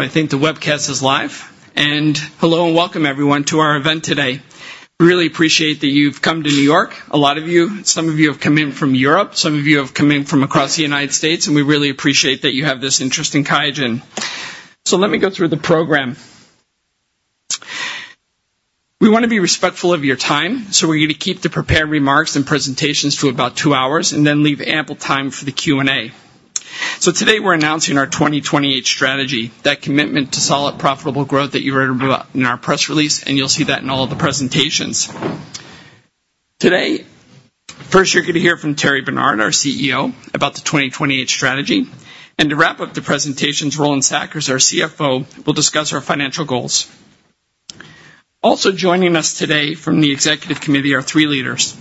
I think the webcast is live. Hello and welcome, everyone, to our event today. Really appreciate that you've come to New York. A lot of you, some of you have come in from Europe, some of you have come in from across the United States, and we really appreciate that you have this interest in QIAGEN. Let me go through the program. We want to be respectful of your time, so we're going to keep the prepared remarks and presentations to about two hours and then leave ample time for the Q&A. Today we're announcing our 2028 strategy, that commitment to solid, profitable growth that you read about in our press release, and you'll see that in all of the presentations. Today, first, you're going to hear from Thierry Bernard, our CEO, about the 2028 strategy. To wrap up the presentations, Roland Sackers, our CFO, will discuss our financial goals. Also joining us today from the executive committee are three leaders: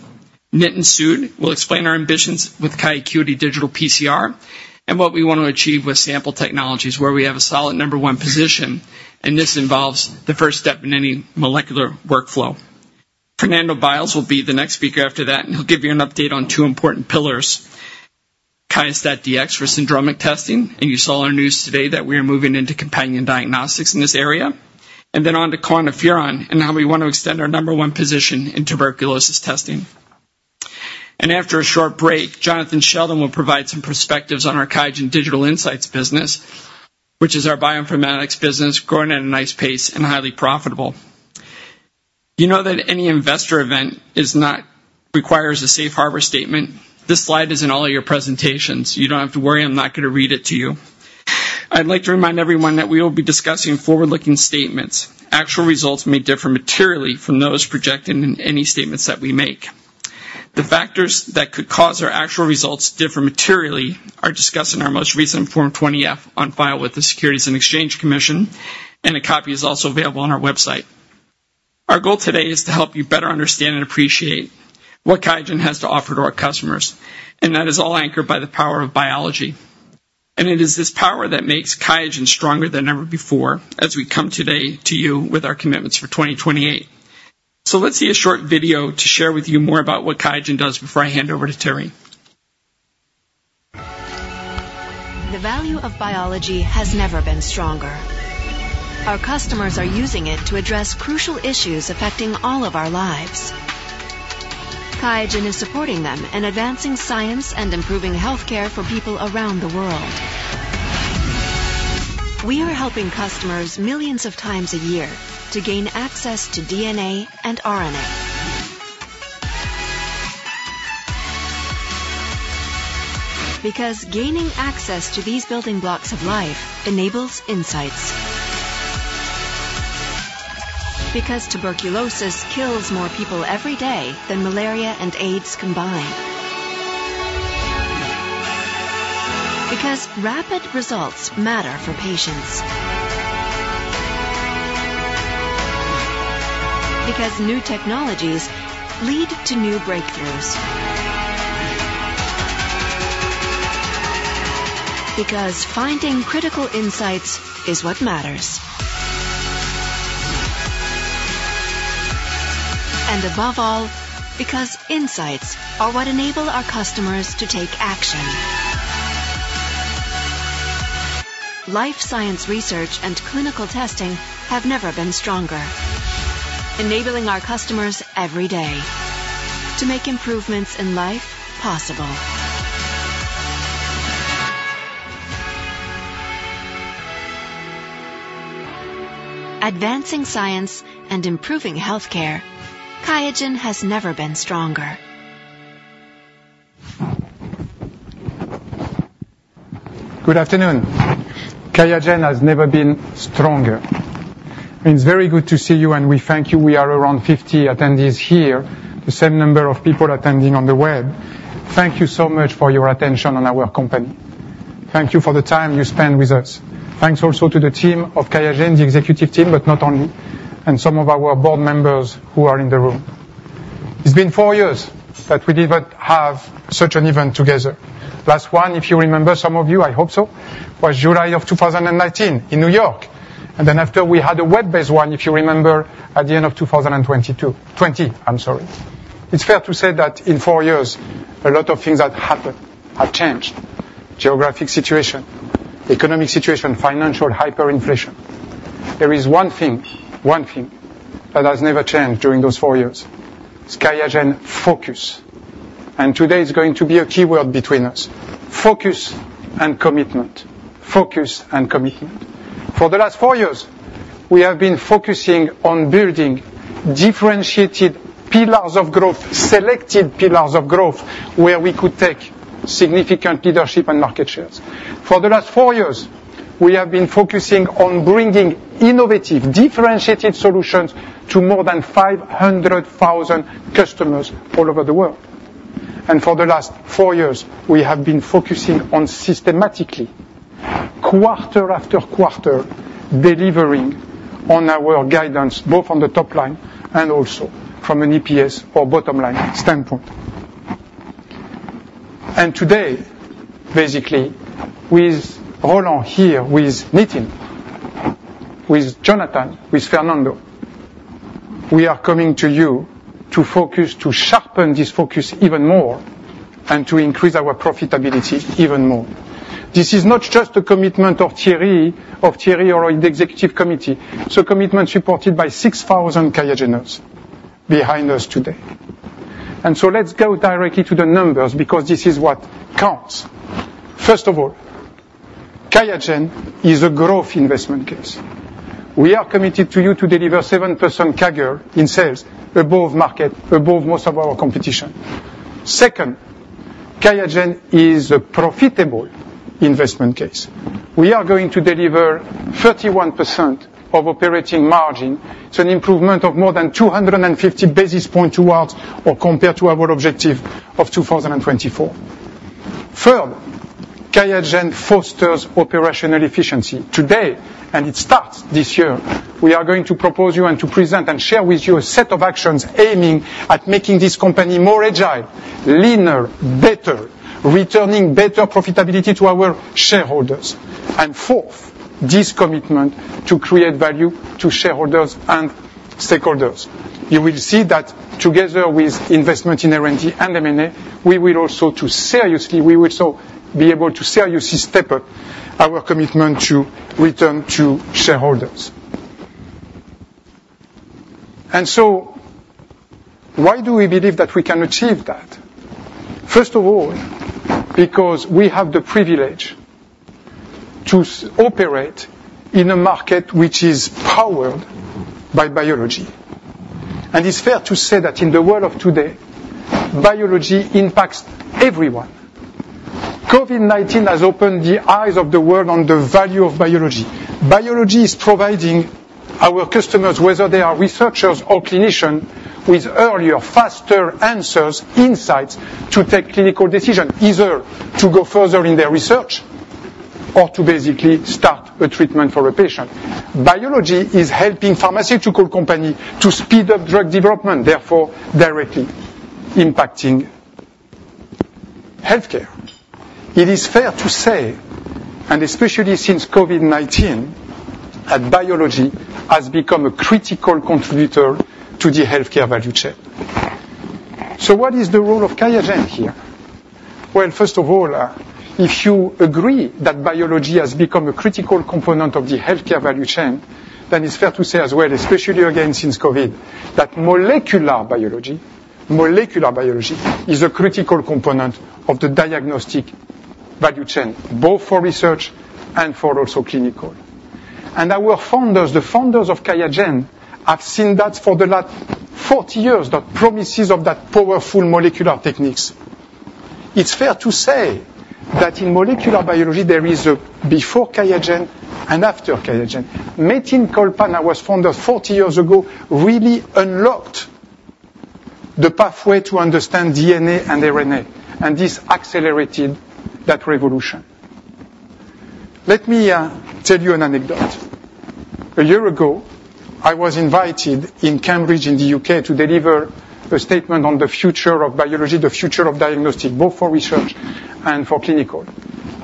Nitin Sood will explain our ambitions with QIAcuity Digital PCR and what we want to achieve with sample technologies, where we have a solid number one position, and this involves the first step in any molecular workflow. Fernando Beils will be the next speaker after that, and he'll give you an update on two important pillars: QIAstat-Dx for syndromic testing, and you saw on our news today that we are moving into companion diagnostics in this area. Then on to QuantiFERON and how we want to extend our number one position in tuberculosis testing. After a short break, Jonathan Sheldon will provide some perspectives on our QIAGEN Digital Insights business, which is our bioinformatics business growing at a nice pace and highly profitable. You know that any investor event requires a safe harbor statement. This slide is in all of your presentations. You don't have to worry. I'm not going to read it to you. I'd like to remind everyone that we will be discussing forward-looking statements. Actual results may differ materially from those projected in any statements that we make. The factors that could cause our actual results to differ materially are discussed in our most recent Form 20-F on file with the Securities and Exchange Commission, and a copy is also available on our website. Our goal today is to help you better understand and appreciate what QIAGEN has to offer to our customers, and that is all anchored by the power of biology. It is this power that makes QIAGEN stronger than ever before as we come today to you with our commitments for 2028. Let's see a short video to share with you more about what QIAGEN does before I hand over to Thierry. The value of biology has never been stronger. Our customers are using it to address crucial issues affecting all of our lives. QIAGEN is supporting them in advancing science and improving healthcare for people around the world. We are helping customers millions of times a year to gain access to DNA and RNA. Because gaining access to these building blocks of life enables insights. Because tuberculosis kills more people every day than malaria and AIDS combined. Because rapid results matter for patients. Because new technologies lead to new breakthroughs. Because finding critical insights is what matters. And above all, because insights are what enable our customers to take action. Life science research and clinical testing have never been stronger, enabling our customers every day to make improvements in life possible. Advancing science and improving healthcare, QIAGEN has never been stronger. Good afternoon. QIAGEN has never been stronger. It's very good to see you, and we thank you. We are around 50 attendees here, the same number of people attending on the web. Thank you so much for your attention on our company. Thank you for the time you spend with us. Thanks also to the team of QIAGEN, the executive team, but not only, and some of our board members who are in the room. It's been four years that we didn't have such an event together. Last one, if you remember, some of you, I hope so, was July of 2019 in New York. Then after, we had a web-based one, if you remember, at the end of 2020. I'm sorry. It's fair to say that in four years, a lot of things have changed: geographic situation, economic situation, financial hyperinflation. There is one thing, one thing that has never changed during those four years: QIAGEN focus. And today is going to be a key word between us: focus and commitment. Focus and commitment. For the last four years, we have been focusing on building differentiated pillars of growth, selected pillars of growth where we could take significant leadership and market shares. For the last four years, we have been focusing on bringing innovative, differentiated solutions to more than 500,000 customers all over the world. And for the last four years, we have been focusing on systematically, quarter after quarter, delivering on our guidance, both on the top line and also from an EPS or bottom line standpoint. And today, basically, with Roland here, with Nitin, with Jonathan, with Fernando, we are coming to you to focus, to sharpen this focus even more, and to increase our profitability even more. This is not just a commitment of Thierry or the executive committee. It's a commitment supported by 6,000 QIAGENers behind us today. And so let's go directly to the numbers because this is what counts. First of all, QIAGEN is a growth investment case. We are committed to you to deliver 7% CAGR in sales above market, above most of our competition. Second, QIAGEN is a profitable investment case. We are going to deliver 31% of operating margin. It's an improvement of more than 250 basis points to ours, or compared to our objective of 2024. Third, QIAGEN fosters operational efficiency. Today, and it starts this year, we are going to propose you and to present and share with you a set of actions aiming at making this company more agile, leaner, better, returning better profitability to our shareholders. And fourth, this commitment to create value to shareholders and stakeholders. You will see that together with investment in R&D and M&A, we will also seriously, we will also be able to seriously step up our commitment to return to shareholders. Why do we believe that we can achieve that? First of all, because we have the privilege to operate in a market which is powered by biology. It's fair to say that in the world of today, biology impacts everyone. COVID-19 has opened the eyes of the world on the value of biology. Biology is providing our customers, whether they are researchers or clinicians, with earlier, faster answers, insights to take clinical decisions, either to go further in their research or to basically start a treatment for a patient. Biology is helping pharmaceutical companies to speed up drug development, therefore directly impacting healthcare. It is fair to say, and especially since COVID-19, that biology has become a critical contributor to the healthcare value chain. So what is the role of QIAGEN here? Well, first of all, if you agree that biology has become a critical component of the healthcare value chain, then it's fair to say as well, especially again since COVID, that molecular biology, molecular biology is a critical component of the diagnostic value chain, both for research and for also clinical. And our founders, the founders of QIAGEN, have seen that for the last 40 years, the promises of that powerful molecular techniques. It's fair to say that in molecular biology, there is a before QIAGEN and after QIAGEN. Metin Colpan, who was founded 40 years ago, really unlocked the pathway to understand DNA and RNA, and this accelerated that revolution. Let me tell you an anecdote. A year ago, I was invited in Cambridge in the U.K. to deliver a statement on the future of biology, the future of diagnostic, both for research and for clinical.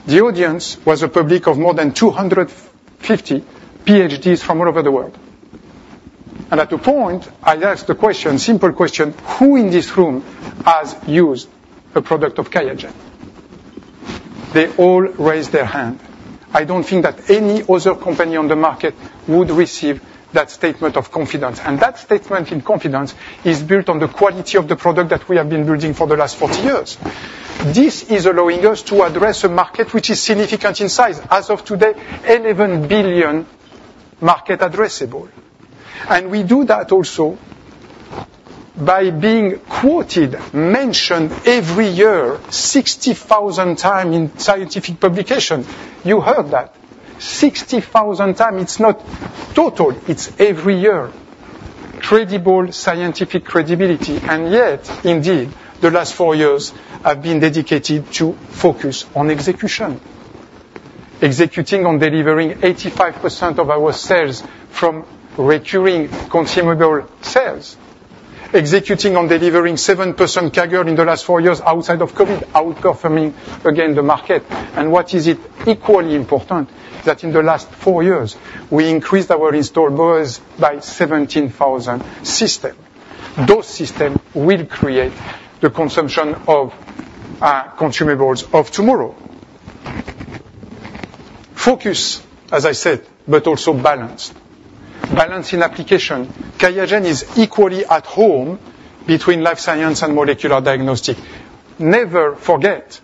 The audience was a public of more than 250 PhDs from all over the world. At the point, I asked the question, simple question, who in this room has used a product of QIAGEN? They all raised their hand. I don't think that any other company on the market would receive that statement of confidence. That statement in confidence is built on the quality of the product that we have been building for the last 40 years. This is allowing us to address a market which is significant in size, as of today, $11 billion addressable. We do that also by being quoted, mentioned every year, 60,000 times in scientific publications. You heard that. 60,000 times. It's not total. It's every year. Credible scientific credibility. And yet, indeed, the last four years have been dedicated to focus on execution. Executing on delivering 85% of our sales from recurring consumable sales. Executing on delivering 7% CAGR in the last four years outside of COVID, outperforming again the market. And what is equally important is that in the last four years, we increased our installed base by 17,000 systems. Those systems will create the consumption of consumables of tomorrow. Focus, as I said, but also balance. Balance in application. QIAGEN is equally at home between Life Sciences and Molecular Diagnostics. Never forget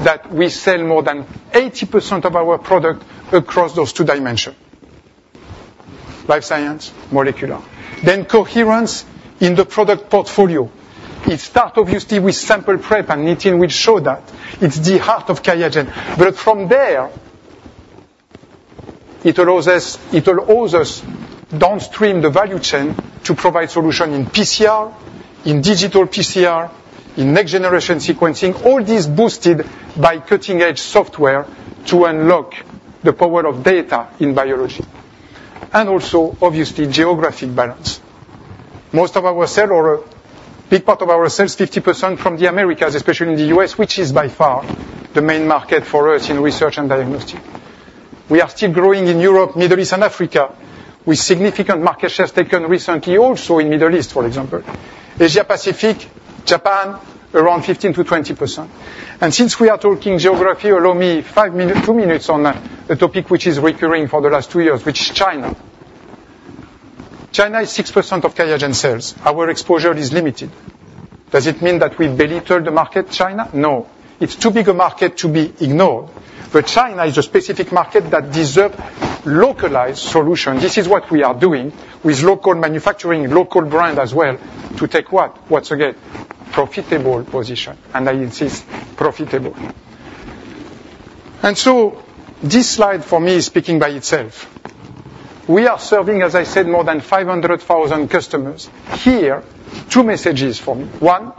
that we sell more than 80% of our product across those two dimensions. Life Sciences, Molecular. Then coherence in the product portfolio. It starts obviously with sample prep, and Nitin will show that. It's the heart of QIAGEN. But from there, it allows us, it allows us downstream the value chain to provide solution in PCR, in digital PCR, in next-generation sequencing, all these boosted by cutting-edge software to unlock the power of data in biology. And also, obviously, geographic balance. Most of our sales, or a big part of our sales, 50% from the Americas, especially in the U.S., which is by far the main market for us in research and diagnostic. We are still growing in Europe, Middle East, and Africa, with significant market shares taken recently also in Middle East, for example. Asia-Pacific, Japan, around 15%-20%. And since we are talking geography, allow me two minutes on a topic which is recurring for the last two years, which is China. China is 6% of QIAGEN sales. Our exposure is limited. Does it mean that we belittle the market, China? No. It's too big a market to be ignored. But China is a specific market that deserves localized solutions. This is what we are doing with local manufacturing, local brand as well, to take what? Once again, profitable position. And I insist, profitable. And so this slide for me is speaking by itself. We are serving, as I said, more than 500,000 customers. Here, two messages for me. One,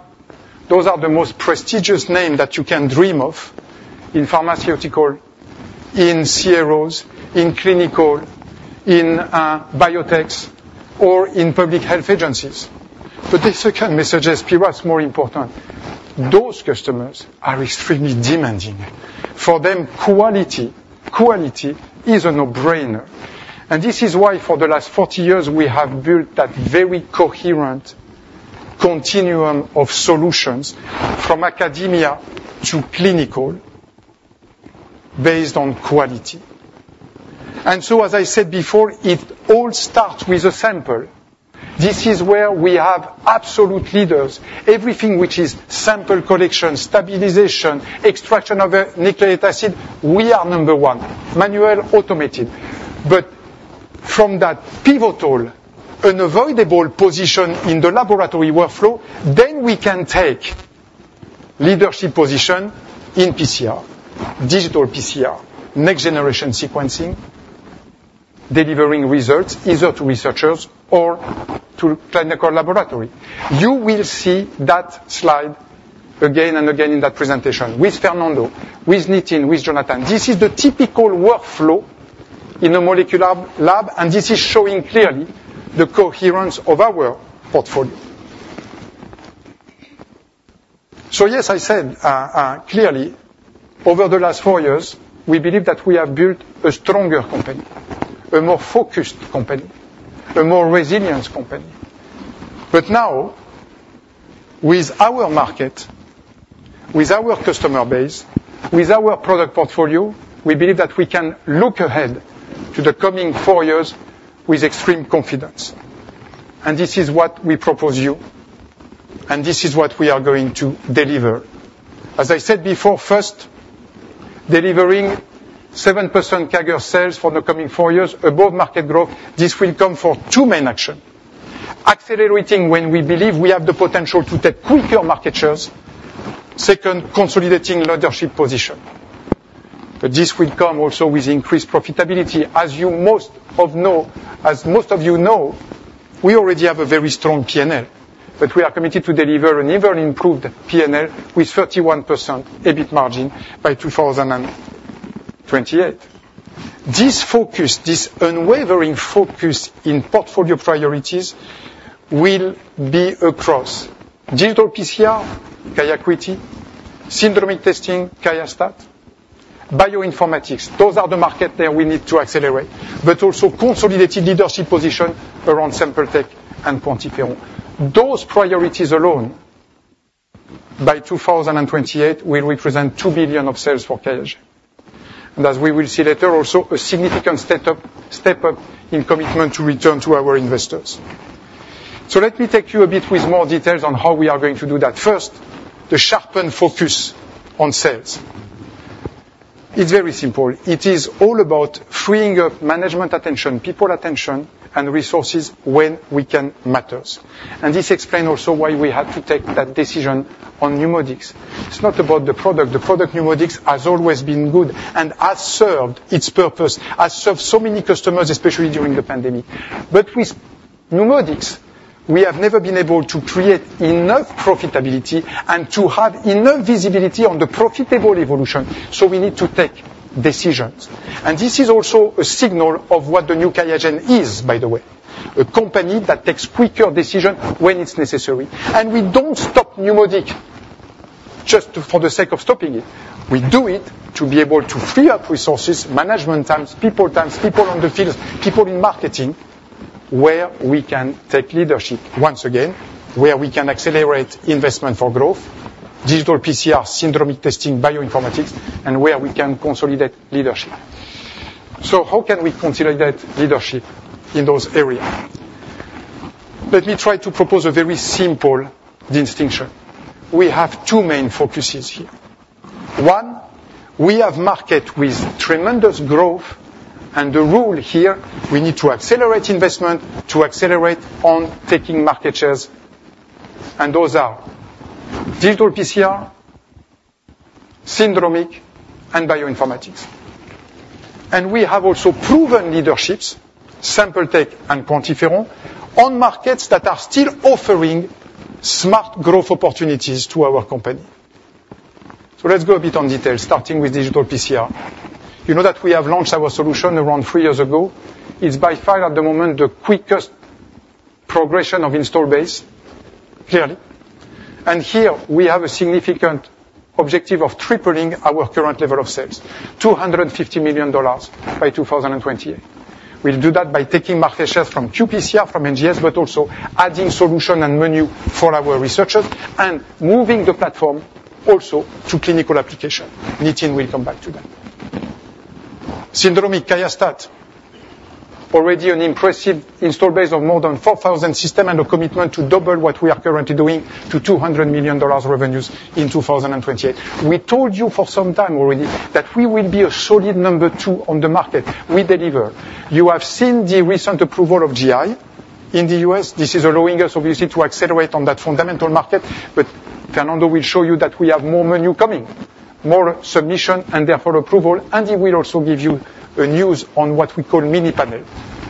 those are the most prestigious names that you can dream of in pharmaceutical, in CROs, in clinical, in biotech, or in public health agencies. But the second message is perhaps more important. Those customers are extremely demanding. For them, quality, quality is a no-brainer. And this is why for the last 40 years, we have built that very coherent continuum of solutions from academia to clinical based on quality. And so, as I said before, it all starts with a sample. This is where we have absolute leaders. Everything which is sample collection, stabilization, extraction of nucleic acid, we are number one. Manual, automated. But from that pivotal, unavoidable position in the laboratory workflow, then we can take leadership position in PCR, digital PCR, next-generation sequencing, delivering results either to researchers or to clinical laboratory. You will see that slide again and again in that presentation with Fernando, with Nitin, with Jonathan. This is the typical workflow in a molecular lab, and this is showing clearly the coherence of our portfolio. So yes, I said clearly, over the last four years, we believe that we have built a stronger company, a more focused company, a more resilient company. But now, with our market, with our customer base, with our product portfolio, we believe that we can look ahead to the coming four years with extreme confidence. This is what we propose you, and this is what we are going to deliver. As I said before, first, delivering 7% CAGR sales for the coming four years, above market growth. This will come for two main actions. Accelerating when we believe we have the potential to take quicker market shares. Second, consolidating leadership position. But this will come also with increased profitability. As most of you know, we already have a very strong P&L, but we are committed to deliver an even improved P&L with 31% EBIT margin by 2028. This focus, this unwavering focus in portfolio priorities will be across digital PCR, QIAcuity, syndromic testing, QIAstat-Dx, bioinformatics. Those are the markets that we need to accelerate, but also consolidated leadership position around sample tech and QuantiFERON. Those priorities alone, by 2028, will represent $2 billion of sales for QIAGEN. As we will see later, also a significant step up in commitment to return to our investors. Let me take you a bit with more details on how we are going to do that. First, the sharpened focus on sales. It's very simple. It is all about freeing up management attention, people attention, and resources when we can matter. And this explains also why we had to take that decision on NeuMoDx. It's not about the product. The product NeuMoDx has always been good and has served its purpose, has served so many customers, especially during the pandemic. But with NeuMoDx, we have never been able to create enough profitability and to have enough visibility on the profitable evolution. So we need to take decisions. And this is also a signal of what the new QIAGEN is, by the way. A company that takes quicker decisions when it's necessary. We don't stop NeuMoDx just for the sake of stopping it. We do it to be able to free up resources, management times, people times, people on the field, people in marketing where we can take leadership. Once again, where we can accelerate investment for growth, digital PCR, syndromic testing, bioinformatics, and where we can consolidate leadership. So how can we consolidate leadership in those areas? Let me try to propose a very simple distinction. We have two main focuses here. One, we have market with tremendous growth, and the rule here, we need to accelerate investment to accelerate on taking market shares. And those are digital PCR, syndromic, and bioinformatics. And we have also proven leaderships, sample tech and QuantiFERON, on markets that are still offering smart growth opportunities to our company. So let's go a bit on details, starting with digital PCR. You know that we have launched our solution around three years ago. It's by far at the moment the quickest progression of install base, clearly. And here, we have a significant objective of tripling our current level of sales, $250 million by 2028. We'll do that by taking market shares from qPCR, from NGS, but also adding solution and menu for our researchers and moving the platform also to clinical application. Nitin will come back to that. Syndromic QIAstat, already an impressive install base of more than 4,000 systems and a commitment to double what we are currently doing to $200 million revenues in 2028. We told you for some time already that we will be a solid number two on the market. We deliver. You have seen the recent approval of GI in the US. This is allowing us, obviously, to accelerate on that fundamental market. But Fernando will show you that we have more menu coming, more submission, and therefore approval. And he will also give you a news on what we call mini panel.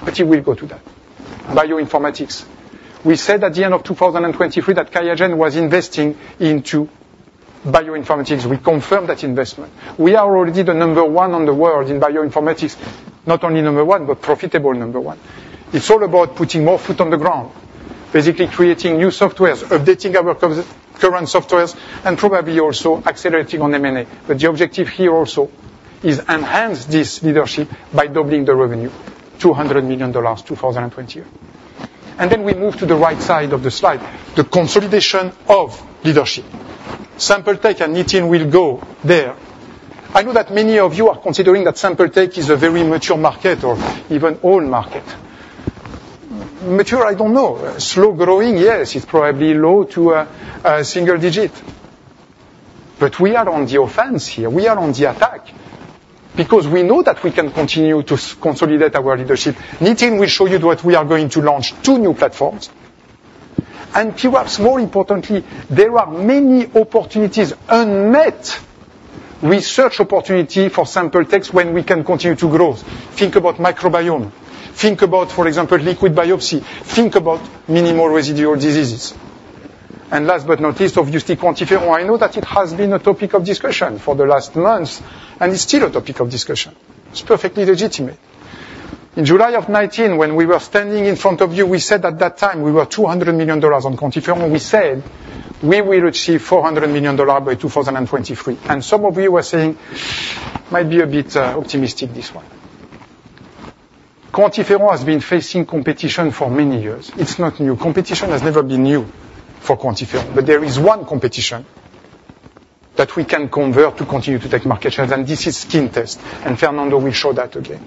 But he will go to that. Bioinformatics. We said at the end of 2023 that QIAGEN was investing into bioinformatics. We confirmed that investment. We are already the number one in the world in bioinformatics, not only number one, but profitable number one. It's all about putting more foot on the ground, basically creating new softwares, updating our current softwares, and probably also accelerating on M&A. But the objective here also is to enhance this leadership by doubling the revenue, $200 million 2020. And then we move to the right side of the slide, the consolidation of leadership. Sample tech and Nitin will go there. I know that many of you are considering that sample tech is a very mature market or even old market. Mature, I don't know. Slow growing, yes, it's probably low to a single digit. But we are on the offense here. We are on the attack because we know that we can continue to consolidate our leadership. Nitin will show you that we are going to launch two new platforms. And perhaps more importantly, there are many opportunities unmet, research opportunities for sample techs when we can continue to grow. Think about microbiome. Think about, for example, liquid biopsy. Think about minimal residual diseases. And last but not least, obviously, QuantiFERON. I know that it has been a topic of discussion for the last months, and it's still a topic of discussion. It's perfectly legitimate. In July of 2019, when we were standing in front of you, we said at that time we were $200 million on QuantiFERON. We said we will achieve $400 million by 2023. And some of you were saying, "Might be a bit optimistic this one." QuantiFERON has been facing competition for many years. It's not new. Competition has never been new for QuantiFERON. But there is one competition that we can convert to continue to take market shares, and this is skin test. And Fernando will show that again.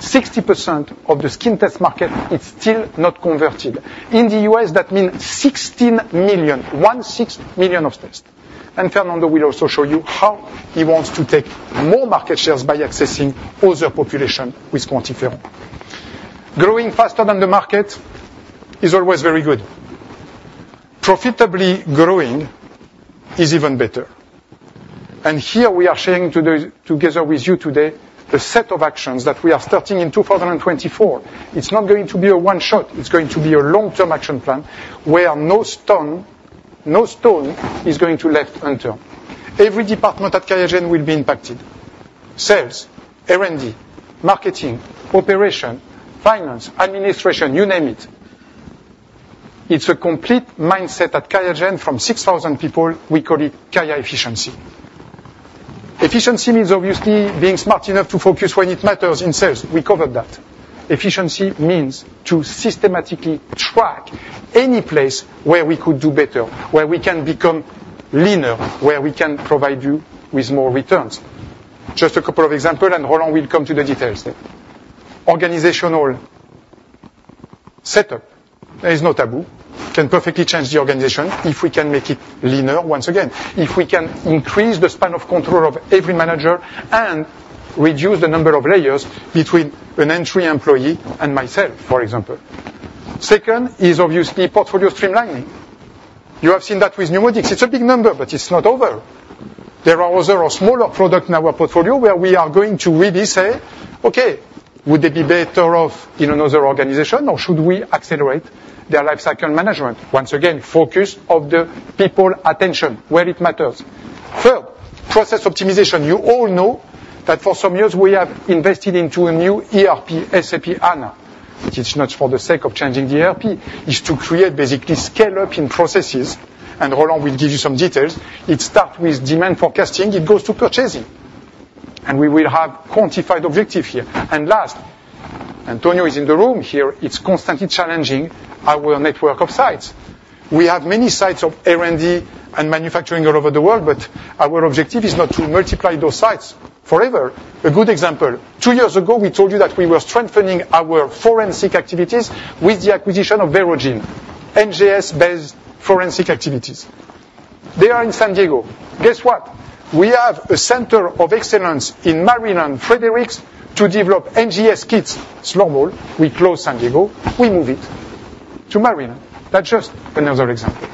60% of the skin test market, it's still not converted. In the U.S., that means 16 million, 16 million of tests. And Fernando will also show you how he wants to take more market shares by accessing older population with QuantiFERON. Growing faster than the market is always very good. Profitably growing is even better. And here we are sharing together with you today a set of actions that we are starting in 2024. It's not going to be a one-shot. It's going to be a long-term action plan where no stone is going to be left unturned. Every department at QIAGEN will be impacted. Sales, R&D, marketing, operation, finance, administration, you name it. It's a complete mindset at QIAGEN from 6,000 people. We call it QIA efficiency. Efficiency means obviously being smart enough to focus when it matters in sales. We covered that. Efficiency means to systematically track any place where we could do better, where we can become leaner, where we can provide you with more returns. Just a couple of examples, and Roland will come to the details. Organizational setup is no taboo. Can perfectly change the organization if we can make it leaner once again. If we can increase the span of control of every manager and reduce the number of layers between an entry employee and myself, for example. Second is obviously portfolio streamlining. You have seen that with NeuMoDx. It's a big number, but it's not over. There are other smaller products in our portfolio where we are going to really say, "Okay, would they be better off in another organization, or should we accelerate their lifecycle management?" Once again, focus of the people attention where it matters. Third, process optimization. You all know that for some years, we have invested into a new ERP, SAP S/4HANA. It's not for the sake of changing the ERP. It's to create basically scale-up in processes. Roland will give you some details. It starts with demand forecasting. It goes to purchasing. We will have quantified objectives here. And last, Antonio is in the room here. It's constantly challenging our network of sites. We have many sites of R&D and manufacturing all over the world, but our objective is not to multiply those sites forever. A good example: two years ago, we told you that we were strengthening our forensic activities with the acquisition of Verogen, NGS-based forensic activities. They are in San Diego. Guess what? We have a center of excellence in Maryland and Frederick to develop NGS kits. So, we closed San Diego. We move it to Maryland. That's just another example.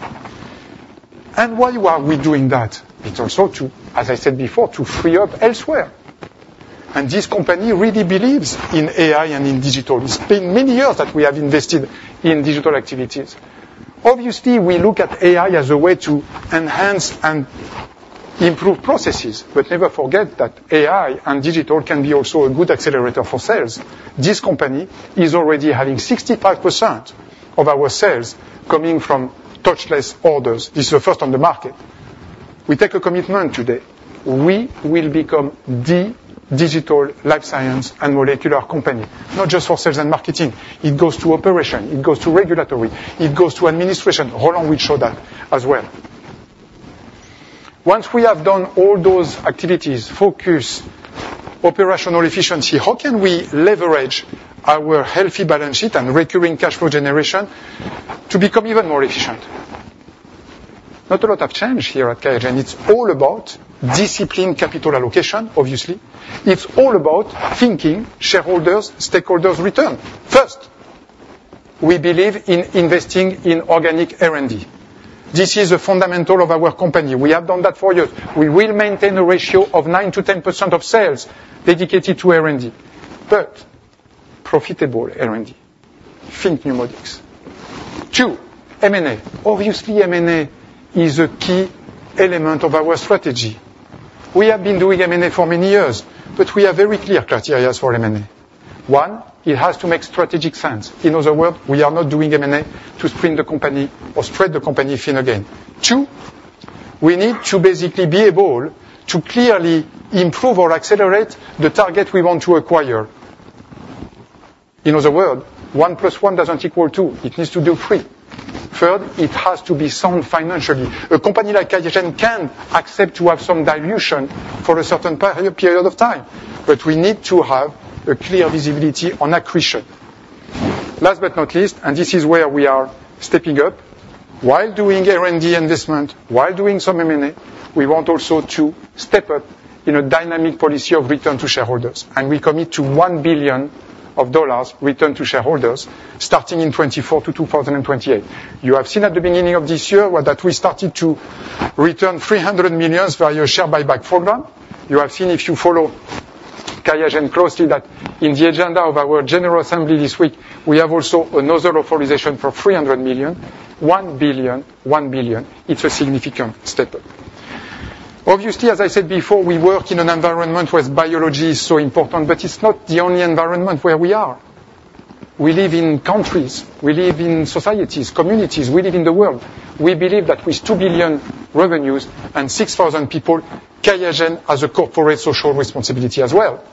And why are we doing that? It's also, as I said before, to free up elsewhere. And this company really believes in AI and in digital. It's been many years that we have invested in digital activities. Obviously, we look at AI as a way to enhance and improve processes, but never forget that AI and digital can be also a good accelerator for sales. This company is already having 65% of our sales coming from touchless orders. This is the first on the market. We take a commitment today. We will become the digital life science and molecular company, not just for sales and marketing. It goes to operation. It goes to regulatory. It goes to administration. Roland will show that as well. Once we have done all those activities, focus, operational efficiency, how can we leverage our healthy balance sheet and recurring cash flow generation to become even more efficient? Not a lot of change here at QIAGEN. It's all about disciplined capital allocation, obviously. It's all about thinking shareholders, stakeholders return. First, we believe in investing in organic R&D. This is a fundamental of our company. We have done that for years. We will maintain a ratio of 9%-10% of sales dedicated to R&D, but profitable R&D. Think NeuMoDx. Two, M&A. Obviously, M&A is a key element of our strategy. We have been doing M&A for many years, but we have very clear criteria for M&A. One, it has to make strategic sense. In other words, we are not doing M&A to spin the company or spread the company thin again. Two, we need to basically be able to clearly improve or accelerate the target we want to acquire. In other words, one plus one doesn't equal two. It needs to do three. Third, it has to be sound financially. A company like QIAGEN can accept to have some dilution for a certain period of time, but we need to have a clear visibility on accretion. Last but not least, and this is where we are stepping up, while doing R&D investment, while doing some M&A, we want also to step up in a dynamic policy of return to shareholders. We commit to $1 billion return to shareholders starting in 2024 to 2028. You have seen at the beginning of this year that we started to return $300 million via a share buyback program. You have seen, if you follow QIAGEN closely, that in the agenda of our General Assembly this week, we have also another authorization for $300 million. $1 billion, $1 billion. It's a significant step. Obviously, as I said before, we work in an environment where biology is so important, but it's not the only environment where we are. We live in countries. We live in societies, communities. We live in the world. We believe that with $2 billion revenues and 6,000 people, QIAGEN has a corporate social responsibility as well.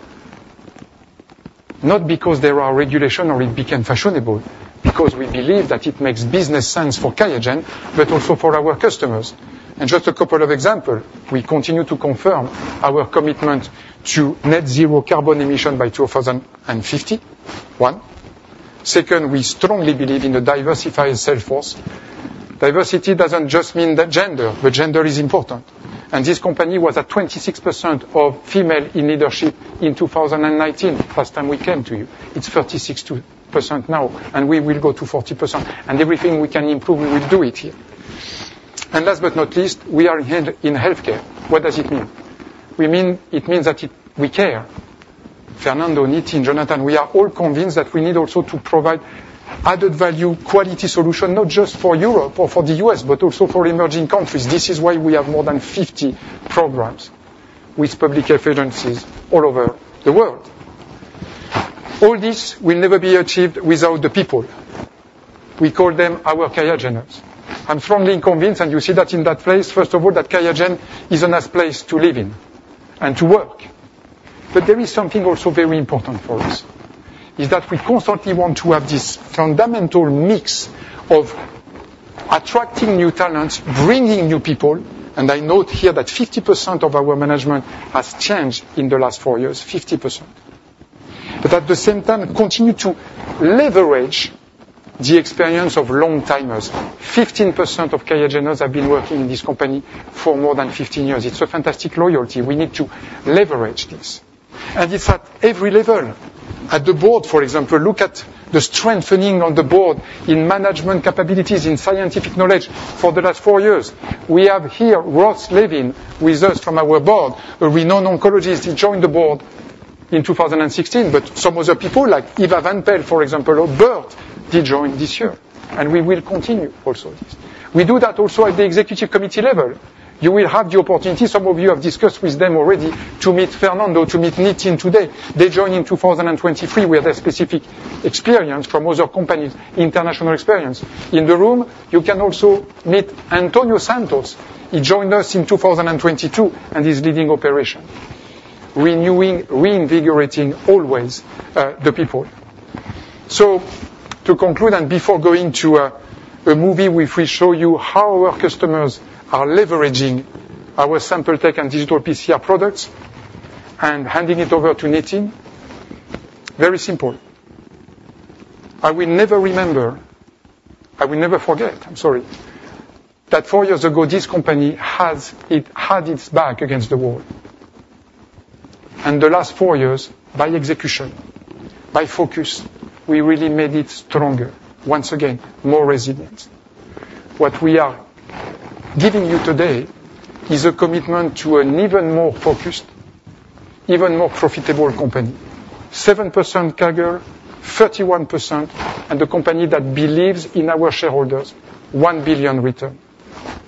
Not because there are regulations or it became fashionable, because we believe that it makes business sense for QIAGEN, but also for our customers. Just a couple of examples. We continue to confirm our commitment to net zero carbon emission by 2051. Second, we strongly believe in a diversified sales force. Diversity doesn't just mean gender, but gender is important. This company was at 26% of female in leadership in 2019, last time we came to you. It's 36% now, and we will go to 40%. Everything we can improve, we will do it here. Last but not least, we are in healthcare. What does it mean? It means that we care. Fernando, Nitin, Jonathan, we are all convinced that we need also to provide added value, quality solution, not just for Europe or for the US, but also for emerging countries. This is why we have more than 50 programs with public health agencies all over the world. All this will never be achieved without the people. We call them our QIAGENers. I'm strongly convinced, and you see that in that place, first of all, that QIAGEN is a nice place to live in and to work. But there is something also very important for us, is that we constantly want to have this fundamental mix of attracting new talents, bringing new people. And I note here that 50% of our management has changed in the last 4 years, 50%. But at the same time, continue to leverage the experience of long-timers. 15% of QIAGENers have been working in this company for more than 15 years. It's a fantastic loyalty. We need to leverage this. It's at every level. At the board, for example, look at the strengthening on the board in management capabilities, in scientific knowledge for the last 4 years. We have here Ross Levine with us from our board, a renowned oncologist. He joined the board in 2016, but some other people, like Eva van Pelt, for example, or Bert, did join this year. We will continue also this. We do that also at the executive committee level. You will have the opportunity; some of you have discussed with them already to meet Fernando, to meet Nitin today. They joined in 2023 with their specific experience from other companies, international experience. In the room, you can also meet Antonio Santos. He joined us in 2022, and he's leading operation. Renewing, reinvigorating always the people. So to conclude, and before going to a movie where we show you how our customers are leveraging our sample tech and digital PCR products and handing it over to Nitin, very simple. I will never remember; I will never forget, I'm sorry, that four years ago, this company had its back against the wall. And the last four years, by execution, by focus, we really made it stronger. Once again, more resilience. What we are giving you today is a commitment to an even more focused, even more profitable company. 7% QIAGEN, 31%, and a company that believes in our shareholders, $1 billion return.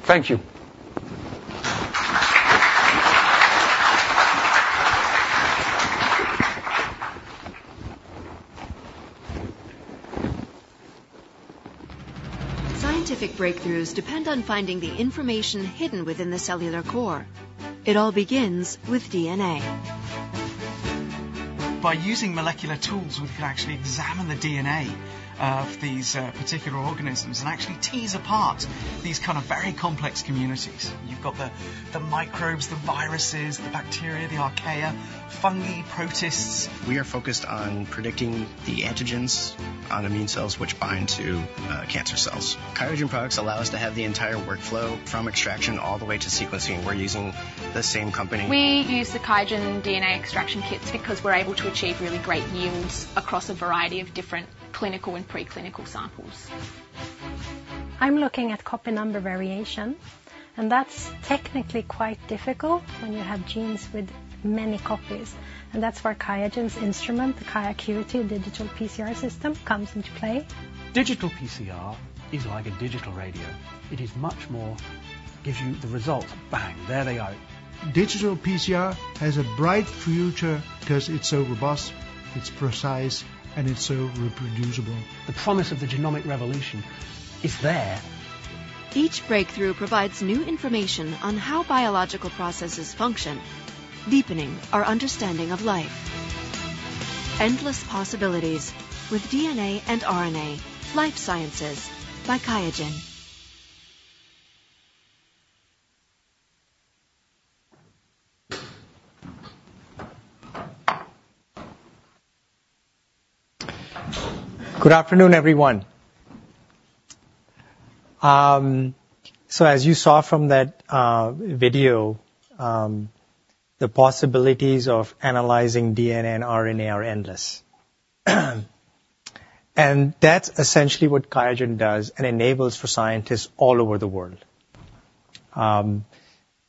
Thank you. Scientific breakthroughs depend on finding the information hidden within the cellular core. It all begins with DNA. By using molecular tools, we can actually examine the DNA of these particular organisms and actually tease apart these kind of very complex communities. You've got the microbes, the viruses, the bacteria, the archaea, fungi, protists. We are focused on predicting the antigens on immune cells which bind to cancer cells. QIAGEN products allow us to have the entire workflow from extraction all the way to sequencing. We're using the same company. We use the QIAGEN DNA extraction kits because we're able to achieve really great yields across a variety of different clinical and preclinical samples. I'm looking at copy number variation, and that's technically quite difficult when you have genes with many copies. And that's where QIAGEN's instrument, the QIAcuity, digital PCR system, comes into play. Digital PCR is like a digital radio. It is much more gives you the results. Bang, there they are. Digital PCR has a bright future because it's so robust, it's precise, and it's so reproducible. The promise of the genomic revolution is there. Each breakthrough provides new information on how biological processes function, deepening our understanding of life. Endless possibilities with DNA and RNA, life sciences by QIAGEN. Good afternoon, everyone. So as you saw from that video, the possibilities of analyzing DNA and RNA are endless. And that's essentially what QIAGEN does and enables for scientists all over the world. And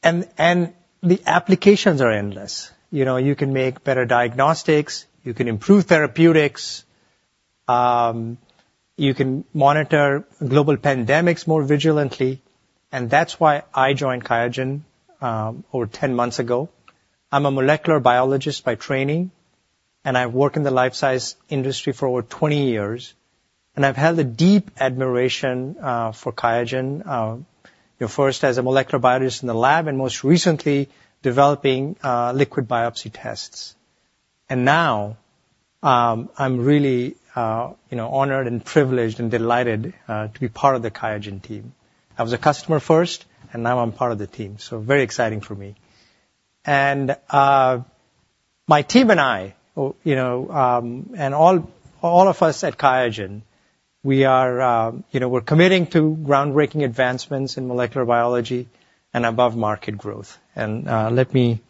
the applications are endless. You can make better diagnostics, you can improve therapeutics, you can monitor global pandemics more vigilantly. And that's why I joined QIAGEN over 10 months ago. I'm a molecular biologist by training, and I've worked in the life science industry for over 20 years. I've held a deep admiration for QIAGEN, first as a molecular biologist in the lab and most recently developing liquid biopsy tests. Now I'm really honored and privileged and delighted to be part of the QIAGEN team. I was a customer first, and now I'm part of the team. Very exciting for me. My team and I, and all of us at QIAGEN, we're committing to groundbreaking advancements in molecular biology and above-market growth. Let me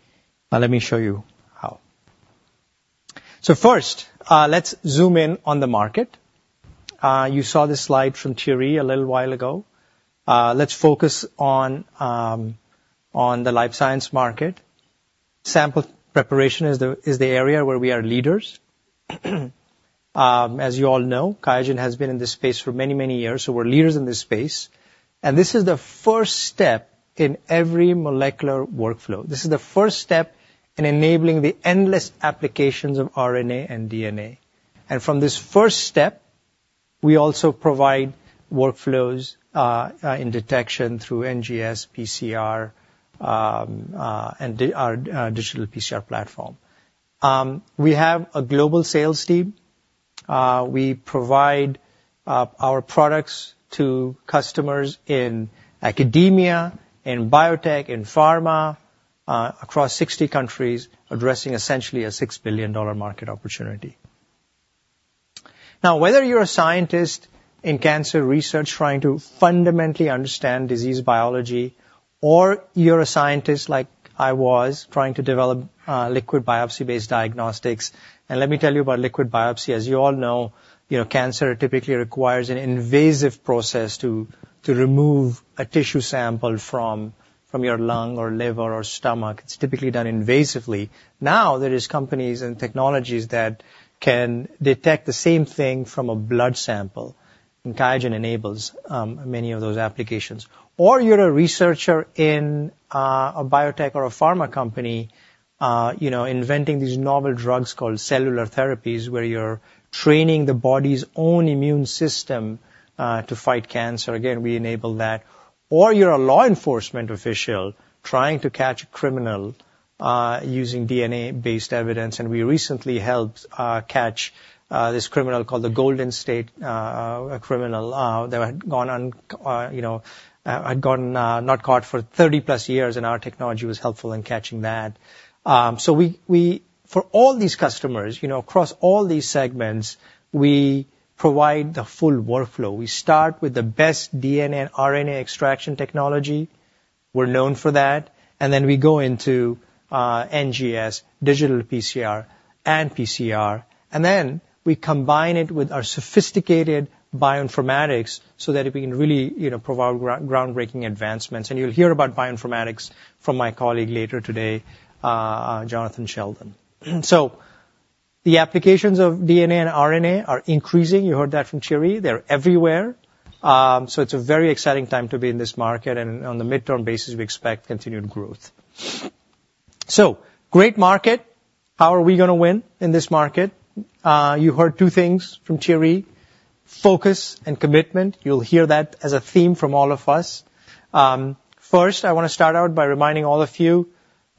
show you how. First, let's zoom in on the market. You saw this slide from Thierry a little while ago. Let's focus on the life science market. Sample preparation is the area where we are leaders. As you all know, QIAGEN has been in this space for many, many years. We're leaders in this space. This is the first step in every molecular workflow. This is the first step in enabling the endless applications of RNA and DNA. And from this first step, we also provide workflows in detection through NGS, PCR, and our digital PCR platform. We have a global sales team. We provide our products to customers in academia, in biotech, in pharma across 60 countries, addressing essentially a $6 billion market opportunity. Now, whether you're a scientist in cancer research trying to fundamentally understand disease biology, or you're a scientist like I was trying to develop liquid biopsy-based diagnostics, and let me tell you about liquid biopsy. As you all know, cancer typically requires an invasive process to remove a tissue sample from your lung or liver or stomach. It's typically done invasively. Now there are companies and technologies that can detect the same thing from a blood sample, and QIAGEN enables many of those applications. Or you're a researcher in a biotech or a pharma company inventing these novel drugs called cellular therapies, where you're training the body's own immune system to fight cancer. Again, we enable that. Or you're a law enforcement official trying to catch a criminal using DNA-based evidence. And we recently helped catch this criminal called the Golden State Killer that had not been caught for 30+ years, and our technology was helpful in catching that. So for all these customers, across all these segments, we provide the full workflow. We start with the best DNA and RNA extraction technology. We're known for that. And then we go into NGS, digital PCR, and PCR. And then we combine it with our sophisticated bioinformatics so that we can really provide groundbreaking advancements. And you'll hear about bioinformatics from my colleague later today, Jonathan Sheldon. So the applications of DNA and RNA are increasing. You heard that from Thierry. They're everywhere. So it's a very exciting time to be in this market. And on the midterm basis, we expect continued growth. So great market. How are we going to win in this market? You heard two things from Thierry: focus and commitment. You'll hear that as a theme from all of us. First, I want to start out by reminding all of you,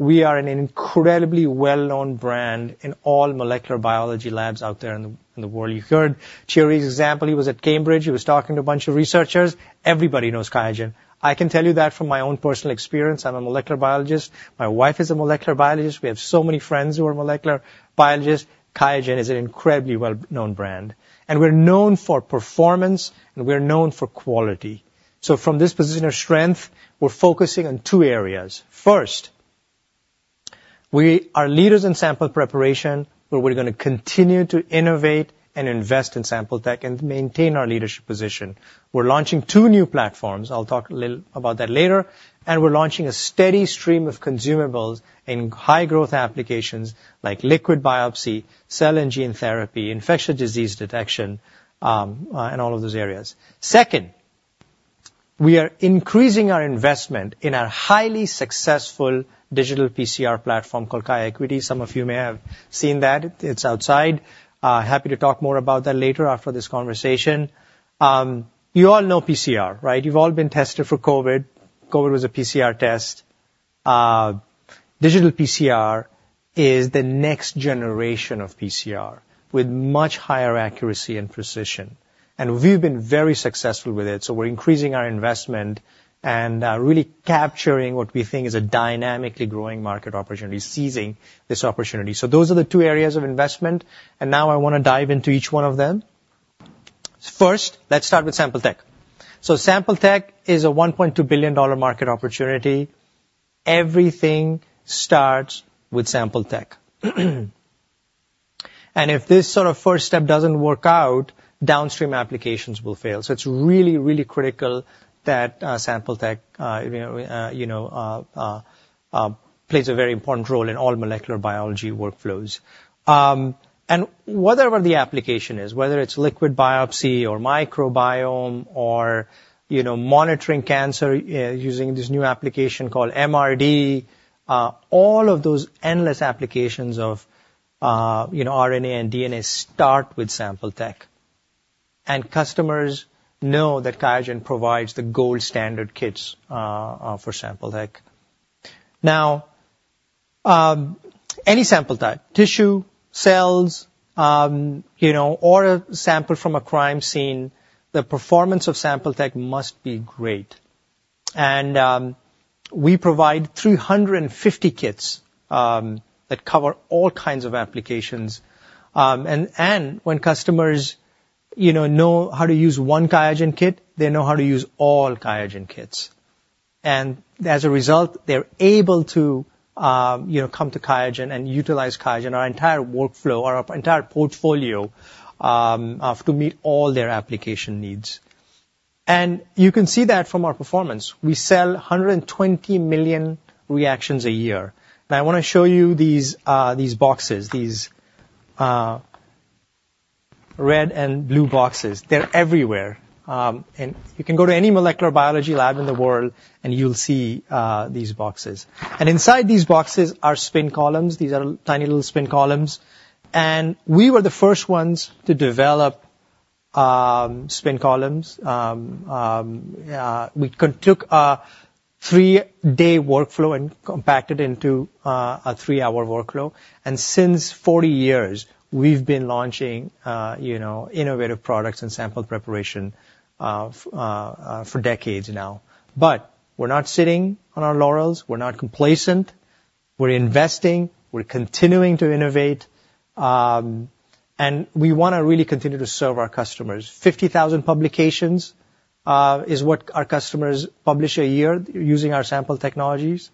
we are an incredibly well-known brand in all molecular biology labs out there in the world. You heard Thierry's example. He was at Cambridge. He was talking to a bunch of researchers. Everybody knows QIAGEN. I can tell you that from my own personal experience. I'm a molecular biologist. My wife is a molecular biologist. We have so many friends who are molecular biologists. QIAGEN is an incredibly well-known brand. And we're known for performance, and we're known for quality. So from this position of strength, we're focusing on two areas. First, we are leaders in sample preparation, where we're going to continue to innovate and invest in sample tech and maintain our leadership position. We're launching two new platforms. I'll talk a little about that later. And we're launching a steady stream of consumables in high-growth applications like liquid biopsy, cell and gene therapy, infectious disease detection, and all of those areas. Second, we are increasing our investment in our highly successful digital PCR platform called QIAcuity. Some of you may have seen that. It's outside. Happy to talk more about that later after this conversation. You all know PCR, right? You've all been tested for COVID. COVID was a PCR test. Digital PCR is the next generation of PCR with much higher accuracy and precision. And we've been very successful with it. So we're increasing our investment and really capturing what we think is a dynamically growing market opportunity, seizing this opportunity. So those are the two areas of investment. And now I want to dive into each one of them. First, let's start with sample tech. So sample tech is a $1.2 billion market opportunity. Everything starts with sample tech. And if this sort of first step doesn't work out, downstream applications will fail. So it's really, really critical that sample tech plays a very important role in all molecular biology workflows. And whatever the application is, whether it's liquid biopsy or microbiome or monitoring cancer using this new application called MRD, all of those endless applications of RNA and DNA start with sample tech. And customers know that QIAGEN provides the gold standard kits for sample tech. Now, any sample type, tissue, cells, or a sample from a crime scene, the performance of sample tech must be great. And we provide 350 kits that cover all kinds of applications. And when customers know how to use one QIAGEN kit, they know how to use all QIAGEN kits. And as a result, they're able to come to QIAGEN and utilize QIAGEN, our entire workflow, our entire portfolio to meet all their application needs. And you can see that from our performance. We sell 120 million reactions a year. And I want to show you these boxes, these red and blue boxes. They're everywhere. And you can go to any molecular biology lab in the world, and you'll see these boxes. And inside these boxes are spin columns. These are tiny little spin columns. And we were the first ones to develop spin columns. We took a three-day workflow and compacted it into a three-hour workflow. And since 40 years, we've been launching innovative products and sample preparation for decades now. But we're not sitting on our laurels. We're not complacent. We're investing. We're continuing to innovate. And we want to really continue to serve our customers. 50,000 publications is what our customers publish a year using our sample technologies.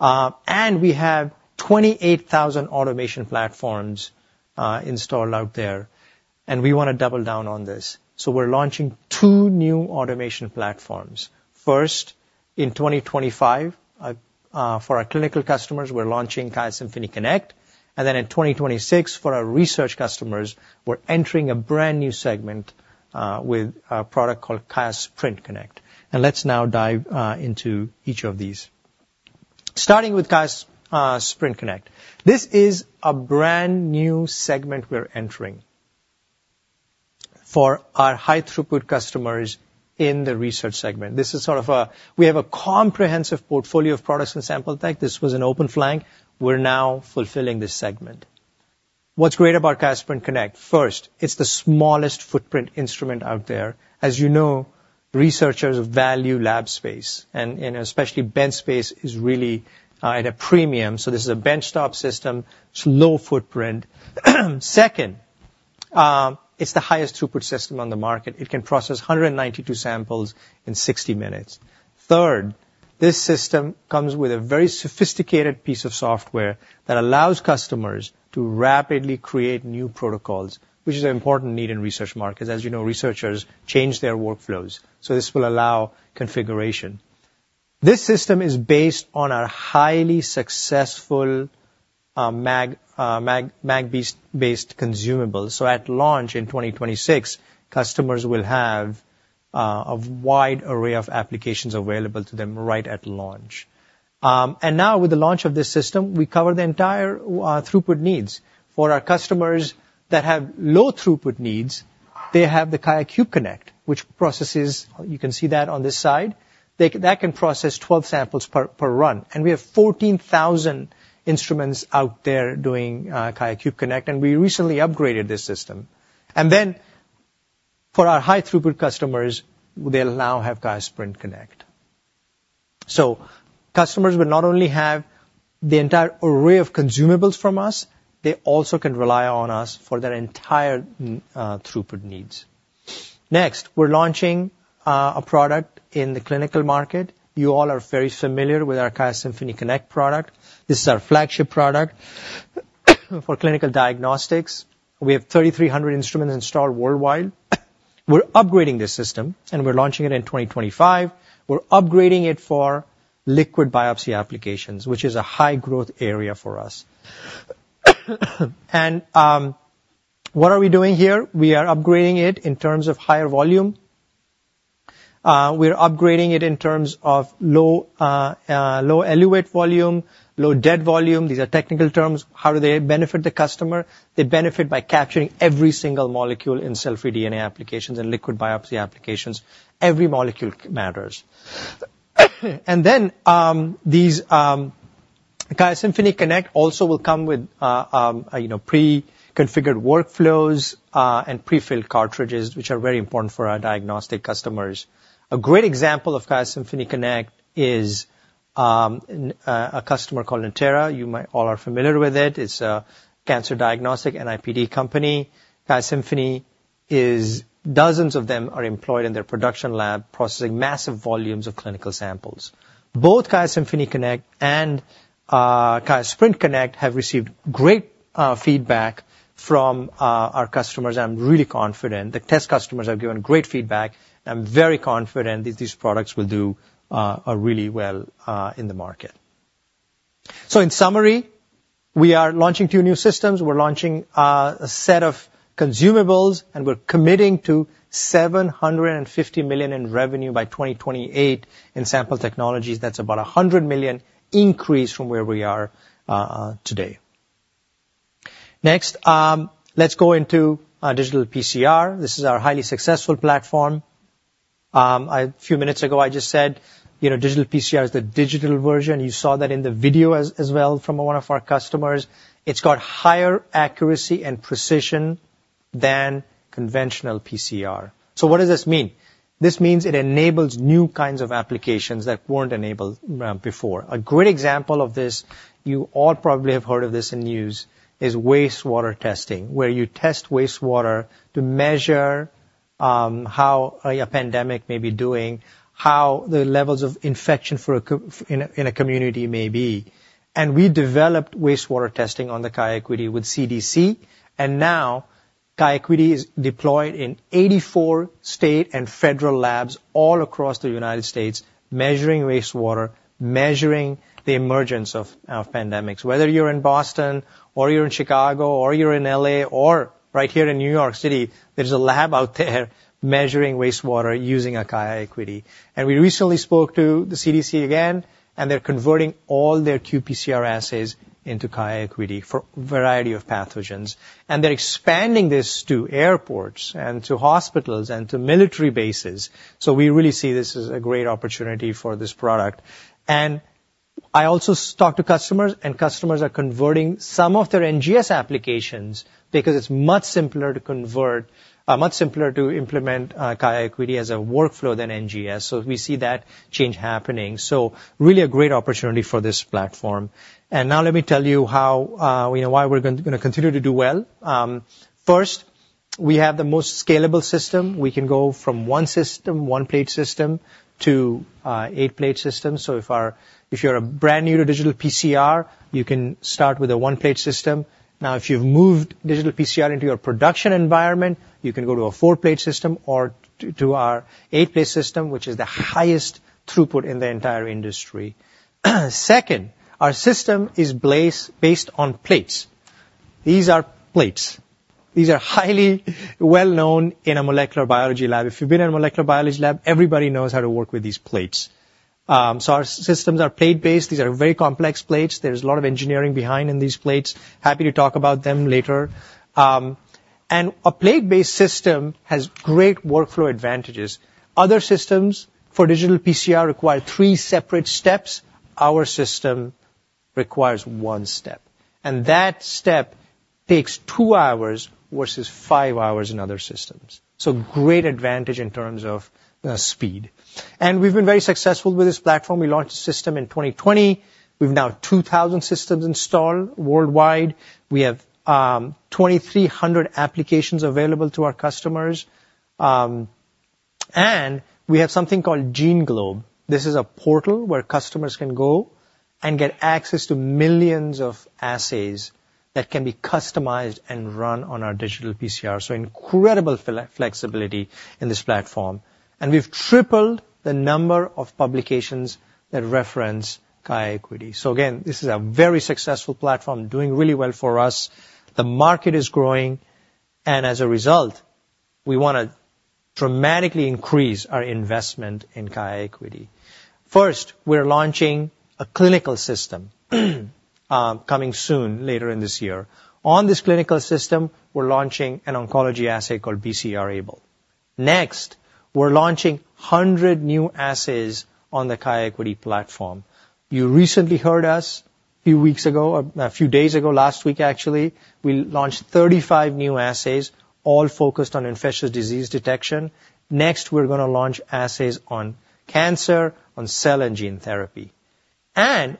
And we have 28,000 automation platforms installed out there. And we want to double down on this. So we're launching two new automation platforms. First, in 2025, for our clinical customers, we're launching QIAsymphony Connect. And then in 2026, for our research customers, we're entering a brand new segment with a product called QIAsprint Connect. And let's now dive into each of these. Starting with QIAsprint Connect. This is a brand new segment we're entering for our high-throughput customers in the research segment. This is sort of a we have a comprehensive portfolio of products and sample tech. This was an open flank. We're now fulfilling this segment. What's great about QIAsprint Connect? First, it's the smallest footprint instrument out there. As you know, researchers value lab space, and especially bench space is really at a premium. So this is a benchtop system. It's low footprint. Second, it's the highest throughput system on the market. It can process 192 samples in 60 minutes. Third, this system comes with a very sophisticated piece of software that allows customers to rapidly create new protocols, which is an important need in research markets. As you know, researchers change their workflows. So this will allow configuration. This system is based on our highly successful MagBeads-based consumables. So at launch in 2026, customers will have a wide array of applications available to them right at launch. Now, with the launch of this system, we cover the entire throughput needs. For our customers that have low throughput needs, they have the QIAcube Connect, which processes, you can see that on this side. That can process 12 samples per run. We have 14,000 instruments out there doing QIAcube Connect. We recently upgraded this system. Then, for our high-throughput customers, they'll now have QIAsprint Connect. So customers will not only have the entire array of consumables from us, they also can rely on us for their entire throughput needs. Next, we're launching a product in the clinical market. You all are very familiar with our QIAsymphony Connect product. This is our flagship product for clinical diagnostics. We have 3,300 instruments installed worldwide. We're upgrading this system, and we're launching it in 2025. We're upgrading it for liquid biopsy applications, which is a high-growth area for us. What are we doing here? We are upgrading it in terms of higher volume. We're upgrading it in terms of low eluate volume, low dead volume. These are technical terms. How do they benefit the customer? They benefit by capturing every single molecule in cell-free DNA applications and liquid biopsy applications. Every molecule matters. Then QIAsymphony Connect also will come with pre-configured workflows and prefilled cartridges, which are very important for our diagnostic customers. A great example of QIAsymphony Connect is a customer called Natera. You all are familiar with it. It's a cancer diagnostic NIPD company. QIAsymphony is dozens of them are employed in their production lab processing massive volumes of clinical samples. Both QIAsymphony Connect and QIAsprint Connect have received great feedback from our customers. I'm really confident. The test customers have given great feedback. I'm very confident these products will do really well in the market. So in summary, we are launching two new systems. We're launching a set of consumables, and we're committing to $750 million in revenue by 2028 in sample technologies. That's about a $100 million increase from where we are today. Next, let's go into digital PCR. This is our highly successful platform. A few minutes ago, I just said digital PCR is the digital version. You saw that in the video as well from one of our customers. It's got higher accuracy and precision than conventional PCR. So what does this mean? This means it enables new kinds of applications that weren't enabled before. A great example of this, you all probably have heard of this in news, is wastewater testing, where you test wastewater to measure how a pandemic may be doing, how the levels of infection in a community may be. We developed wastewater testing on the QIAcuity with CDC. And now, QIAcuity is deployed in 84 state and federal labs all across the United States, measuring wastewater, measuring the emergence of pandemics. Whether you're in Boston, or you're in Chicago, or you're in L.A., or right here in New York City, there's a lab out there measuring wastewater using a QIAcuity. And we recently spoke to the CDC again, and they're converting all their qPCR assays into QIAcuity for a variety of pathogens. And they're expanding this to airports, and to hospitals, and to military bases. So we really see this as a great opportunity for this product. I also talk to customers, and customers are converting some of their NGS applications because it's much simpler to implement QIAcuity as a workflow than NGS. We see that change happening. Really a great opportunity for this platform. Now let me tell you why we're going to continue to do well. First, we have the most scalable system. We can go from one system, one-plate system, to eight-plate system. So if you're brand new to digital PCR, you can start with a one-plate system. Now, if you've moved digital PCR into your production environment, you can go to a four-plate system or to our eight-plate system, which is the highest throughput in the entire industry. Second, our system is based on plates. These are plates. These are highly well-known in a molecular biology lab. If you've been in a molecular biology lab, everybody knows how to work with these plates. Our systems are plate-based. These are very complex plates. There's a lot of engineering behind in these plates. Happy to talk about them later. A plate-based system has great workflow advantages. Other systems for digital PCR require three separate steps. Our system requires one step. That step takes two hours versus five hours in other systems. Great advantage in terms of speed. We've been very successful with this platform. We launched the system in 2020. We've now 2,000 systems installed worldwide. We have 2,300 applications available to our customers. We have something called GeneGlobe. This is a portal where customers can go and get access to millions of assays that can be customized and run on our digital PCR. Incredible flexibility in this platform. We've tripled the number of publications that reference QIAcuity. So again, this is a very successful platform, doing really well for us. The market is growing. As a result, we want to dramatically increase our investment in QIAcuity. First, we're launching a clinical system coming soon, later in this year. On this clinical system, we're launching an oncology assay called BCR-ABL. Next, we're launching 100 new assays on the QIAcuity platform. You recently heard us a few weeks ago, a few days ago, last week, actually. We launched 35 new assays, all focused on infectious disease detection. Next, we're going to launch assays on cancer, on cell and gene therapy.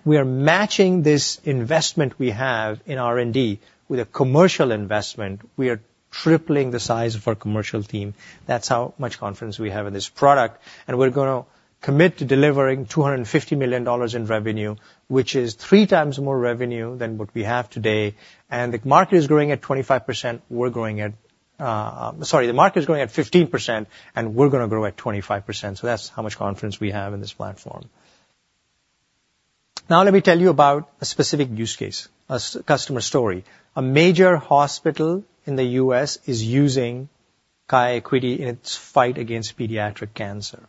We are matching this investment we have in R&D with a commercial investment. We are tripling the size of our commercial team. That's how much confidence we have in this product. We're going to commit to delivering $250 million in revenue, which is three times more revenue than what we have today. The market is growing at 25%. We're growing at sorry, the market is growing at 15%, and we're going to grow at 25%. So that's how much confidence we have in this platform. Now, let me tell you about a specific use case, a customer story. A major hospital in the U.S. is using QIAcuity in its fight against pediatric cancer.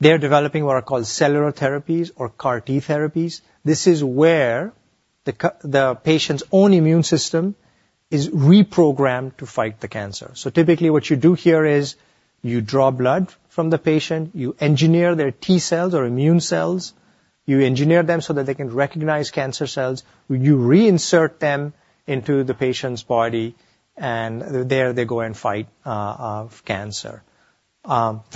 They're developing what are called cellular therapies or CAR-T therapies. This is where the patient's own immune system is reprogrammed to fight the cancer. So typically, what you do here is you draw blood from the patient. You engineer their T cells or immune cells. You engineer them so that they can recognize cancer cells. You reinsert them into the patient's body, and there they go and fight cancer.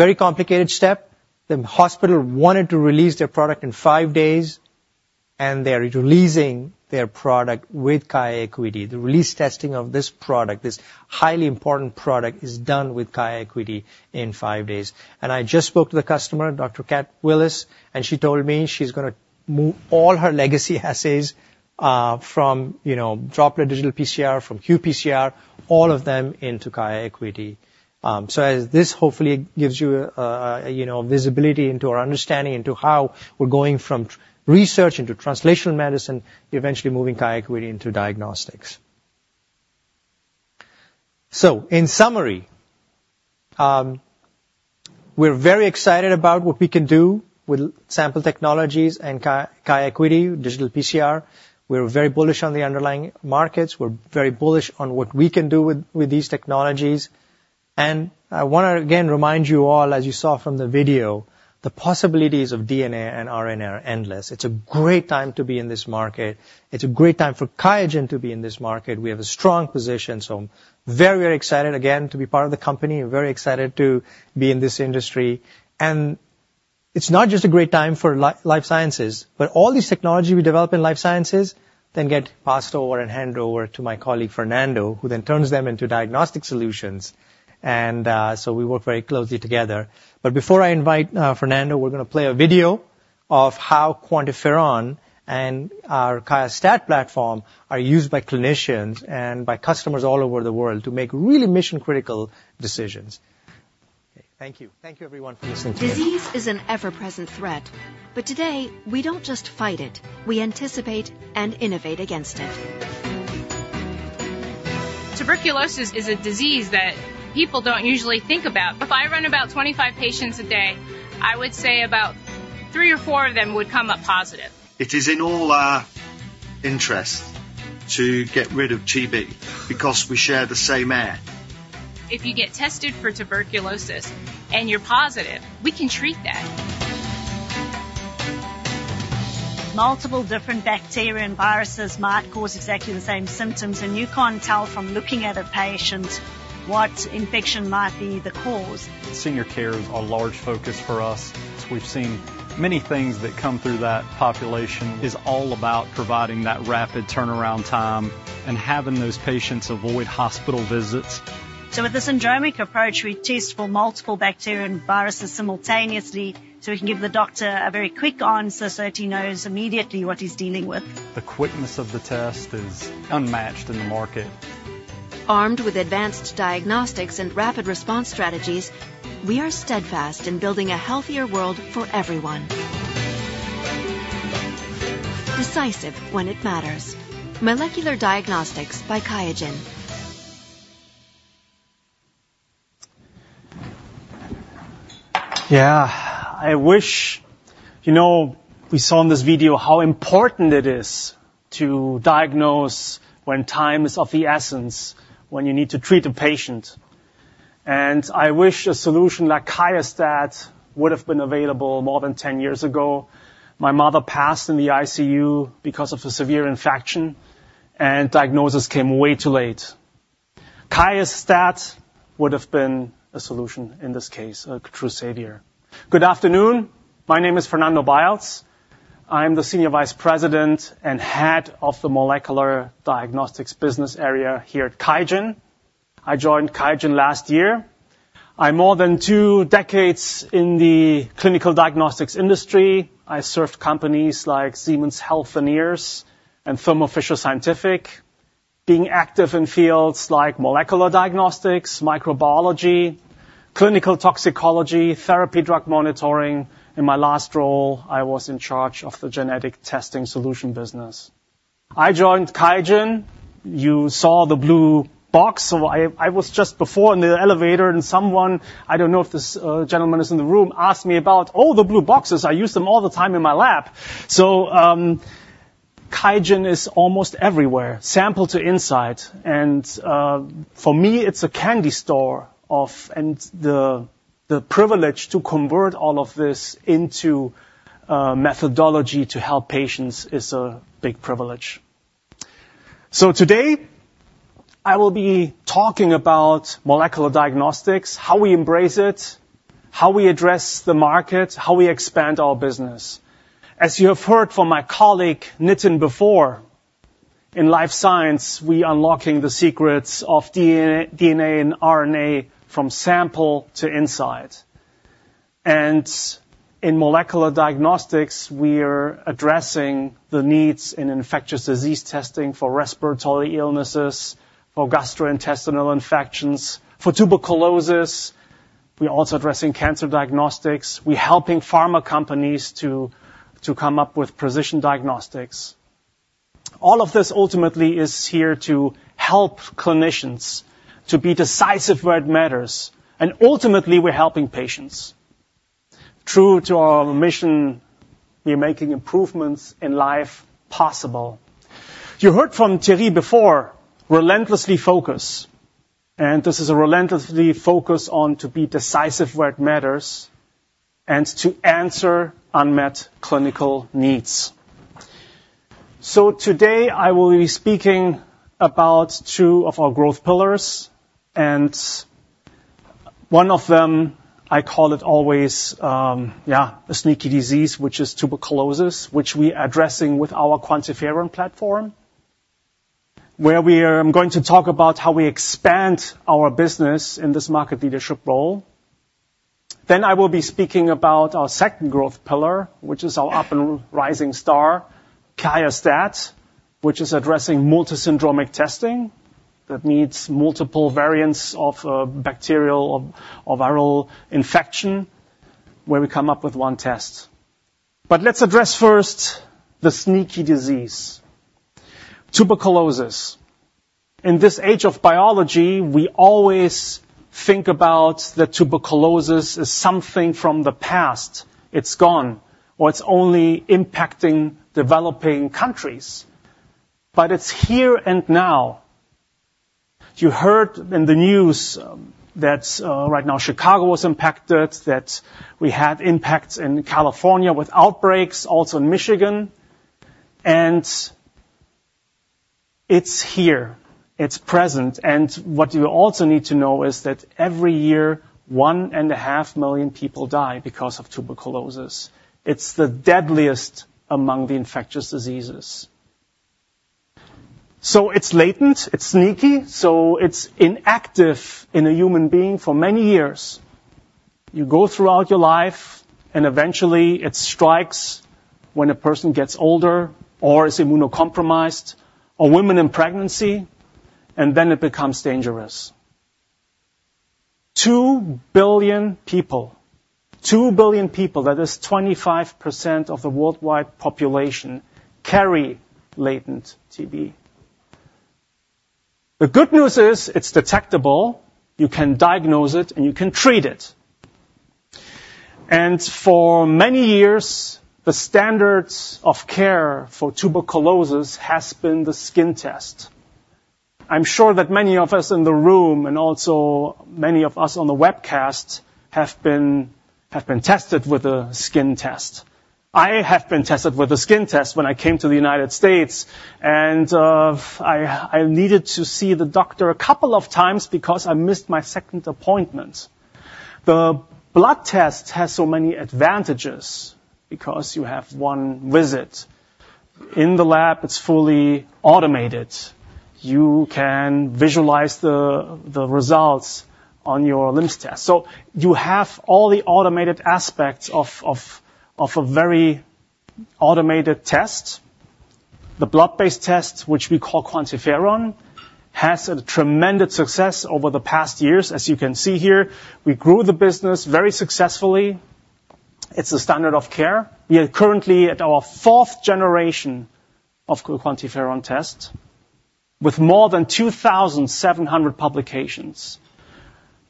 Very complicated step. The hospital wanted to release their product in five days, and they're releasing their product with QIAcuity. The release testing of this product, this highly important product, is done with QIAcuity in five days. And I just spoke to the customer, Dr. Cat Willis, and she told me she's going to move all her legacy assays from Droplet Digital PCR, from qPCR, all of them into QIAcuity. So this hopefully gives you visibility into our understanding into how we're going from research into translational medicine, eventually moving QIAcuity into diagnostics. So in summary, we're very excited about what we can do with sample technologies and QIAcuity, digital PCR. We're very bullish on the underlying markets. We're very bullish on what we can do with these technologies. And I want to, again, remind you all, as you saw from the video, the possibilities of DNA and RNA are endless. It's a great time to be in this market. It's a great time for QIAGEN to be in this market. We have a strong position. So very, very excited, again, to be part of the company. Very excited to be in this industry. And it's not just a great time for life sciences, but all these technologies we develop in life sciences then get passed over and handed over to my colleague Fernando, who then turns them into diagnostic solutions. And so we work very closely together. But before I invite Fernando, we're going to play a video of how QuantiFERON and our QIAStat platform are used by clinicians and by customers all over the world to make really mission-critical decisions. Okay. Thank you. Thank you, everyone, for listening to us. Disease is an ever-present threat. But today, we don't just fight it. We anticipate and innovate against it. Tuberculosis is a disease that people don't usually think about. If I run about 25 patients a day, I would say about three or four of them would come up positive. It is in all our interest to get rid of TB because we share the same air. If you get tested for tuberculosis and you're positive, we can treat that. Multiple different bacteria and viruses might cause exactly the same symptoms. And you can't tell from looking at a patient what infection might be the cause. Senior care is a large focus for us. We've seen many things that come through that population. It's all about providing that rapid turnaround time and having those patients avoid hospital visits. So with the syndromic approach, we test for multiple bacteria and viruses simultaneously so we can give the doctor a very quick answer so that he knows immediately what he's dealing with. The quickness of the test is unmatched in the market. Armed with advanced diagnostics and rapid response strategies, we are steadfast in building a healthier world for everyone. Decisive when it matters. Molecular diagnostics by QIAGEN. Yeah. I wish you know we saw in this video how important it is to diagnose when time is of the essence, when you need to treat a patient. And I wish a solution like QIAstat would have been available more than 10 years ago. My mother passed in the ICU because of a severe infection, and diagnosis came way too late. QIAstat would have been a solution in this case, a true savior. Good afternoon. My name is Fernando Beils. I'm the senior vice president and head of the molecular diagnostics business area here at QIAGEN. I joined QIAGEN last year. I'm more than two decades in the clinical diagnostics industry. I served companies like Siemens Healthineers and Thermo Fisher Scientific, being active in fields like molecular diagnostics, microbiology, clinical toxicology, therapeutic drug monitoring. In my last role, I was in charge of the genetic testing solution business. I joined QIAGEN. You saw the blue box. So I was just before in the elevator, and someone, I don't know if this gentleman is in the room, asked me about all the blue boxes. I use them all the time in my lab. So QIAGEN is almost everywhere, sample to insight. And for me, it's a candy store of the privilege to convert all of this into methodology to help patients is a big privilege. So today, I will be talking about molecular diagnostics, how we embrace it, how we address the market, how we expand our business. As you have heard from my colleague Nitin before, in life science, we are unlocking the secrets of DNA and RNA from sample to insight. And in molecular diagnostics, we are addressing the needs in infectious disease testing for respiratory illnesses, for gastrointestinal infections, for tuberculosis. We're also addressing cancer diagnostics. We're helping pharma companies to come up with precision diagnostics. All of this ultimately is here to help clinicians to be decisive where it matters. And ultimately, we're helping patients. True to our mission, we are making improvements in life possible. You heard from Thierry before, relentlessly focus. And this is a relentlessly focus on to be decisive where it matters and to answer unmet clinical needs. Today, I will be speaking about two of our growth pillars. One of them, I call it always, yeah, a sneaky disease, which is tuberculosis, which we are addressing with our QuantiFERON platform, where we are going to talk about how we expand our business in this market leadership role. I will be speaking about our second growth pillar, which is our up-and-rising star, QIAstat-Dx, which is addressing multi-syndromic testing that needs multiple variants of bacterial or viral infection, where we come up with one test. Let's address first the sneaky disease, tuberculosis. In this age of biology, we always think about that tuberculosis is something from the past. It's gone, or it's only impacting developing countries. But it's here and now. You heard in the news that right now Chicago was impacted, that we had impacts in California with outbreaks, also in Michigan. And it's here. It's present. And what you also need to know is that every year, 1.5 million people die because of tuberculosis. It's the deadliest among the infectious diseases. So it's latent. It's sneaky. So it's inactive in a human being for many years. You go throughout your life, and eventually, it strikes when a person gets older or is immunocompromised or women in pregnancy, and then it becomes dangerous. 2 billion people, 2 billion people, that is 25% of the worldwide population, carry latent TB. The good news is it's detectable. You can diagnose it, and you can treat it. And for many years, the standard of care for tuberculosis has been the skin test. I'm sure that many of us in the room and also many of us on the webcast have been tested with a skin test. I have been tested with a skin test when I came to the United States. I needed to see the doctor a couple of times because I missed my second appointment. The blood test has so many advantages because you have one visit. In the lab, it's fully automated. You can visualize the results on your LIMS test. So you have all the automated aspects of a very automated test. The blood-based test, which we call QuantiFERON, has had tremendous success over the past years. As you can see here, we grew the business very successfully. It's a standard of care. We are currently at our fourth generation of QuantiFERON test with more than 2,700 publications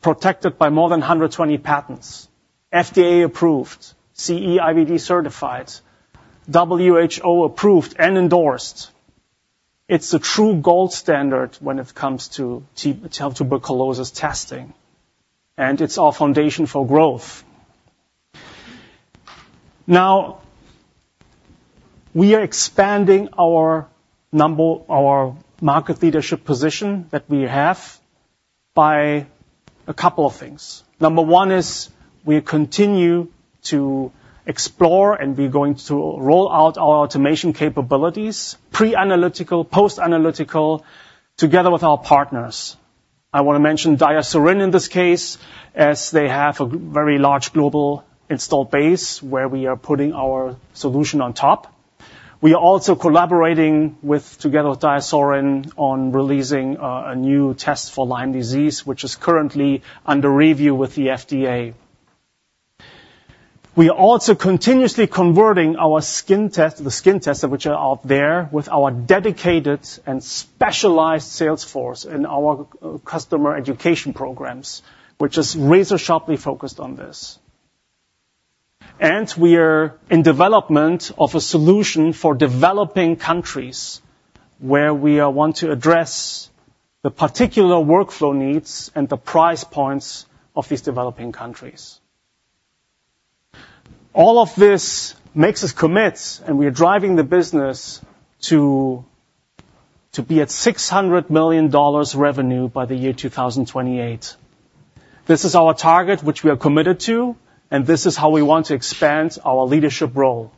protected by more than 120 patents, FDA approved, CE IVD certified, WHO approved, and endorsed. It's a true gold standard when it comes to tuberculosis testing. It's our foundation for growth. Now, we are expanding our market leadership position that we have by a couple of things. Number one is we continue to explore, and we're going to roll out our automation capabilities, pre-analytical, post-analytical, together with our partners. I want to mention DiaSorin in this case as they have a very large global installed base where we are putting our solution on top. We are also collaborating together with DiaSorin on releasing a new test for Lyme disease, which is currently under review with the FDA. We are also continuously converting our skin test, the skin tests, which are out there with our dedicated and specialized sales force and our customer education programs, which is razor-sharp focused on this. And we are in development of a solution for developing countries where we want to address the particular workflow needs and the price points of these developing countries. All of this makes us commit, and we are driving the business to be at $600 million revenue by the year 2028. This is our target, which we are committed to, and this is how we want to expand our leadership role.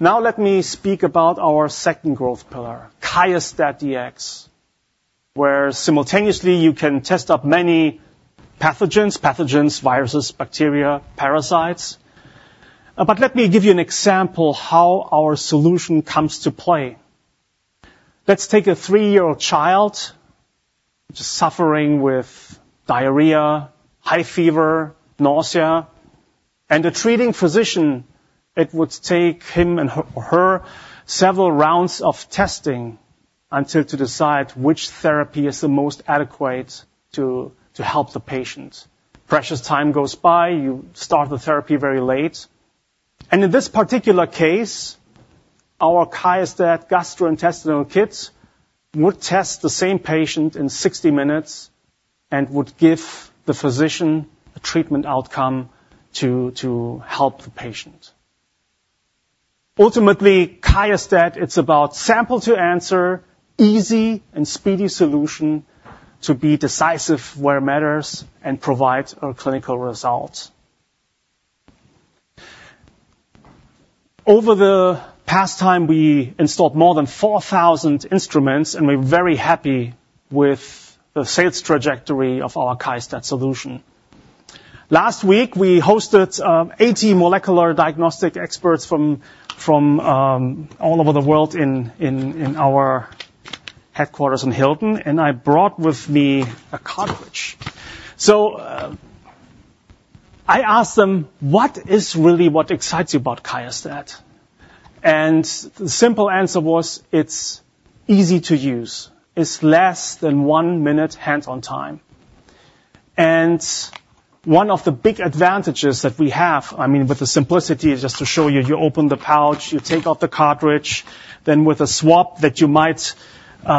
Now, let me speak about our second growth pillar, QIAstat-Dx, where simultaneously you can test up many pathogens, pathogens, viruses, bacteria, parasites. But let me give you an example of how our solution comes to play. Let's take a three-year-old child who is suffering with diarrhea, high fever, nausea. And the treating physician, it would take him and her several rounds of testing until to decide which therapy is the most adequate to help the patient. Precious time goes by. You start the therapy very late. In this particular case, our QIAstat gastrointestinal kit would test the same patient in 60 minutes and would give the physician a treatment outcome to help the patient. Ultimately, QIAstat, it's about sample to answer, easy and speedy solution to be decisive where it matters and provide a clinical result. Over the past time, we installed more than 4,000 instruments, and we're very happy with the sales trajectory of our QIAstat solution. Last week, we hosted 80 molecular diagnostic experts from all over the world in our headquarters in Hilden, and I brought with me a cartridge. So I asked them, "What is really what excites you about QIAstat?" The simple answer was, "It's easy to use. It's less than one minute hands-on time." And one of the big advantages that we have, I mean, with the simplicity, just to show you, you open the pouch, you take off the cartridge, then with a swab that you might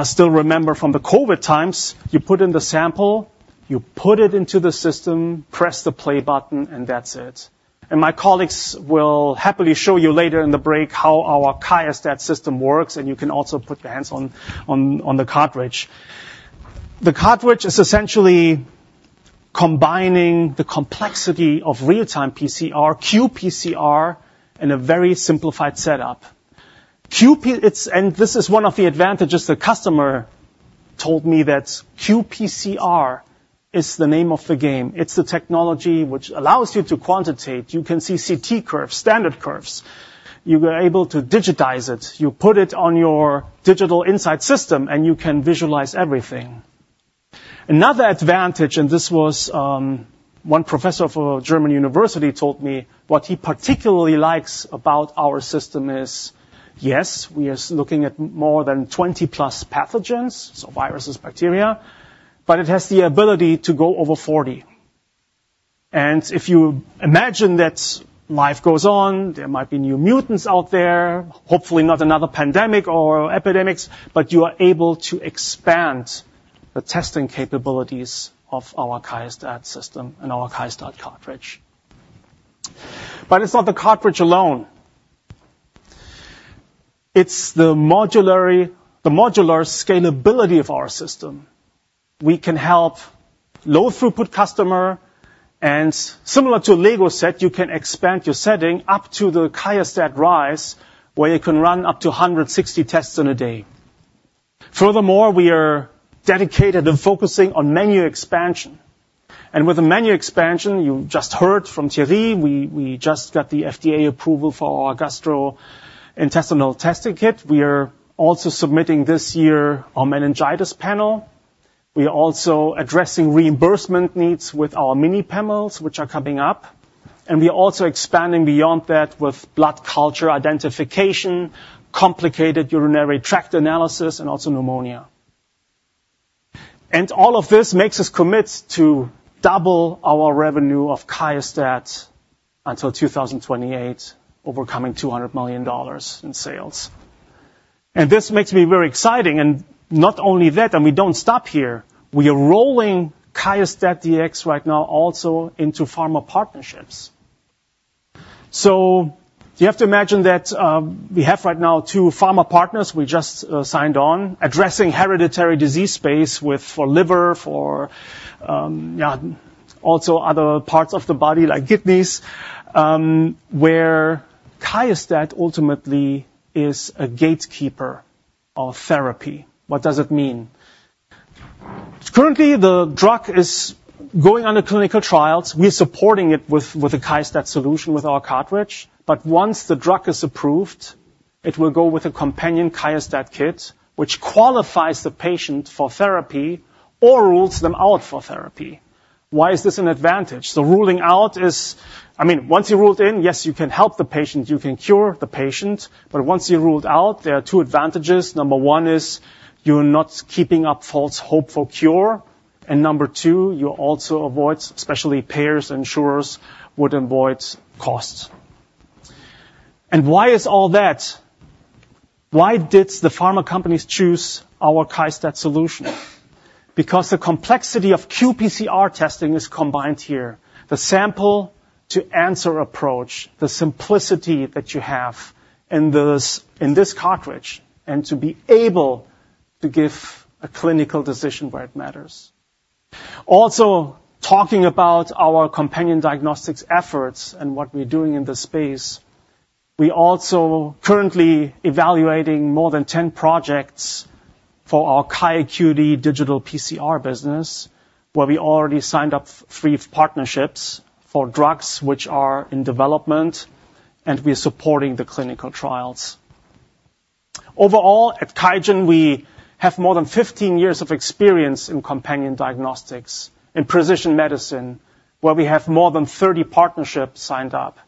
still remember from the COVID times, you put in the sample, you put it into the system, press the play button, and that's it. And my colleagues will happily show you later in the break how our QIAstat system works, and you can also put your hands on the cartridge. The cartridge is essentially combining the complexity of real-time PCR, qPCR, in a very simplified setup. And this is one of the advantages the customer told me that qPCR is the name of the game. It's the technology which allows you to quantitate. You can see CT curves, standard curves. You are able to digitize it. You put it on your Digital Insights system, and you can visualize everything. Another advantage, and this was one professor from a German university told me what he particularly likes about our system is, yes, we are looking at more than 20-plus pathogens, so viruses, bacteria, but it has the ability to go over 40. And if you imagine that life goes on, there might be new mutants out there, hopefully not another pandemic or epidemics, but you are able to expand the testing capabilities of our QIAstat system and our QIAstat cartridge. But it's not the cartridge alone. It's the modular scalability of our system. We can help low-throughput customers. And similar to a Lego set, you can expand your setting up to the QIAstat-Dx Rise, where you can run up to 160 tests in a day. Furthermore, we are dedicated to focusing on menu expansion. With the menu expansion, you just heard from Thierry, we just got the FDA approval for our gastrointestinal testing kit. We are also submitting this year our meningitis panel. We are also addressing reimbursement needs with our mini panels, which are coming up. We are also expanding beyond that with blood culture identification, complicated urinary tract analysis, and also pneumonia. All of this makes us commit to double our revenue of QIAstat-Dx until 2028, over $200 million in sales. This makes me very excited. Not only that, we don't stop here. We are rolling QIAstat-Dx right now also into pharma partnerships. So you have to imagine that we have right now 2 pharma partners we just signed on, addressing hereditary disease space for liver, for also other parts of the body like kidneys, where QIAstat-Dx ultimately is a gatekeeper of therapy. What does it mean? Currently, the drug is going under clinical trials. We are supporting it with a QIAstat solution with our cartridge. But once the drug is approved, it will go with a companion QIAstat kit, which qualifies the patient for therapy or rules them out for therapy. Why is this an advantage? The ruling out is, I mean, once you're ruled in, yes, you can help the patient. You can cure the patient. But once you're ruled out, there are two advantages. Number one is you're not keeping up false hope for cure. And number two, you also avoid, especially payers and insurers, would avoid costs. And why is all that? Why did the pharma companies choose our QIAstat solution? Because the complexity of qPCR testing is combined here, the sample-to-answer approach, the simplicity that you have in this cartridge, and to be able to give a clinical decision where it matters. Also, talking about our companion diagnostics efforts and what we're doing in this space, we are also currently evaluating more than 10 projects for our QIAcuity digital PCR business, where we already signed up 3 partnerships for drugs which are in development, and we are supporting the clinical trials. Overall, at QIAGEN, we have more than 15 years of experience in companion diagnostics in precision medicine, where we have more than 30 partnerships signed up.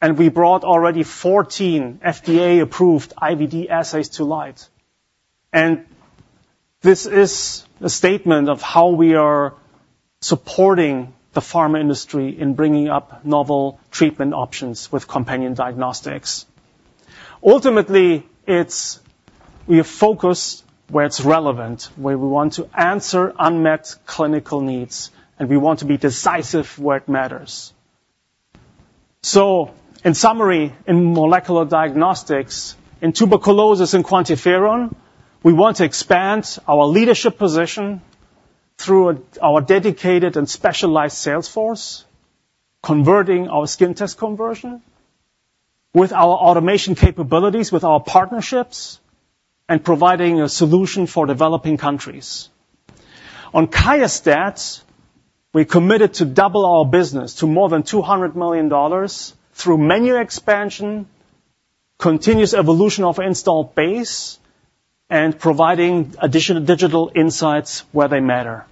And we brought already 14 FDA-approved IVD assays to light. And this is a statement of how we are supporting the pharma industry in bringing up novel treatment options with companion diagnostics. Ultimately, we are focused where it's relevant, where we want to answer unmet clinical needs, and we want to be decisive where it matters. So in summary, in molecular diagnostics, in tuberculosis and QuantiFERON, we want to expand our leadership position through our dedicated and specialized sales force, converting our skin test conversion with our automation capabilities, with our partnerships, and providing a solution for developing countries. On QIAstat, we are committed to double our business to more than $200 million through menu expansion, continuous evolution of installed base, and providing additional digital insights where they matter.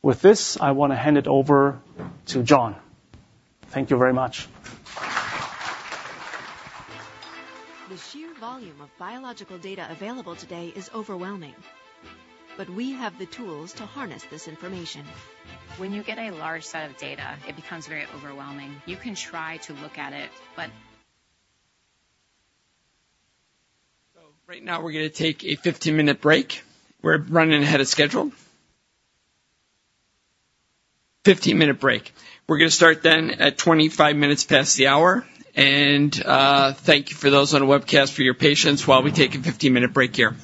With this, I want to hand it over to John. Thank you very much. The sheer volume of biological data available today is overwhelming. But we have the tools to harness this information. When you get a large set of data, it becomes very overwhelming. You can try to look at it, but. So right now, we're going to take a 15-minute break. We're running ahead of schedule. 15-minute break. We're going to start then at 25 minutes past the hour. And thank you for those on the webcast for your patience while we take a 15-minute break here.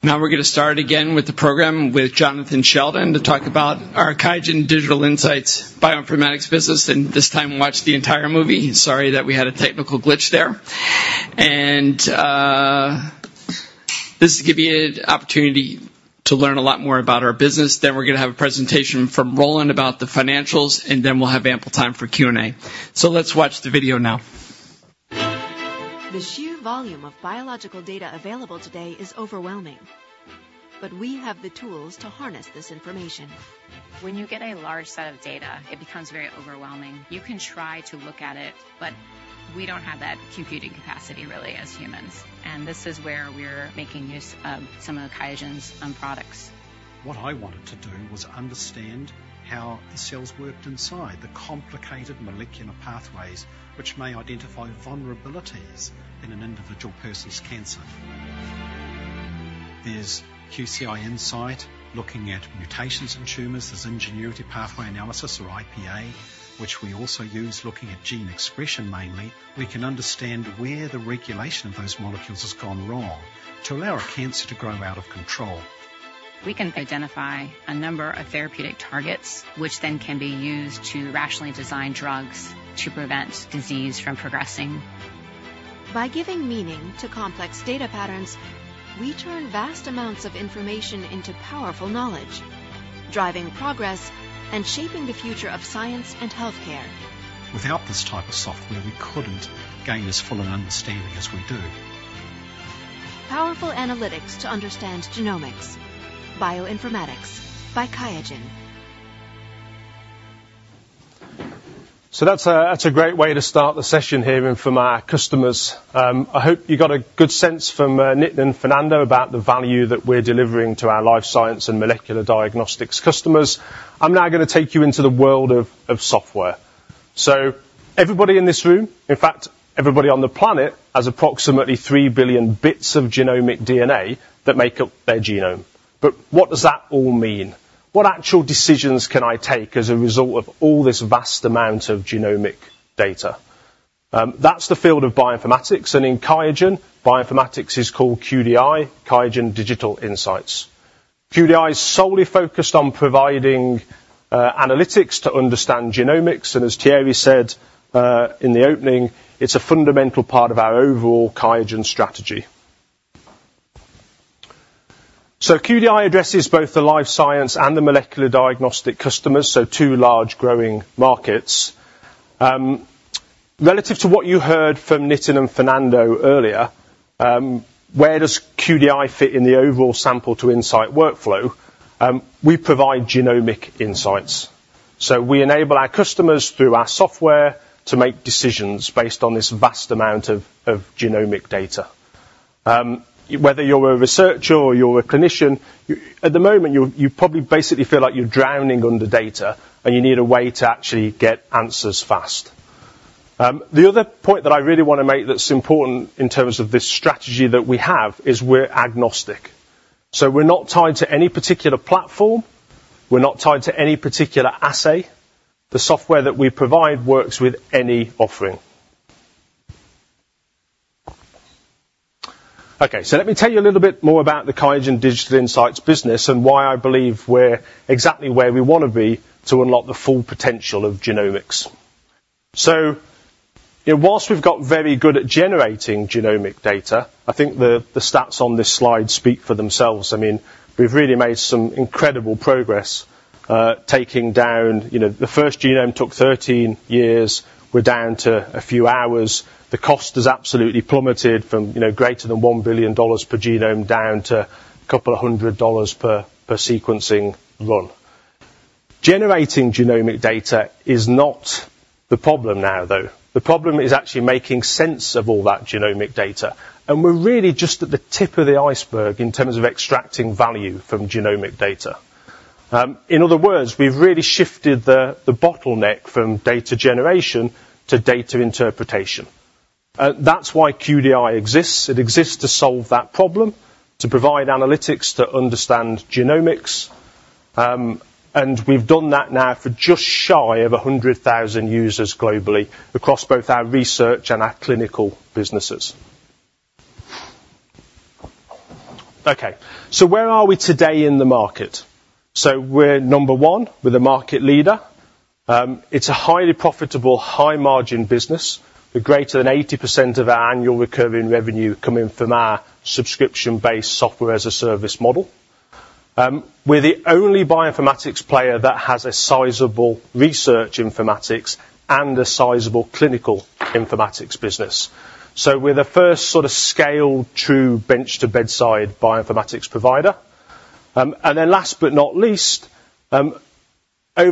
Now we're going to start again with the program with Jonathan Sheldon to talk about our QIAGEN Digital Insights bioinformatics business, and this time watch the entire movie. Sorry that we had a technical glitch there. This is to give you an opportunity to learn a lot more about our business. We're going to have a presentation from Roland about the financials, and then we'll have ample time for Q&A. Let's watch the video now. The sheer volume of biological data available today is overwhelming, but we have the tools to harness this information. When you get a large set of data, it becomes very overwhelming. You can try to look at it, but we don't have that computing capacity really as humans. This is where we're making use of some of QIAGEN's products. What I wanted to do was understand how the cells worked inside the complicated molecular pathways which may identify vulnerabilities in an individual person's cancer. There's QCI Insight looking at mutations in tumors. There's Ingenuity Pathway Analysis, or IPA, which we also use looking at gene expression mainly. We can understand where the regulation of those molecules has gone wrong to allow a cancer to grow out of control. We can identify a number of therapeutic targets which then can be used to rationally design drugs to prevent disease from progressing. By giving meaning to complex data patterns, we turn vast amounts of information into powerful knowledge, driving progress and shaping the future of science and healthcare. Without this type of software, we couldn't gain as full an understanding as we do. Powerful analytics to understand genomics, bioinformatics by QIAGEN. That's a great way to start the session here from our customers. I hope you got a good sense from Nitin and Fernando about the value that we're delivering to our life science and molecular diagnostics customers. I'm now going to take you into the world of software. Everybody in this room, in fact, everybody on the planet has approximately 3 billion bits of genomic DNA that make up their genome. But what does that all mean? What actual decisions can I take as a result of all this vast amount of genomic data? That's the field of bioinformatics, and in QIAGEN, bioinformatics is called QDI, QIAGEN Digital Insights. QDI is solely focused on providing analytics to understand genomics. And as Thierry said in the opening, it's a fundamental part of our overall QIAGEN strategy. So QDI addresses both the life science and the molecular diagnostic customers, so two large growing markets. Relative to what you heard from Nitin and Fernando earlier, where does QDI fit in the overall sample to insight workflow? We provide genomic insights. So we enable our customers through our software to make decisions based on this vast amount of genomic data. Whether you're a researcher or you're a clinician, at the moment, you probably basically feel like you're drowning under data and you need a way to actually get answers fast. The other point that I really want to make that's important in terms of this strategy that we have is we're agnostic. So we're not tied to any particular platform. We're not tied to any particular assay. The software that we provide works with any offering. Okay, so let me tell you a little bit more about the QIAGEN Digital Insights business and why I believe we're exactly where we want to be to unlock the full potential of genomics. So while we've got very good at generating genomic data, I think the stats on this slide speak for themselves. I mean, we've really made some incredible progress. Taking down the first genome took 13 years. We're down to a few hours. The cost has absolutely plummeted from greater than $1 billion per genome down to a couple of hundred dollars per sequencing run. Generating genomic data is not the problem now, though. The problem is actually making sense of all that genomic data. And we're really just at the tip of the iceberg in terms of extracting value from genomic data. In other words, we've really shifted the bottleneck from data generation to data interpretation. That's why QDI exists. It exists to solve that problem, to provide analytics to understand genomics. And we've done that now for just shy of 100,000 users globally across both our research and our clinical businesses. Okay, so where are we today in the market? So we're number one with a market leader. It's a highly profitable, high-margin business. We're greater than 80% of our annual recurring revenue coming from our subscription-based software as a service model. We're the only bioinformatics player that has a sizable research informatics and a sizable clinical informatics business. So we're the first sort of scale-true bench-to-bedside bioinformatics provider. And then last but not least, over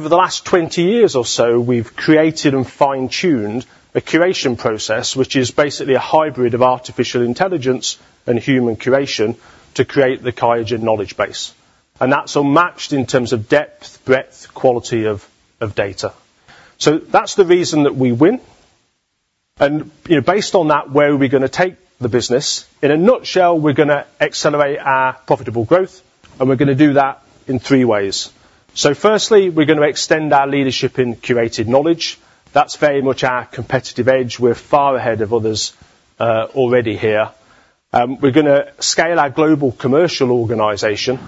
the last 20 years or so, we've created and fine-tuned a curation process, which is basically a hybrid of artificial intelligence and human curation to create the QIAGEN Knowledge Base. And that's all matched in terms of depth, breadth, quality of data. So that's the reason that we win. And based on that, where are we going to take the business? In a nutshell, we're going to accelerate our profitable growth, and we're going to do that in three ways. So firstly, we're going to extend our leadership in curated knowledge. That's very much our competitive edge. We're far ahead of others already here. We're going to scale our global commercial organization,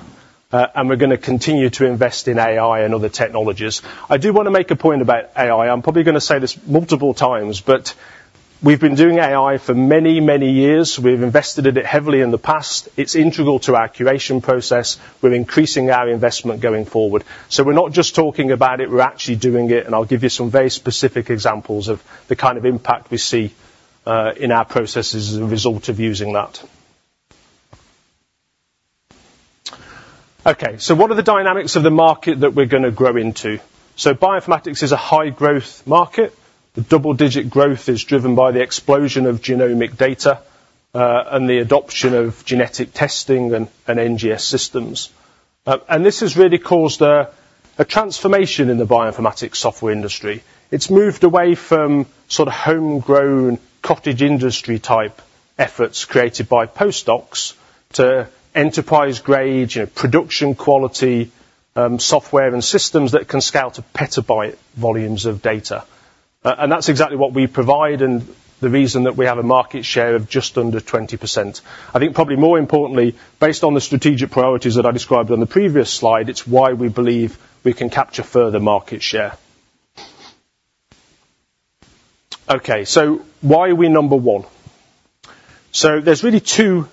and we're going to continue to invest in AI and other technologies. I do want to make a point about AI. I'm probably going to say this multiple times, but we've been doing AI for many, many years. We've invested in it heavily in the past. It's integral to our curation process. We're increasing our investment going forward. So we're not just talking about it. We're actually doing it. I'll give you some very specific examples of the kind of impact we see in our processes as a result of using that. Okay, so what are the dynamics of the market that we're going to grow into? Bioinformatics is a high-growth market. The double-digit growth is driven by the explosion of genomic data and the adoption of genetic testing and NGS systems. This has really caused a transformation in the bioinformatics software industry. It's moved away from sort of homegrown cottage industry type efforts created by postdocs to enterprise-grade, production-quality software and systems that can scale to petabyte volumes of data. That's exactly what we provide and the reason that we have a market share of just under 20%. I think probably more importantly, based on the strategic priorities that I described on the previous slide, it's why we believe we can capture further market share. Okay, so why are we number one? So there's really two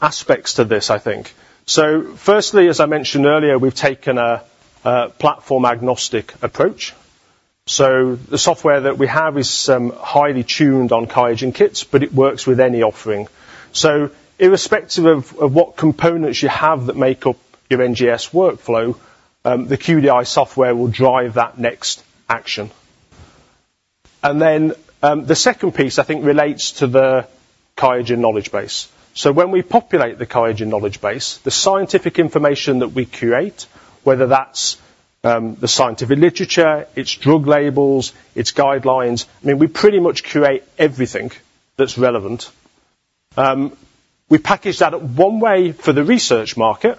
aspects to this, I think. So firstly, as I mentioned earlier, we've taken a platform-agnostic approach. So the software that we have is highly tuned on QIAGEN kits, but it works with any offering. So irrespective of what components you have that make up your NGS workflow, the QDI software will drive that next action. And then the second piece, I think, relates to the QIAGEN knowledge base. So when we populate the QIAGEN knowledge base, the scientific information that we create, whether that's the scientific literature, its drug labels, its guidelines, I mean, we pretty much create everything that's relevant. We package that one way for the research market,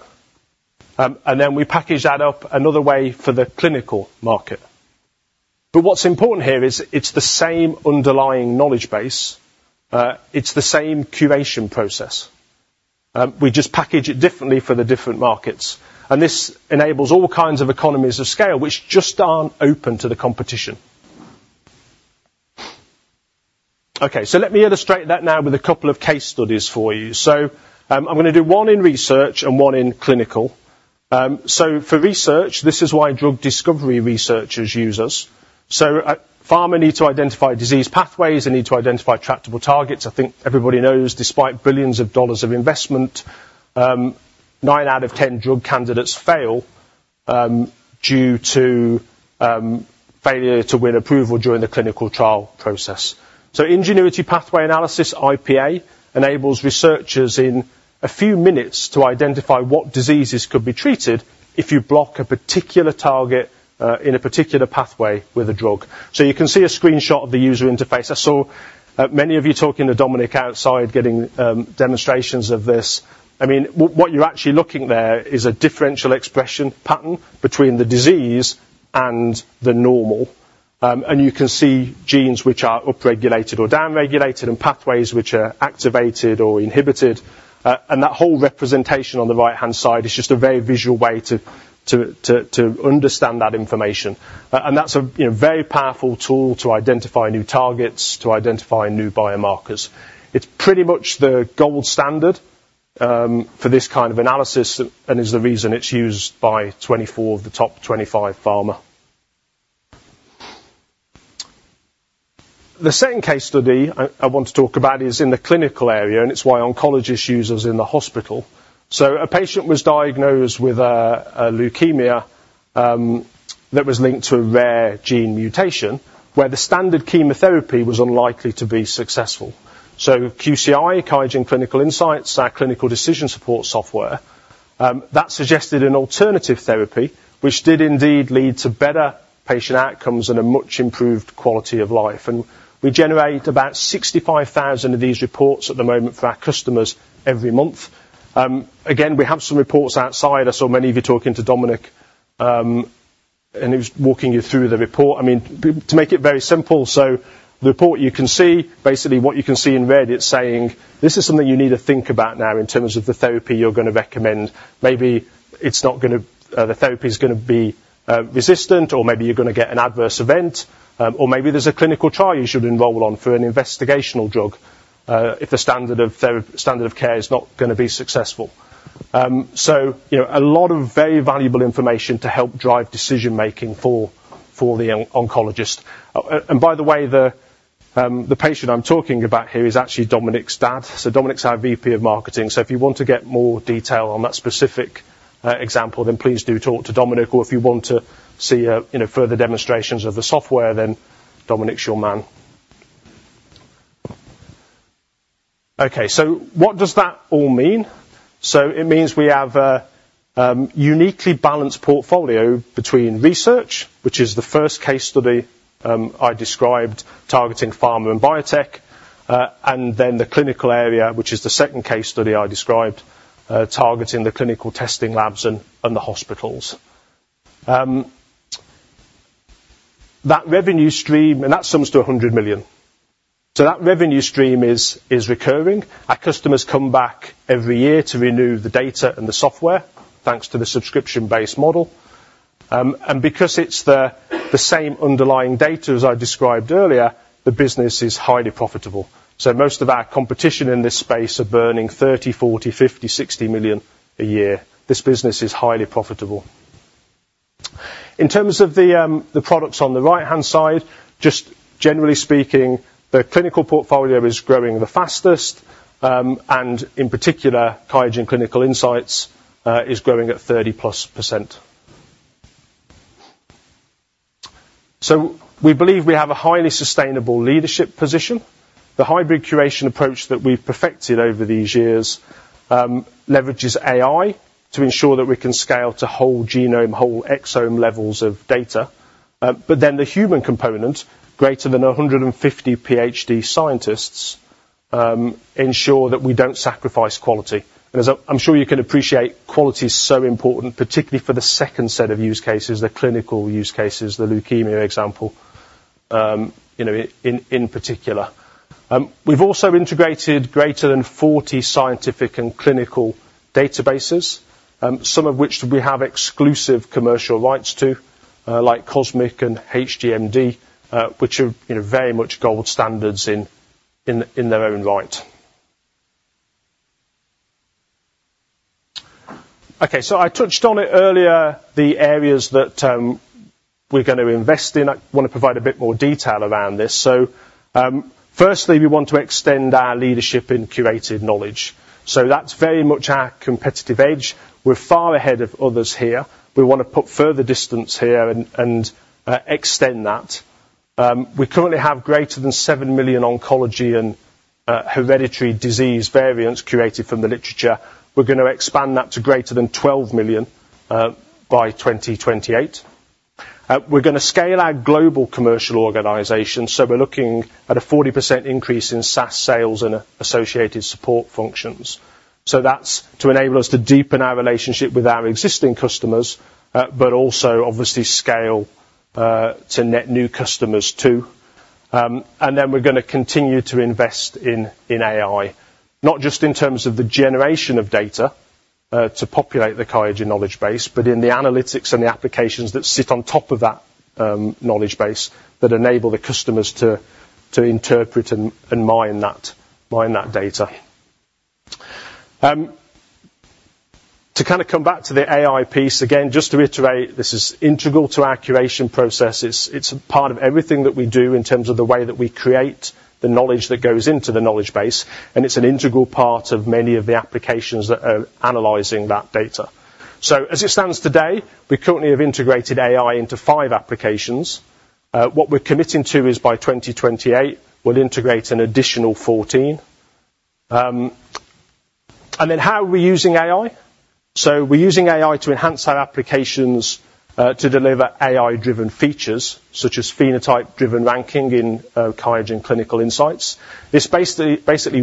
and then we package that up another way for the clinical market. But what's important here is it's the same underlying knowledge base. It's the same curation process. We just package it differently for the different markets. And this enables all kinds of economies of scale, which just aren't open to the competition. Okay, so let me illustrate that now with a couple of case studies for you. So I'm going to do one in research and one in clinical. So for research, this is why drug discovery researchers use us. So pharma need to identify disease pathways. They need to identify tractable targets. I think everybody knows, despite billions of dollars of investment, nine out of 10 drug candidates fail due to failure to win approval during the clinical trial process. So Ingenuity Pathway Analysis, IPA, enables researchers in a few minutes to identify what diseases could be treated if you block a particular target in a particular pathway with a drug. So you can see a screenshot of the user interface. I saw many of you talking to Dominic outside getting demonstrations of this. I mean, what you're actually looking at there is a differential expression pattern between the disease and the normal. And you can see genes which are upregulated or downregulated and pathways which are activated or inhibited. And that whole representation on the right-hand side is just a very visual way to understand that information. And that's a very powerful tool to identify new targets, to identify new biomarkers. It's pretty much the gold standard for this kind of analysis and is the reason it's used by 24 of the top 25 pharma. The second case study I want to talk about is in the clinical area, and it's why oncologists use us in the hospital. So a patient was diagnosed with leukemia that was linked to a rare gene mutation where the standard chemotherapy was unlikely to be successful. So QCI, QIAGEN Clinical Insight, our clinical decision support software, that suggested an alternative therapy, which did indeed lead to better patient outcomes and a much improved quality of life. And we generate about 65,000 of these reports at the moment for our customers every month. Again, we have some reports outside. I saw many of you talking to Dominic, and he was walking you through the report. I mean, to make it very simple, so the report you can see, basically what you can see in red, it's saying, "This is something you need to think about now in terms of the therapy you're going to recommend. Maybe it's not going to the therapy is going to be resistant, or maybe you're going to get an adverse event, or maybe there's a clinical trial you should enroll on for an investigational drug if the standard of care is not going to be successful." So a lot of very valuable information to help drive decision-making for the oncologist. And by the way, the patient I'm talking about here is actually Dominic's dad. So Dominic's our VP of Marketing. So if you want to get more detail on that specific example, then please do talk to Dominic. Or if you want to see further demonstrations of the software, then Dominic's your man. Okay, so what does that all mean? So it means we have a uniquely balanced portfolio between research, which is the first case study I described targeting pharma and biotech, and then the clinical area, which is the second case study I described targeting the clinical testing labs and the hospitals. That revenue stream, and that sums to $100 million. So that revenue stream is recurring. Our customers come back every year to renew the data and the software thanks to the subscription-based model. And because it's the same underlying data as I described earlier, the business is highly profitable. So most of our competition in this space are burning $30 million, $40 million, $50 million, $60 million a year. This business is highly profitable. In terms of the products on the right-hand side, just generally speaking, the clinical portfolio is growing the fastest. In particular, QIAGEN Clinical Insights is growing at 30%+. We believe we have a highly sustainable leadership position. The hybrid curation approach that we've perfected over these years leverages AI to ensure that we can scale to whole genome, whole exome levels of data. Then the human component, greater than 150 PhD scientists, ensure that we don't sacrifice quality. I'm sure you can appreciate quality is so important, particularly for the second set of use cases, the clinical use cases, the leukemia example in particular. We've also integrated greater than 40 scientific and clinical databases, some of which we have exclusive commercial rights to, like COSMIC and HGMD, which are very much gold standards in their own right. Okay, so I touched on it earlier, the areas that we're going to invest in. I want to provide a bit more detail around this. Firstly, we want to extend our leadership in curated knowledge. That's very much our competitive edge. We're far ahead of others here. We want to put further distance here and extend that. We currently have greater than 7 million oncology and hereditary disease variants curated from the literature. We're going to expand that to greater than 12 million by 2028. We're going to scale our global commercial organization. We're looking at a 40% increase in SaaS sales and associated support functions. That's to enable us to deepen our relationship with our existing customers, but also obviously scale to net new customers too. And then we're going to continue to invest in AI, not just in terms of the generation of data to populate the QIAGEN Knowledge Base, but in the analytics and the applications that sit on top of that knowledge base that enable the customers to interpret and mine that data. To kind of come back to the AI piece, again, just to reiterate, this is integral to our curation process. It's part of everything that we do in terms of the way that we create the knowledge that goes into the knowledge base. And it's an integral part of many of the applications that are analyzing that data. So as it stands today, we currently have integrated AI into 5 applications. What we're committing to is by 2028, we'll integrate an additional 14. And then how are we using AI? So we're using AI to enhance our applications to deliver AI-driven features, such as phenotype-driven ranking in QIAGEN Clinical Insights. This basically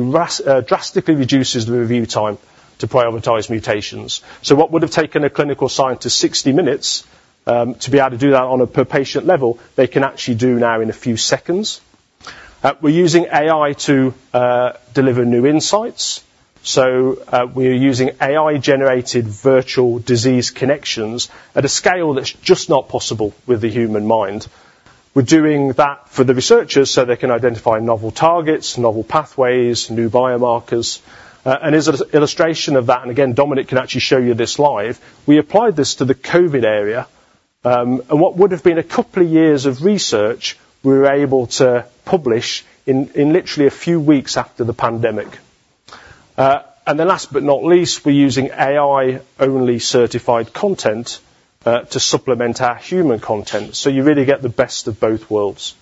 drastically reduces the review time to prioritize mutations. So what would have taken a clinical scientist 60 minutes to be able to do that on a per-patient level, they can actually do now in a few seconds. We're using AI to deliver new insights. So we're using AI-generated virtual disease connections at a scale that's just not possible with the human mind. We're doing that for the researchers so they can identify novel targets, novel pathways, new biomarkers. And as an illustration of that, and again, Dominic can actually show you this live, we applied this to the COVID area. And what would have been a couple of years of research, we were able to publish in literally a few weeks after the pandemic. And then last but not least, we're using AI-only certified content to supplement our human content. So you really get the best of both worlds.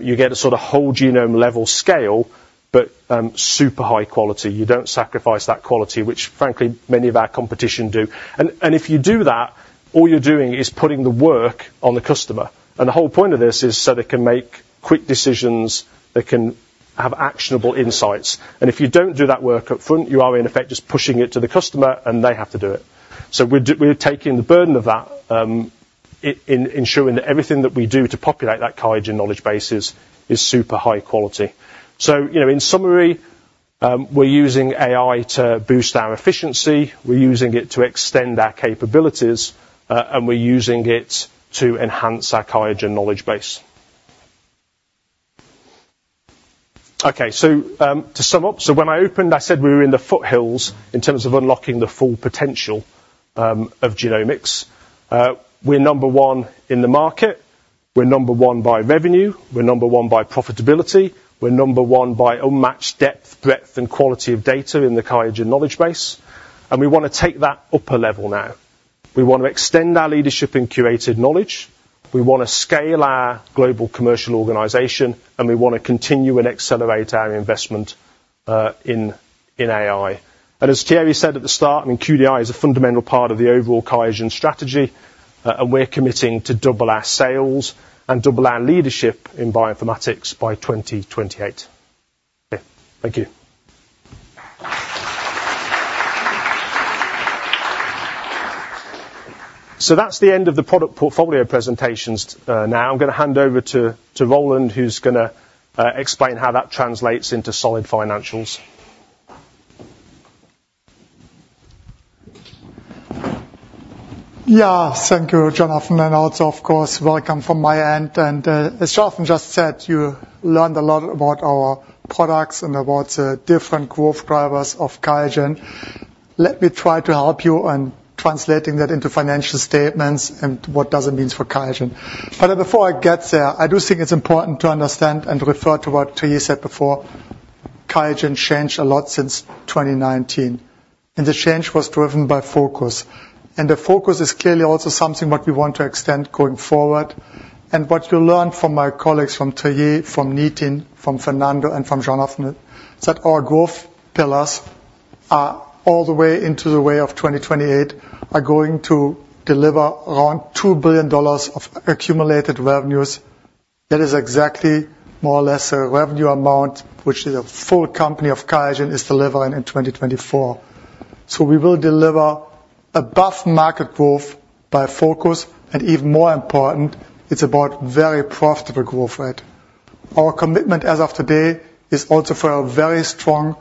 You get a sort of whole genome level scale, but super high quality. You don't sacrifice that quality, which frankly, many of our competition do. And if you do that, all you're doing is putting the work on the customer. And the whole point of this is so they can make quick decisions. They can have actionable insights. And if you don't do that work upfront, you are in effect just pushing it to the customer, and they have to do it. So we're taking the burden of that, ensuring that everything that we do to populate that QIAGEN Knowledge Base is super high quality. So in summary, we're using AI to boost our efficiency. We're using it to extend our capabilities, and we're using it to enhance our QIAGEN knowledge base. Okay, so to sum up, so when I opened, I said we were in the foothills in terms of unlocking the full potential of genomics. We're number one in the market. We're number one by revenue. We're number one by profitability. We're number one by unmatched depth, breadth, and quality of data in the QIAGEN knowledge base. And we want to take that upper level now. We want to extend our leadership in curated knowledge. We want to scale our global commercial organization, and we want to continue and accelerate our investment in AI. And as Thierry said at the start, I mean, QDI is a fundamental part of the overall QIAGEN strategy, and we're committing to double our sales and double our leadership in bioinformatics by 2028. Thank you. That's the end of the product portfolio presentations now. I'm going to hand over to Roland, who's going to explain how that translates into solid financials. Yeah, thank you, Jonathan and also, of course, welcome from my end. As Jonathan just said, you learned a lot about our products and about the different growth drivers of QIAGEN. Let me try to help you in translating that into financial statements and what does it mean for QIAGEN. But before I get there, I do think it's important to understand and refer to what Thierry said before. QIAGEN changed a lot since 2019. The change was driven by focus. The focus is clearly also something that we want to extend going forward. What you learned from my colleagues from Thierry, from Nitin, from Fernando, and from Jonathan is that our growth pillars are all the way into the way of 2028, are going to deliver around $2 billion of accumulated revenues. That is exactly more or less the revenue amount which the full company of QIAGEN is delivering in 2024. So we will deliver above market growth by focus. And even more important, it's about very profitable growth rate. Our commitment as of today is also for a very strong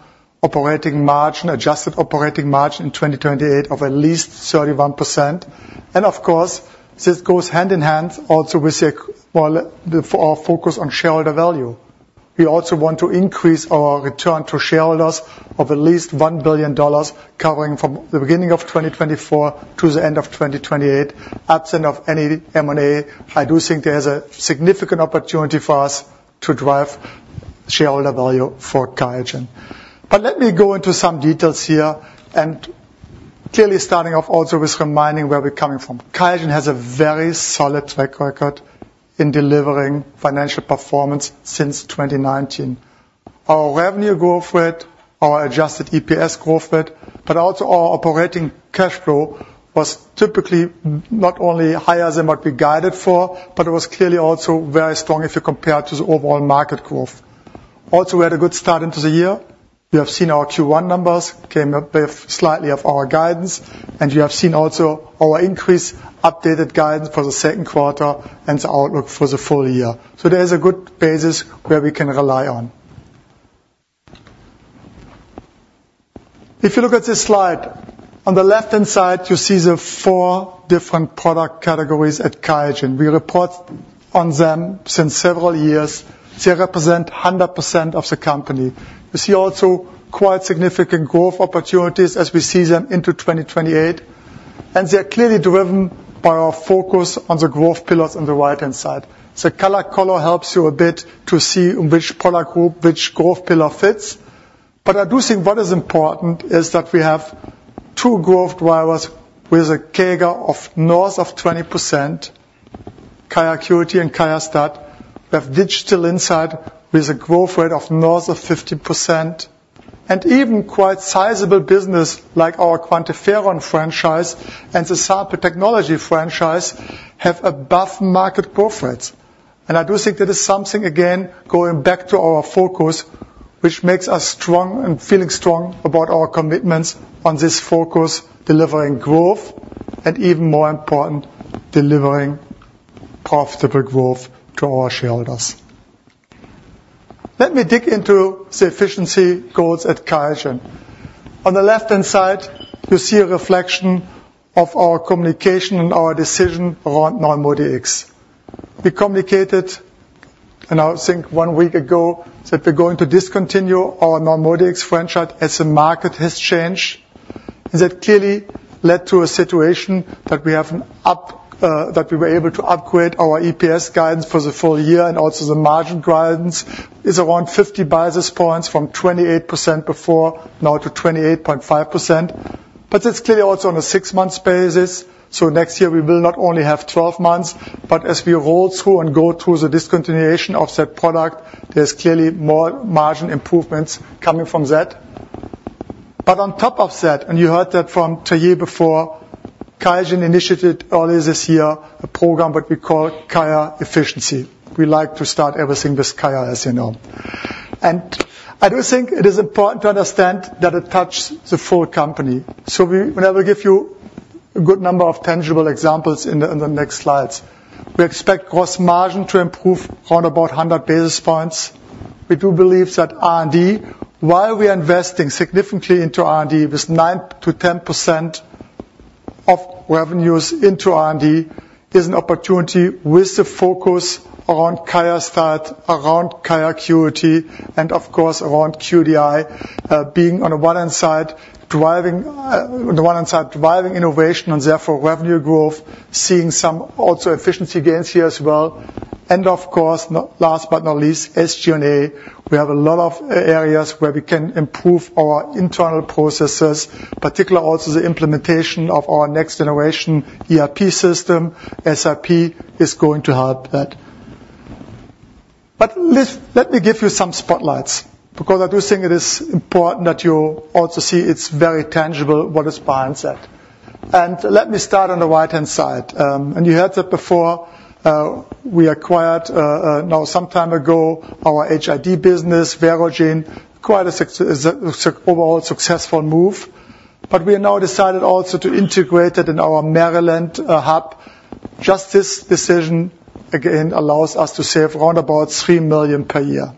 operating margin, adjusted operating margin in 2028 of at least 31%. And of course, this goes hand in hand also with our focus on shareholder value. We also want to increase our return to shareholders of at least $1 billion covering from the beginning of 2024 to the end of 2028. Absent of any M&A, I do think there is a significant opportunity for us to drive shareholder value for QIAGEN. But let me go into some details here. Clearly, starting off also with reminding where we're coming from, QIAGEN has a very solid track record in delivering financial performance since 2019. Our revenue growth rate, our adjusted EPS growth rate, but also our operating cash flow was typically not only higher than what we guided for, but it was clearly also very strong if you compare to the overall market growth. Also, we had a good start into the year. We have seen our Q1 numbers came up with slightly of our guidance. You have seen also our increase updated guidance for the second quarter and the outlook for the full year. So there is a good basis where we can rely on. If you look at this slide, on the left-hand side, you see the four different product categories at QIAGEN. We report on them since several years. They represent 100% of the company. You see also quite significant growth opportunities as we see them into 2028. They are clearly driven by our focus on the growth pillars on the right-hand side. Color helps you a bit to see which product group, which growth pillar fits. I do think what is important is that we have two growth drivers with a CAGR of north of 20%, QIAcuity and QIAstart. We have Digital Insights with a growth rate of north of 50%. Even quite sizable business like our QuantiFERON franchise and the Sample Technologies franchise have above market growth rates. I do think that is something, again, going back to our focus, which makes us strong and feeling strong about our commitments on this focus, delivering growth, and even more important, delivering profitable growth to our shareholders. Let me dig into the efficiency goals at QIAGEN. On the left-hand side, you see a reflection of our communication and our decision around NeuMoDx. We communicated, and I think one week ago, that we're going to discontinue our NeuMoDx franchise as the market has changed. That clearly led to a situation that we were able to upgrade our EPS guidance for the full year and also the margin guidance. It's around 50 basis points from 28% before, now to 28.5%. It's clearly also on a six-month basis. So next year, we will not only have 12 months, but as we roll through and go through the discontinuation of that product, there's clearly more margin improvements coming from that. But on top of that, and you heard that from Thierry before, QIAGEN initiated early this year a program that we call QIAGEN Efficiency. We like to start everything with QIAGEN, as you know. And I do think it is important to understand that it touches the full company. So we will give you a good number of tangible examples in the next slides. We expect gross margin to improve around about 100 basis points. We do believe that R&D, while we are investing significantly into R&D with 9%-10% of revenues into R&D, is an opportunity with the focus around QIAstat, around QIAseq, and of course, around QDI being on the one-hand side driving innovation and therefore revenue growth, seeing some also efficiency gains here as well. Of course, last but not least, SG&A, we have a lot of areas where we can improve our internal processes, particularly also the implementation of our next-generation ERP system. SAP is going to help that. But let me give you some spotlights because I do think it is important that you also see it's very tangible what is behind that. Let me start on the right-hand side. You heard that before. We acquired some time ago our HID business, Verogen, quite an overall successful move. But we have now decided also to integrate it in our Maryland hub. Just this decision, again, allows us to save around about $3 million per year.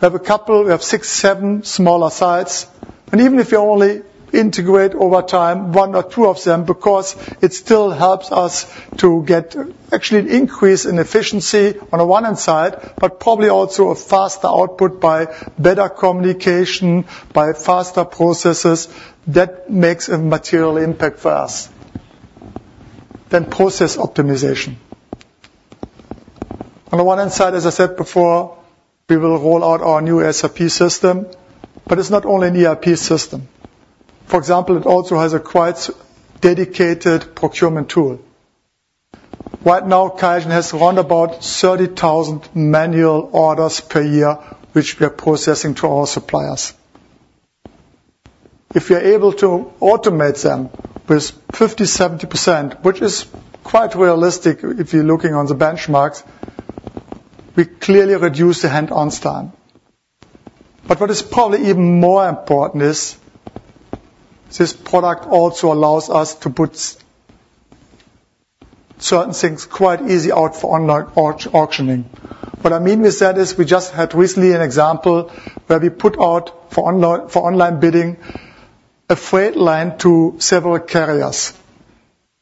We have a couple; we have six, seven smaller sites. And even if you only integrate over time one or two of them, because it still helps us to get actually an increase in efficiency on the one-hand side, but probably also a faster output by better communication, by faster processes that makes a material impact for us. Then process optimization. On the one-hand side, as I said before, we will roll out our new ERP system. But it's not only an ERP system. For example, it also has a quite dedicated procurement tool. Right now, QIAGEN has around about 30,000 manual orders per year, which we are processing to our suppliers. If we are able to automate them with 50%-70%, which is quite realistic if you're looking on the benchmarks, we clearly reduce the hands-on time. But what is probably even more important is this product also allows us to put certain things quite easily out for online auctioning. What I mean with that is we just had recently an example where we put out for online bidding a freight line to several carriers.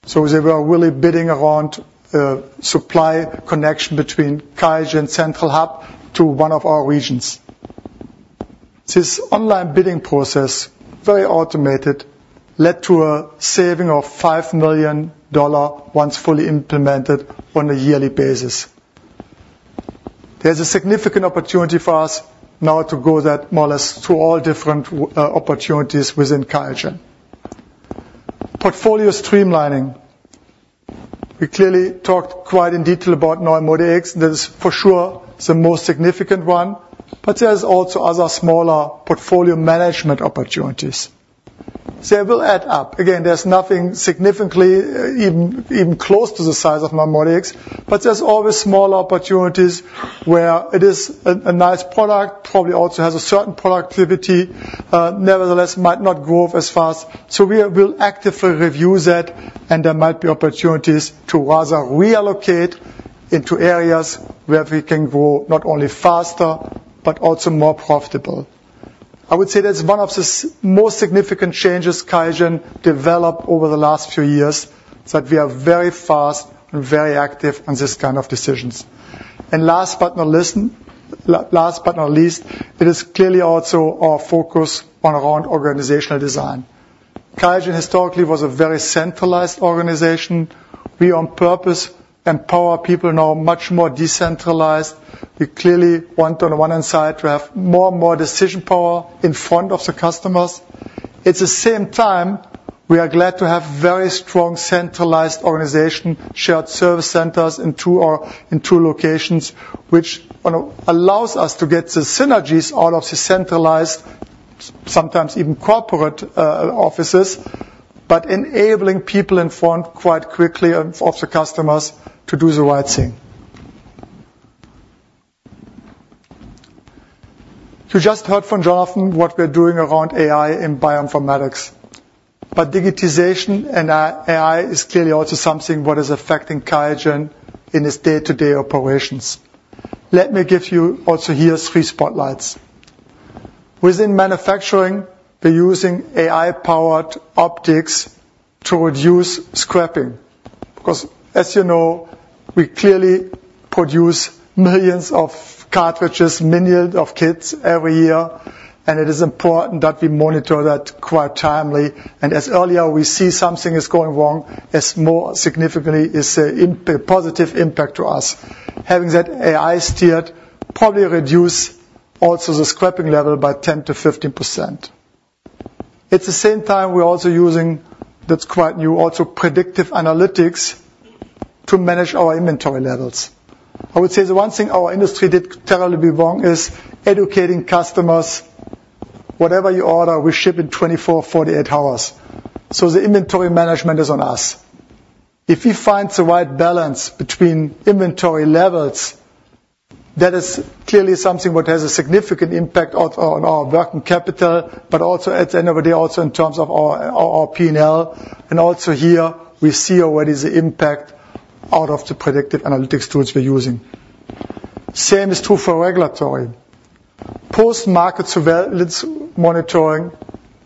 So they were really bidding around the supply connection between QIAGEN central hub to one of our regions. This online bidding process, very automated, led to a saving of $5 million once fully implemented on a yearly basis. There's a significant opportunity for us now to go that more or less through all different opportunities within QIAGEN. Portfolio streamlining. We clearly talked quite in detail about NeuMoDx. That is for sure the most significant one. But there's also other smaller portfolio management opportunities. They will add up. Again, there's nothing significantly even close to the size of NeuMoDx. But there's always smaller opportunities where it is a nice product, probably also has a certain productivity. Nevertheless, might not grow as fast. So we will actively review that, and there might be opportunities to rather reallocate into areas where we can grow not only faster, but also more profitable. I would say that's one of the most significant changes QIAGEN developed over the last few years is that we are very fast and very active on this kind of decisions. And last but not least, it is clearly also our focus on around organizational design. QIAGEN historically was a very centralized organization. We on purpose empower people now much more decentralized. We clearly want on the one-hand side to have more and more decision power in front of the customers. At the same time, we are glad to have very strong centralized organization, shared service centers in two locations, which allows us to get the synergies out of the centralized, sometimes even corporate offices, but enabling people in front quite quickly of the customers to do the right thing. You just heard from Jonathan what we're doing around AI in bioinformatics. But digitization and AI is clearly also something that is affecting QIAGEN in its day-to-day operations. Let me give you also here three spotlights. Within manufacturing, we're using AI-powered optics to reduce scrapping. Because as you know, we clearly produce millions of cartridges, millions of kits every year. And it is important that we monitor that quite timely. As earlier we see something is going wrong, as more significantly is a positive impact to us. Having that AI steered probably reduces also the scrapping level by 10%-15%. At the same time, we're also using that's quite new, also predictive analytics to manage our inventory levels. I would say the one thing our industry did terribly wrong is educating customers. Whatever you order, we ship in 24, 48 hours. So the inventory management is on us. If we find the right balance between inventory levels, that is clearly something that has a significant impact on our working capital, but also at the end of the day also in terms of our P&L. Also here, we see already the impact out of the predictive analytics tools we're using. Same is true for regulatory. Post-market surveillance monitoring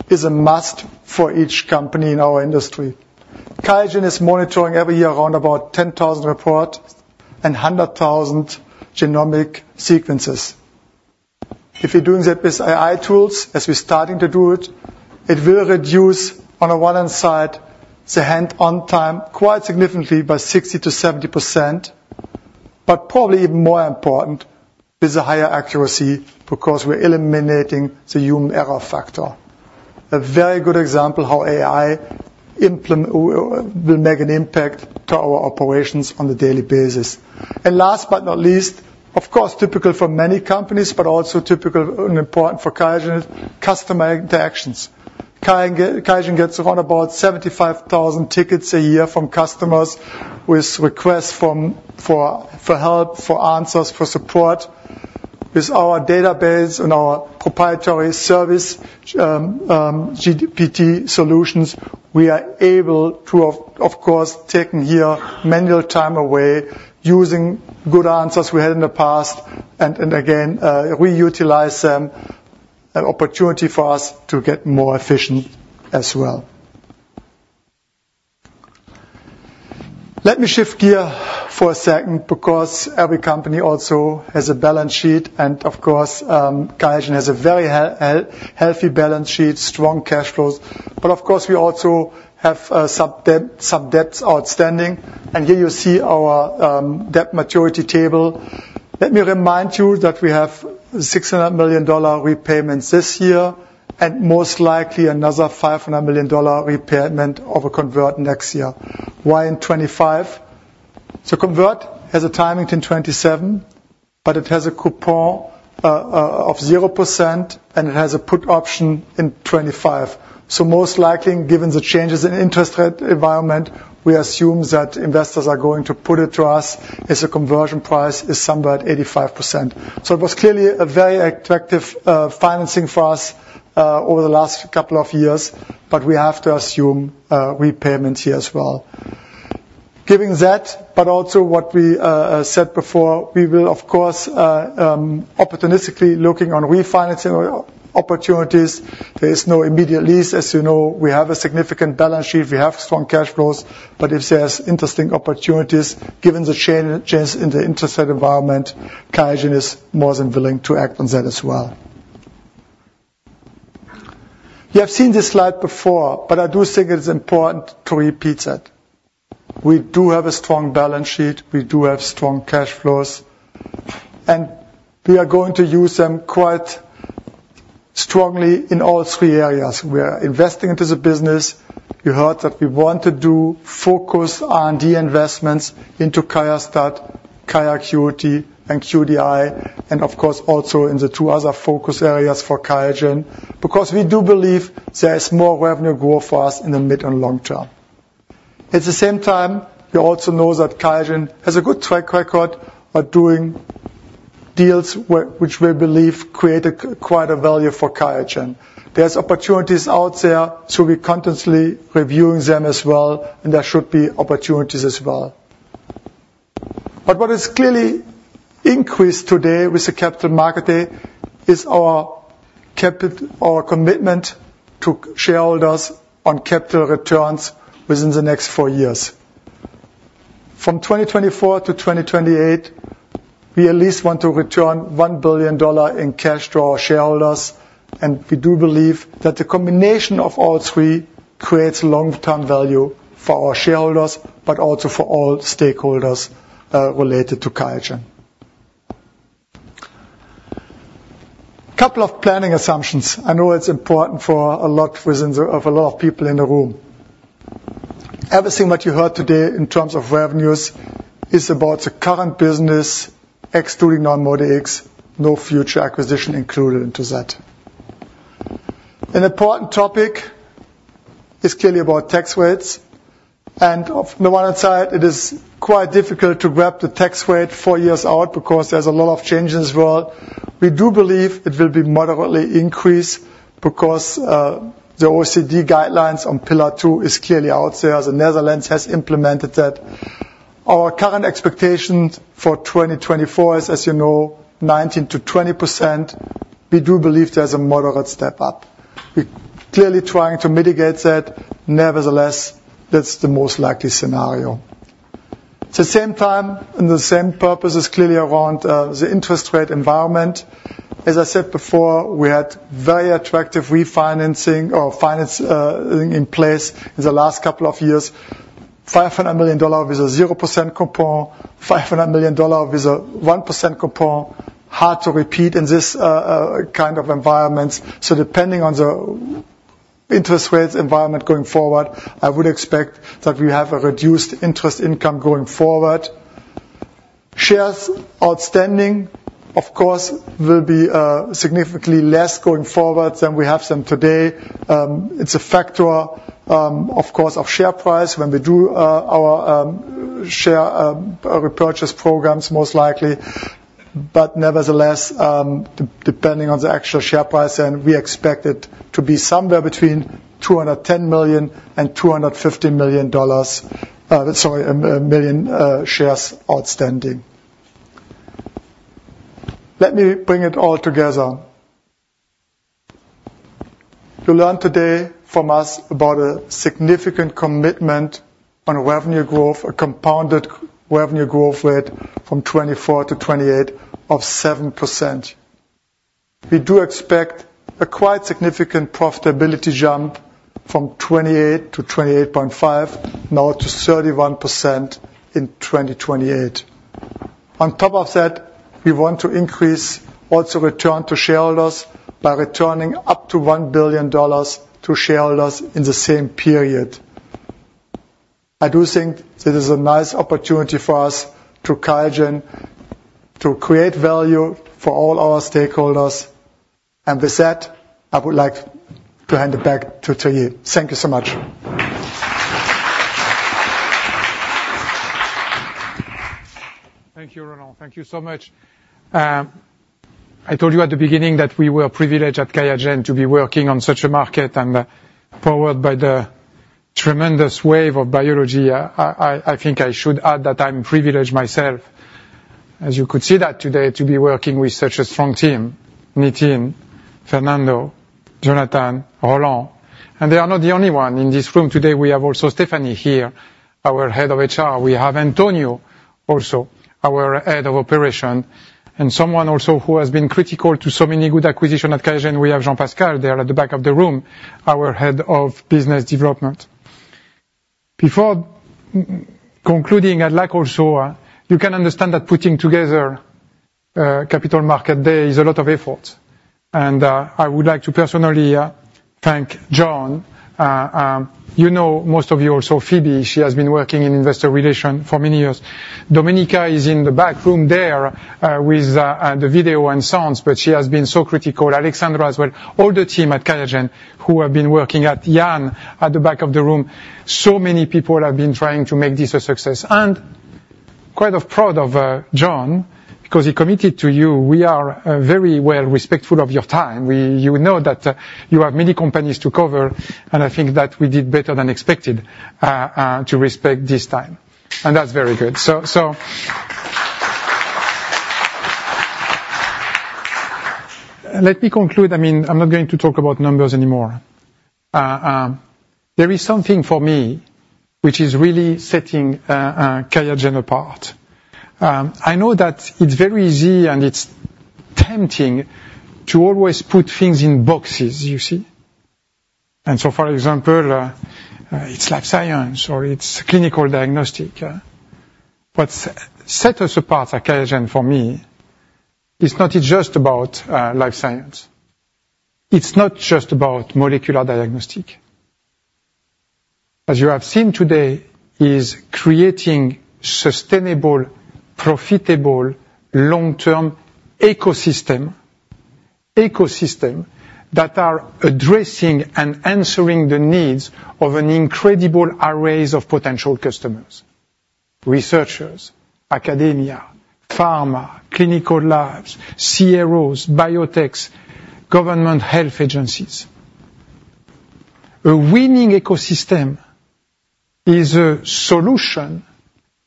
is a must for each company in our industry. QIAGEN is monitoring every year around about 10,000 reports and 100,000 genomic sequences. If you're doing that with AI tools, as we're starting to do it, it will reduce on the one-hand side the hands-on time quite significantly by 60%-70%. But probably even more important is the higher accuracy because we're eliminating the human error factor. A very good example how AI will make an impact to our operations on a daily basis. And last but not least, of course, typical for many companies, but also typical and important for QIAGEN is customer interactions. QIAGEN gets around about 75,000 tickets a year from customers with requests for help, for answers, for support. With our database and our proprietary service GPT solutions, we are able to, of course, take here manual time away using good answers we had in the past and again reutilize them. An opportunity for us to get more efficient as well. Let me shift gear for a second because every company also has a balance sheet. Of course, QIAGEN has a very healthy balance sheet, strong cash flows. Of course, we also have some debts outstanding. Here you see our debt maturity table. Let me remind you that we have $600 million repayments this year and most likely another $500 million repayment of a convert next year. Why in 2025? The convert has a timing to 2027, but it has a coupon of 0% and it has a put option in 2025. Most likely, given the changes in interest rate environment, we assume that investors are going to put it to us if the conversion price is somewhere at 85%. So it was clearly a very attractive financing for us over the last couple of years, but we have to assume repayments here as well. Given that, but also what we said before, we will, of course, opportunistically looking into refinancing opportunities. There is no immediate need. As you know, we have a significant balance sheet. We have strong cash flows. But if there's interesting opportunities, given the changes in the interest rate environment, QIAGEN is more than willing to act on that as well. You have seen this slide before, but I do think it's important to repeat that. We do have a strong balance sheet. We do have strong cash flows. And we are going to use them quite strongly in all three areas. We are investing into the business. You heard that we want to do focus R&D investments into QIAstat, QIAcuity, and QDI, and of course, also in the two other focus areas for QIAGEN because we do believe there is more revenue growth for us in the mid and long term. At the same time, we also know that QIAGEN has a good track record of doing deals which we believe create quite a value for QIAGEN. There's opportunities out there, so we're constantly reviewing them as well, and there should be opportunities as well. But what has clearly increased today with the capital market day is our commitment to shareholders on capital returns within the next four years. From 2024 to 2028, we at least want to return $1 billion in cash to our shareholders. And we do believe that the combination of all three creates long-term value for our shareholders, but also for all stakeholders related to QIAGEN. A couple of planning assumptions. I know it's important for a lot of people in the room. Everything that you heard today in terms of revenues is about the current business, excluding NeuMoDx, no future acquisition included into that. An important topic is clearly about tax rates. And on the one hand side, it is quite difficult to grab the tax rate four years out because there's a lot of changes as well. We do believe it will be moderately increased because the OECD guidelines on Pillar Two is clearly out there. The Netherlands has implemented that. Our current expectation for 2024 is, as you know, 19%-20%. We do believe there's a moderate step up. We're clearly trying to mitigate that. Nevertheless, that's the most likely scenario. At the same time, and the same purpose is clearly around the interest rate environment. As I said before, we had very attractive refinancing or financing in place in the last couple of years. $500 million with a 0% coupon, $500 million with a 1% coupon. Hard to repeat in this kind of environment. So depending on the interest rate environment going forward, I would expect that we have a reduced interest income going forward. Shares outstanding, of course, will be significantly less going forward than we have them today. It's a factor, of course, of share price when we do our share repurchase programs most likely. But nevertheless, depending on the actual share price, then we expect it to be somewhere between 210 million and 250 million, sorry, million shares outstanding. Let me bring it all together. You learned today from us about a significant commitment on revenue growth, a compounded revenue growth rate from 2024 to 2028 of 7%. We do expect a quite significant profitability jump from 28% to 28.5%, now to 31% in 2028. On top of that, we want to increase also return to shareholders by returning up to $1 billion to shareholders in the same period. I do think this is a nice opportunity for us to QIAGEN to create value for all our stakeholders. And with that, I would like to hand it back to Thierry. Thank you so much. Thank you, Roland. Thank you so much. I told you at the beginning that we were privileged at QIAGEN to be working on such a market and powered by the tremendous wave of biology. I think I should add that I'm privileged myself, as you could see that today, to be working with such a strong team: Nitin, Fernando, Jonathan, Roland. And they are not the only one. In this room today, we have also Stephanie here, our head of HR. We have Antonio also, our head of operations, and someone also who has been critical to so many good acquisitions at QIAGEN. We have Jean-Pascal there at the back of the room, our head of business development. Before concluding, I'd like also, you can understand that putting together capital market day is a lot of effort. And I would like to personally thank John. You know, most of you know Phoebe; she has been working in investor relations for many years. Domenic is in the back room there with the video and sounds, but he has been so critical. Alexandra as well, all the team at QIAGEN who have been working with Yann at the back of the room. So many people have been trying to make this a success. I'm quite proud of John because he committed to you. We are very respectful of your time. You know that you have many companies to cover. I think that we did better than expected to respect this time. That's very good. Let me conclude. I mean, I'm not going to talk about numbers anymore. There is something for me which is really setting QIAGEN apart. I know that it's very easy and it's tempting to always put things in boxes, you see. And so, for example, it's life science or it's clinical diagnostic. What sets us apart at QIAGEN for me is not just about life science. It's not just about molecular diagnostic. As you have seen today, it is creating sustainable, profitable, long-term ecosystems that are addressing and answering the needs of an incredible array of potential customers: researchers, academia, pharma, clinical labs, CROs, biotechs, government health agencies. A winning ecosystem is a solution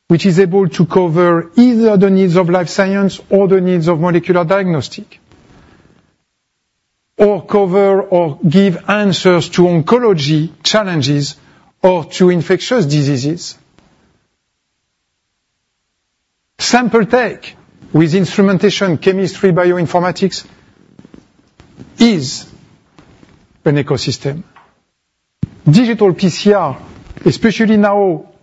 which is able to cover either the needs of life science or the needs of molecular diagnostic, or cover or give answers to oncology challenges or to infectious diseases. Sample to Insight with instrumentation, chemistry, bioinformatics is an ecosystem. Digital PCR, especially now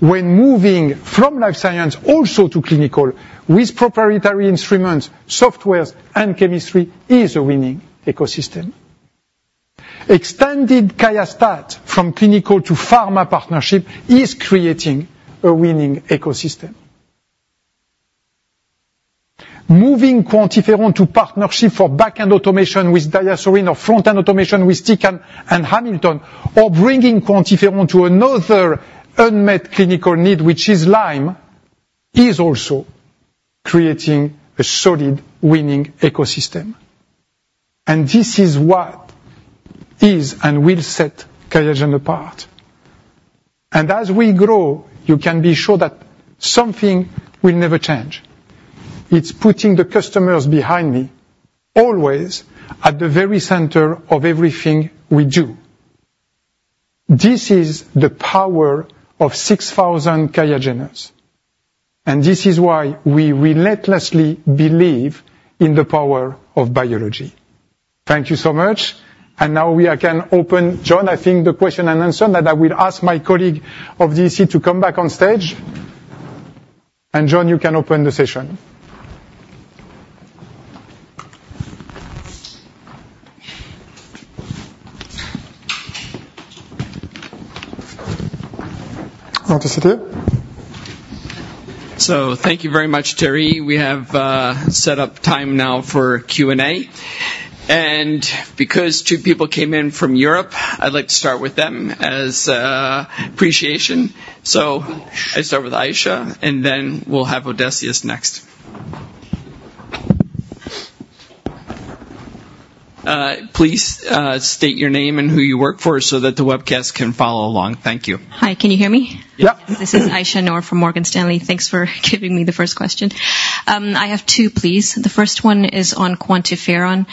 when moving from life science also to clinical with proprietary instruments, software, and chemistry, is a winning ecosystem. QIAGEN start from clinical to pharma partnership is creating a winning ecosystem. Moving QuantiFERON to partnership for back-end automation with DiaSorin or front-end automation with Tecan and Hamilton, or bringing QuantiFERON to another unmet clinical need, which is Lyme, is also creating a solid winning ecosystem. And this is what is and will set QIAGEN apart. As we grow, you can be sure that something will never change. It's putting the customers behind me, always at the very center of everything we do. This is the power of 6,000 QIAGENers. This is why we relentlessly believe in the power of biology. Thank you so much. Now we can open, John, I think, the question and answer that I will ask my colleague of the EC to come back on stage. John, you can open the session. So thank you very much, Thierry. We have set up time now for Q&A. And because two people came in from Europe, I'd like to start with them as appreciation. So I'll start with Aisyah, and then we'll have Odysseas next. Please state your name and who you work for so that the webcast can follow along. Thank you. Hi, can you hear me? Yep. This is Aisyah Noor from Morgan Stanley. Thanks for giving me the first question. I have two, please. The first one is on QuantiFERON.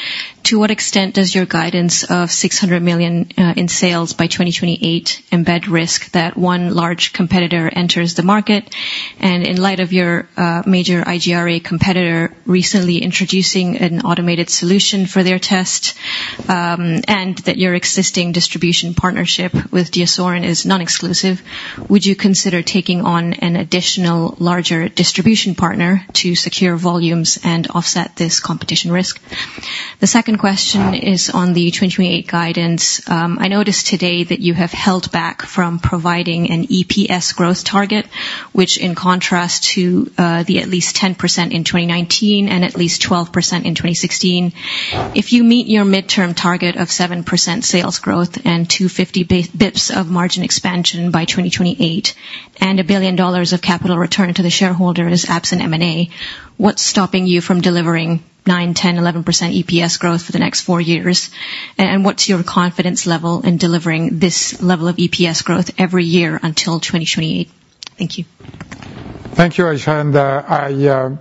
To what extent does your guidance of $600 million in sales by 2028 embed risk that one large competitor enters the market? And in light of your major IGRA competitor recently introducing an automated solution for their test and that your existing distribution partnership with DiaSorin is non-exclusive, would you consider taking on an additional larger distribution partner to secure volumes and offset this competition risk? The second question is on the 2028 guidance. I noticed today that you have held back from providing an EPS growth target, which in contrast to the at least 10% in 2019 and at least 12% in 2016, if you meet your midterm target of 7% sales growth and 250 basis points of margin expansion by 2028 and $1 billion of capital return to the shareholder is absent M&A, what's stopping you from delivering 9%-11% EPS growth for the next four years? And what's your confidence level in delivering this level of EPS growth every year until 2028? Thank you. Thank you, Aisyah.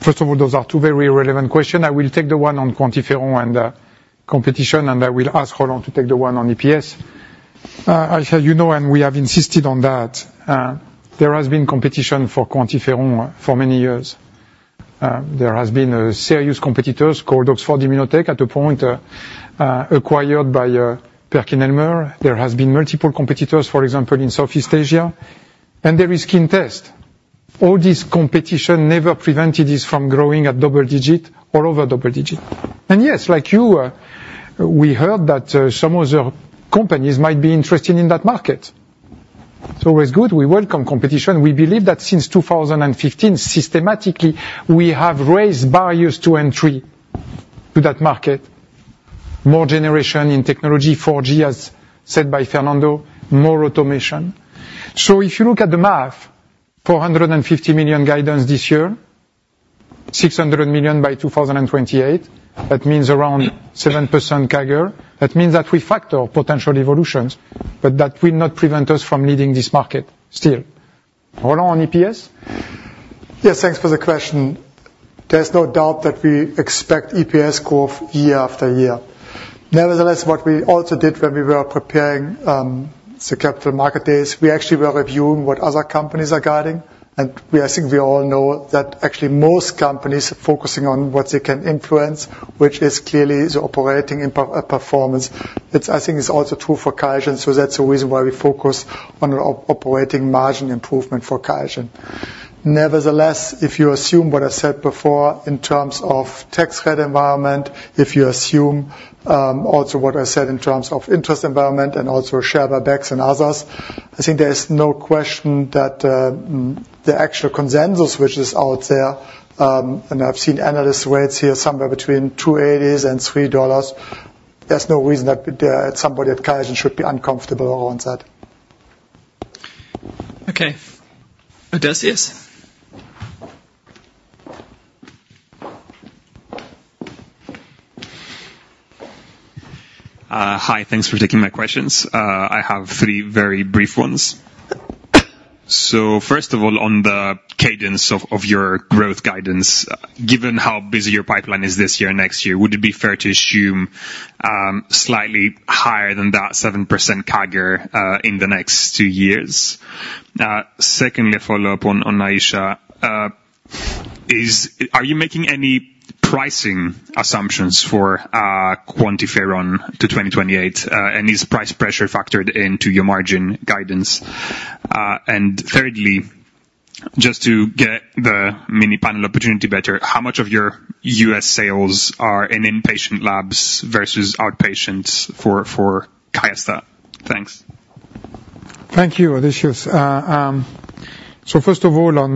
First of all, those are two very relevant questions. I will take the one on QuantiFERON and competition, and I will ask Roland to take the one on EPS. Aisyah, you know, and we have insisted on that, there has been competition for QuantiFERON for many years. There has been serious competitors called Oxford Immunotec at a point acquired by PerkinElmer. There has been multiple competitors, for example, in Southeast Asia. And there is Skin test. All this competition never prevented this from growing at double digit, all over double digit. And yes, like you, we heard that some other companies might be interested in that market. It's always good. We welcome competition. We believe that since 2015, systematically, we have raised barriers to entry to that market. More generation in technology, 4G, as said by Fernando, more automation. So if you look at the math, $450 million guidance this year, $600 million by 2028, that means around 7% CAGR. That means that we factor potential evolutions, but that will not prevent us from leading this market still. Roland on EPS? Yes, thanks for the question. There's no doubt that we expect EPS growth year after year. Nevertheless, what we also did when we were preparing the capital market days, we actually were reviewing what other companies are guiding. And I think we all know that actually most companies are focusing on what they can influence, which is clearly the operating performance. I think it's also true for QIAGEN. So that's the reason why we focus on operating margin improvement for QIAGEN. Nevertheless, if you assume what I said before in terms of tax rate environment, if you assume also what I said in terms of interest environment and also share buybacks and others, I think there is no question that the actual consensus which is out there, and I've seen analyst rates here somewhere between $2.80 and $3, there's no reason that somebody at QIAGEN should be uncomfortable around that. Okay. Odysseas. Hi, thanks for taking my questions. I have three very brief ones. So first of all, on the cadence of your growth guidance, given how busy your pipeline is this year and next year, would it be fair to assume slightly higher than that 7% CAGR in the next two years? Secondly, a follow-up on Aisyah. Are you making any pricing assumptions for QuantiFERON to 2028? And is price pressure factored into your margin guidance? And thirdly, just to get the QIAmini panel opportunity better, how much of your U.S. sales are in inpatient labs versus outpatients for QIAstat? Thanks. Thank you, Odysseas. So first of all, on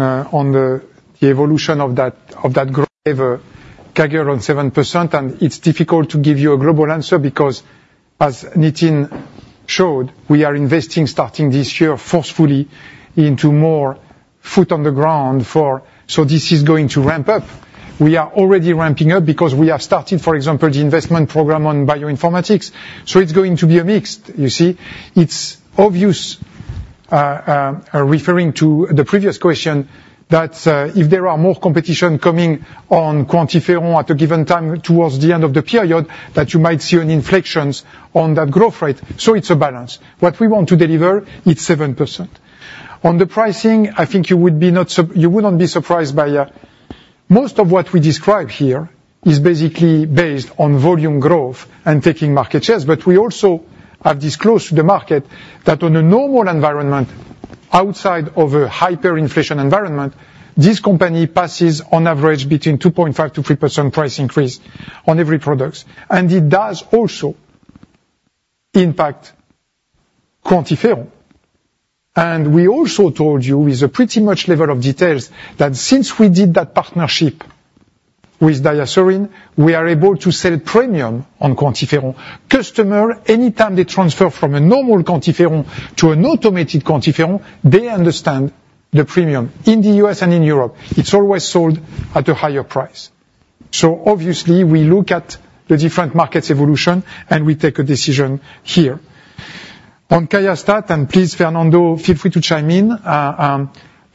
the evolution of that growth, CAGR on 7%, and it's difficult to give you a global answer because, as Nitin showed, we are investing starting this year forcefully into more foot on the ground for. So this is going to ramp up. We are already ramping up because we have started, for example, the investment program on bioinformatics. So it's going to be a mix, you see. It's obvious, referring to the previous question, that if there are more competition coming on QuantiFERON at a given time towards the end of the period, that you might see an inflection on that growth rate. So it's a balance. What we want to deliver is 7%. On the pricing, I think you would not be surprised by most of what we describe here, is basically based on volume growth and taking market shares. But we also have disclosed to the market that on a normal environment, outside of a hyperinflation environment, this company passes on average between 2.5%-3% price increase on every product. And it does also impact QuantiFERON. And we also told you with a pretty much level of details that since we did that partnership with DiaSorin, we are able to sell premium on QuantiFERON. Customers, anytime they transfer from a normal QuantiFERON to an automated QuantiFERON, they understand the premium. In the U.S. and in Europe, it's always sold at a higher price. So obviously, we look at the different markets' evolution and we take a decision here. On QIAstat, and please, Fernando, feel free to chime in.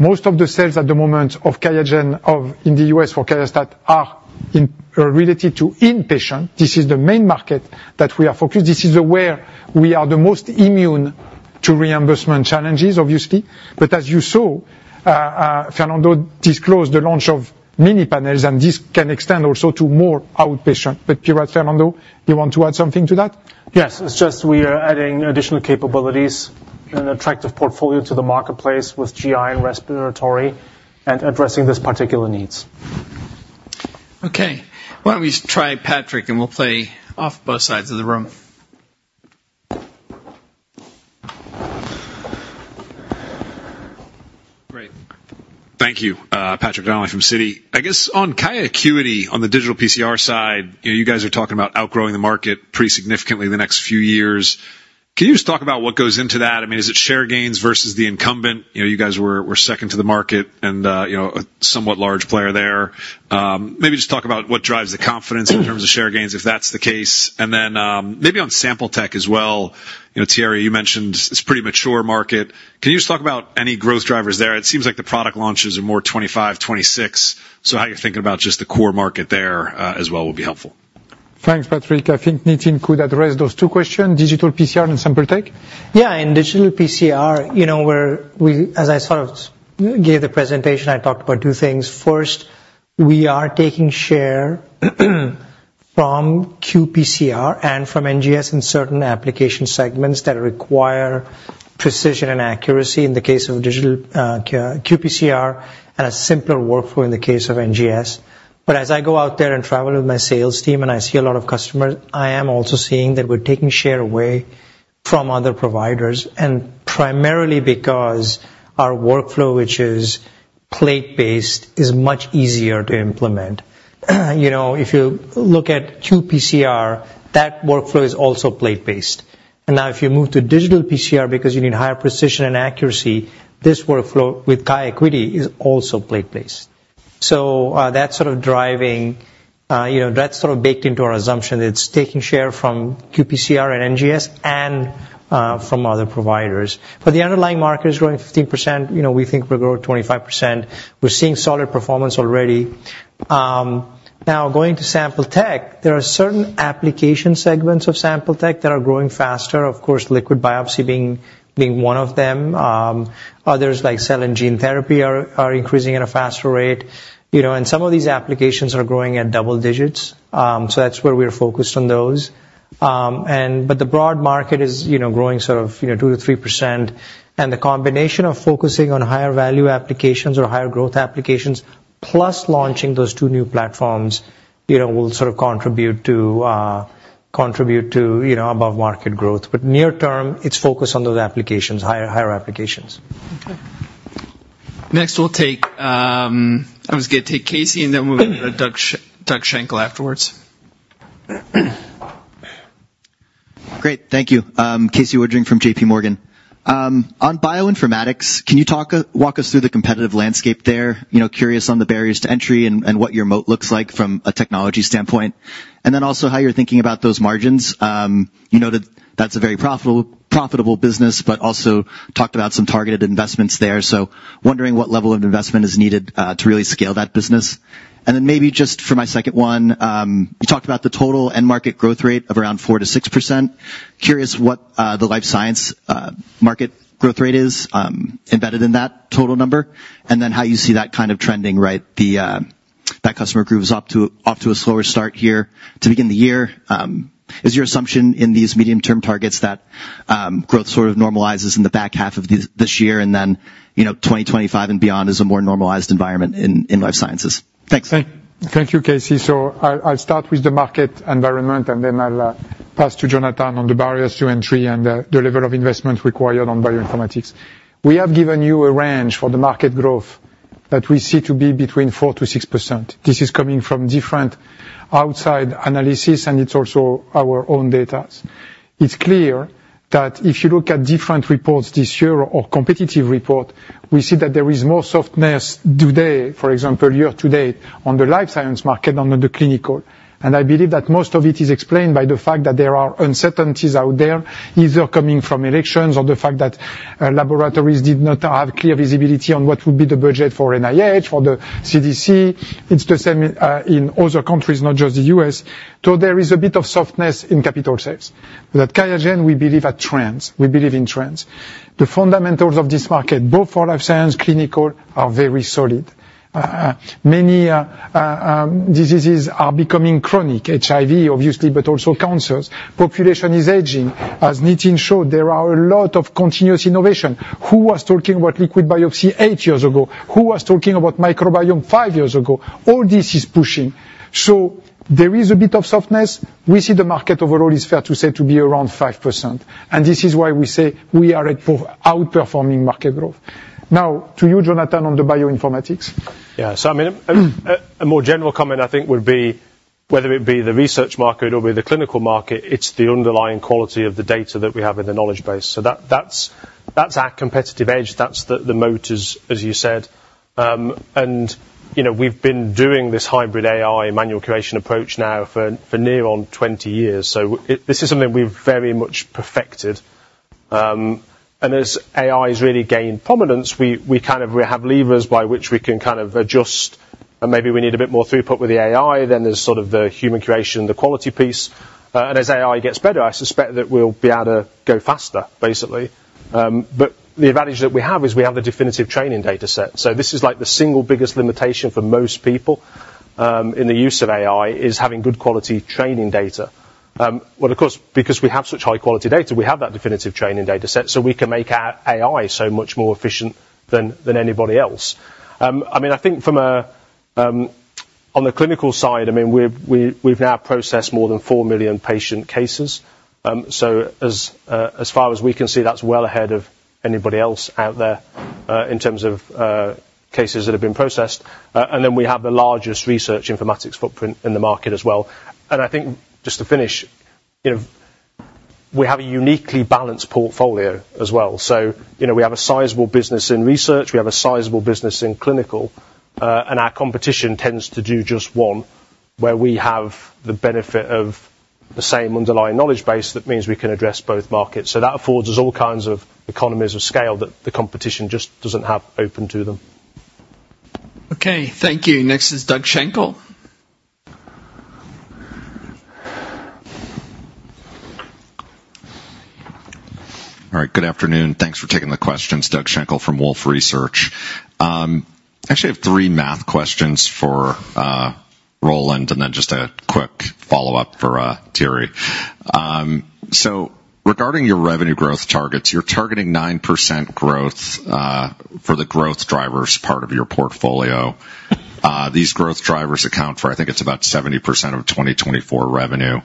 Most of the sales at the moment of QIAGEN in the U.S. for QIAstat are related to inpatient. This is the main market that we are focused. This is where we are the most immune to reimbursement challenges, obviously. But as you saw, Fernando disclosed the launch of mini panels, and this can extend also to more outpatient. But Beils, Fernando, you want to add something to that? Yes. It's just we are adding additional capabilities and an attractive portfolio to the marketplace with GI and respiratory and addressing these particular needs. Okay. Why don't we try Patrick, and we'll play off both sides of the room. Great. Thank you, Patrick Donnelly from Citi. I guess on QIAcuity on the digital PCR side, you guys are talking about outgrowing the market pretty significantly the next few years. Can you just talk about what goes into that? I mean, is it share gains versus the incumbent? You guys were second to the market and a somewhat large player there. Maybe just talk about what drives the confidence in terms of share gains, if that's the case. And then maybe on sample tech as well. Thierry, you mentioned it's a pretty mature market. Can you just talk about any growth drivers there? It seems like the product launches are more 2025, 2026. So how you're thinking about just the core market there as well would be helpful. Thanks, Patrick. I think Nitin could address those two questions, digital PCR and sample tech. Yeah. In digital PCR, as I sort of gave the presentation, I talked about two things. First, we are taking share from qPCR and from NGS in certain application segments that require precision and accuracy in the case of digital PCR and a simpler workflow in the case of NGS. But as I go out there and travel with my sales team and I see a lot of customers, I am also seeing that we're taking share away from other providers, and primarily because our workflow, which is plate-based, is much easier to implement. If you look at qPCR, that workflow is also plate-based. And now if you move to digital PCR because you need higher precision and accuracy, this workflow with QIAcuity is also plate-based. So that's sort of driving that's sort of baked into our assumption that it's taking share from qPCR and NGS and from other providers. But the underlying market is growing 15%. We think we're growing 25%. We're seeing solid performance already. Now, going to sample tech, there are certain application segments of sample tech that are growing faster. Of course, liquid biopsy being one of them. Others like cell and gene therapy are increasing at a faster rate. And some of these applications are growing at double digits. So that's where we're focused on those. But the broad market is growing sort of 2%-3%. And the combination of focusing on higher value applications or higher growth applications, plus launching those two new platforms, will sort of contribute to above-market growth. But near term, it's focused on those applications, higher applications. Okay. Next, we'll take Casey, and then we'll have Doug Schenkel afterwards. Great. Thank you. Casey Woodring from JPMorgan. On bioinformatics, can you walk us through the competitive landscape there? Curious on the barriers to entry and what your moat looks like from a technology standpoint. And then also how you're thinking about those margins. You noted that's a very profitable business, but also talked about some targeted investments there. So wondering what level of investment is needed to really scale that business. And then maybe just for my second one, you talked about the total end-market growth rate of around 4%-6%. Curious what the life science market growth rate is embedded in that total number, and then how you see that kind of trending, right? That customer group is off to a slower start here to begin the year. Is your assumption in these medium-term targets that growth sort of normalizes in the back half of this year and then 2025 and beyond is a more normalized environment in life sciences? Thanks. Thank you, Casey. So I'll start with the market environment, and then I'll pass to Jonathan on the barriers to entry and the level of investment required on bioinformatics. We have given you a range for the market growth that we see to be between 4%-6%. This is coming from different outside analysis, and it's also our own data. It's clear that if you look at different reports this year or competitive report, we see that there is more softness today, for example, year to date on the life science market than on the clinical. And I believe that most of it is explained by the fact that there are uncertainties out there, either coming from elections or the fact that laboratories did not have clear visibility on what would be the budget for NIH, for the CDC. It's the same in other countries, not just the U.S. So there is a bit of softness in capital shares. But at QIAGEN, we believe in trends. We believe in trends. The fundamentals of this market, both for life science and clinical, are very solid. Many diseases are becoming chronic, HIV, obviously, but also cancers. Population is aging. As Nitin showed, there are a lot of continuous innovation. Who was talking about liquid biopsy eight years ago? Who was talking about microbiome five years ago? All this is pushing. So there is a bit of softness. We see the market overall is fair to say to be around 5%. And this is why we say we are outperforming market growth. Now, to you, Jonathan, on the bioinformatics. Yeah. So I mean, a more general comment I think would be whether it be the research market or be the clinical market, it's the underlying quality of the data that we have in the knowledge base. So that's our competitive edge. That's the moat, as you said. And we've been doing this hybrid AI manual curation approach now for near on 20 years. So this is something we've very much perfected. And as AI has really gained prominence, we kind of have levers by which we can kind of adjust. And maybe we need a bit more throughput with the AI, then there's sort of the human curation and the quality piece. And as AI gets better, I suspect that we'll be able to go faster, basically. But the advantage that we have is we have the definitive training data set. So this is like the single biggest limitation for most people in the use of AI is having good quality training data. Well, of course, because we have such high-quality data, we have that definitive training data set, so we can make our AI so much more efficient than anybody else. I mean, I think on the clinical side, I mean, we've now processed more than 4 million patient cases. So as far as we can see, that's well ahead of anybody else out there in terms of cases that have been processed. And then we have the largest research informatics footprint in the market as well. And I think just to finish, we have a uniquely balanced portfolio as well. So we have a sizable business in research. We have a sizable business in clinical. Our competition tends to do just one, where we have the benefit of the same underlying knowledge base that means we can address both markets. That affords us all kinds of economies of scale that the competition just doesn't have open to them. Okay. Thank you. Next is Doug Schenkel. All right. Good afternoon. Thanks for taking the questions, Doug Schenkel from Wolfe Research. Actually, I have three math questions for Roland and then just a quick follow-up for Thierry. So regarding your revenue growth targets, you're targeting 9% growth for the growth drivers part of your portfolio. These growth drivers account for, I think it's about 70% of 2024 revenue.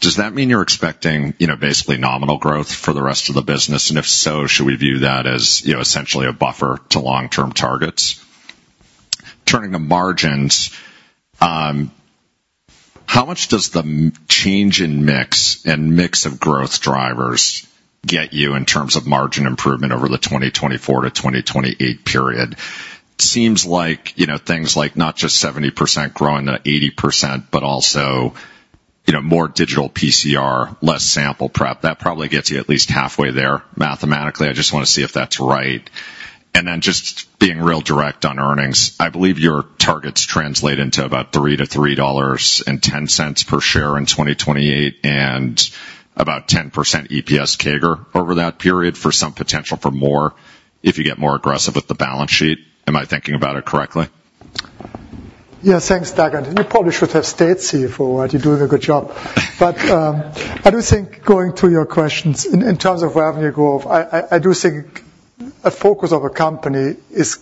Does that mean you're expecting basically nominal growth for the rest of the business? And if so, should we view that as essentially a buffer to long-term targets? Turning to margins, how much does the change in mix and mix of growth drivers get you in terms of margin improvement over the 2024 to 2028 period? It seems like things like not just 70% growing to 80%, but also more digital PCR, less sample prep. That probably gets you at least halfway there mathematically. I just want to see if that's right. Then just being real direct on earnings, I believe your targets translate into about $3-$3.10 per share in 2028 and about 10% EPS CAGR over that period for some potential for more if you get more aggressive with the balance sheet. Am I thinking about it correctly? Yes. Thanks, Doug. And you probably should have stayed CFO, right? You're doing a good job. But I do think going to your questions in terms of revenue growth, I do think a focus of a company is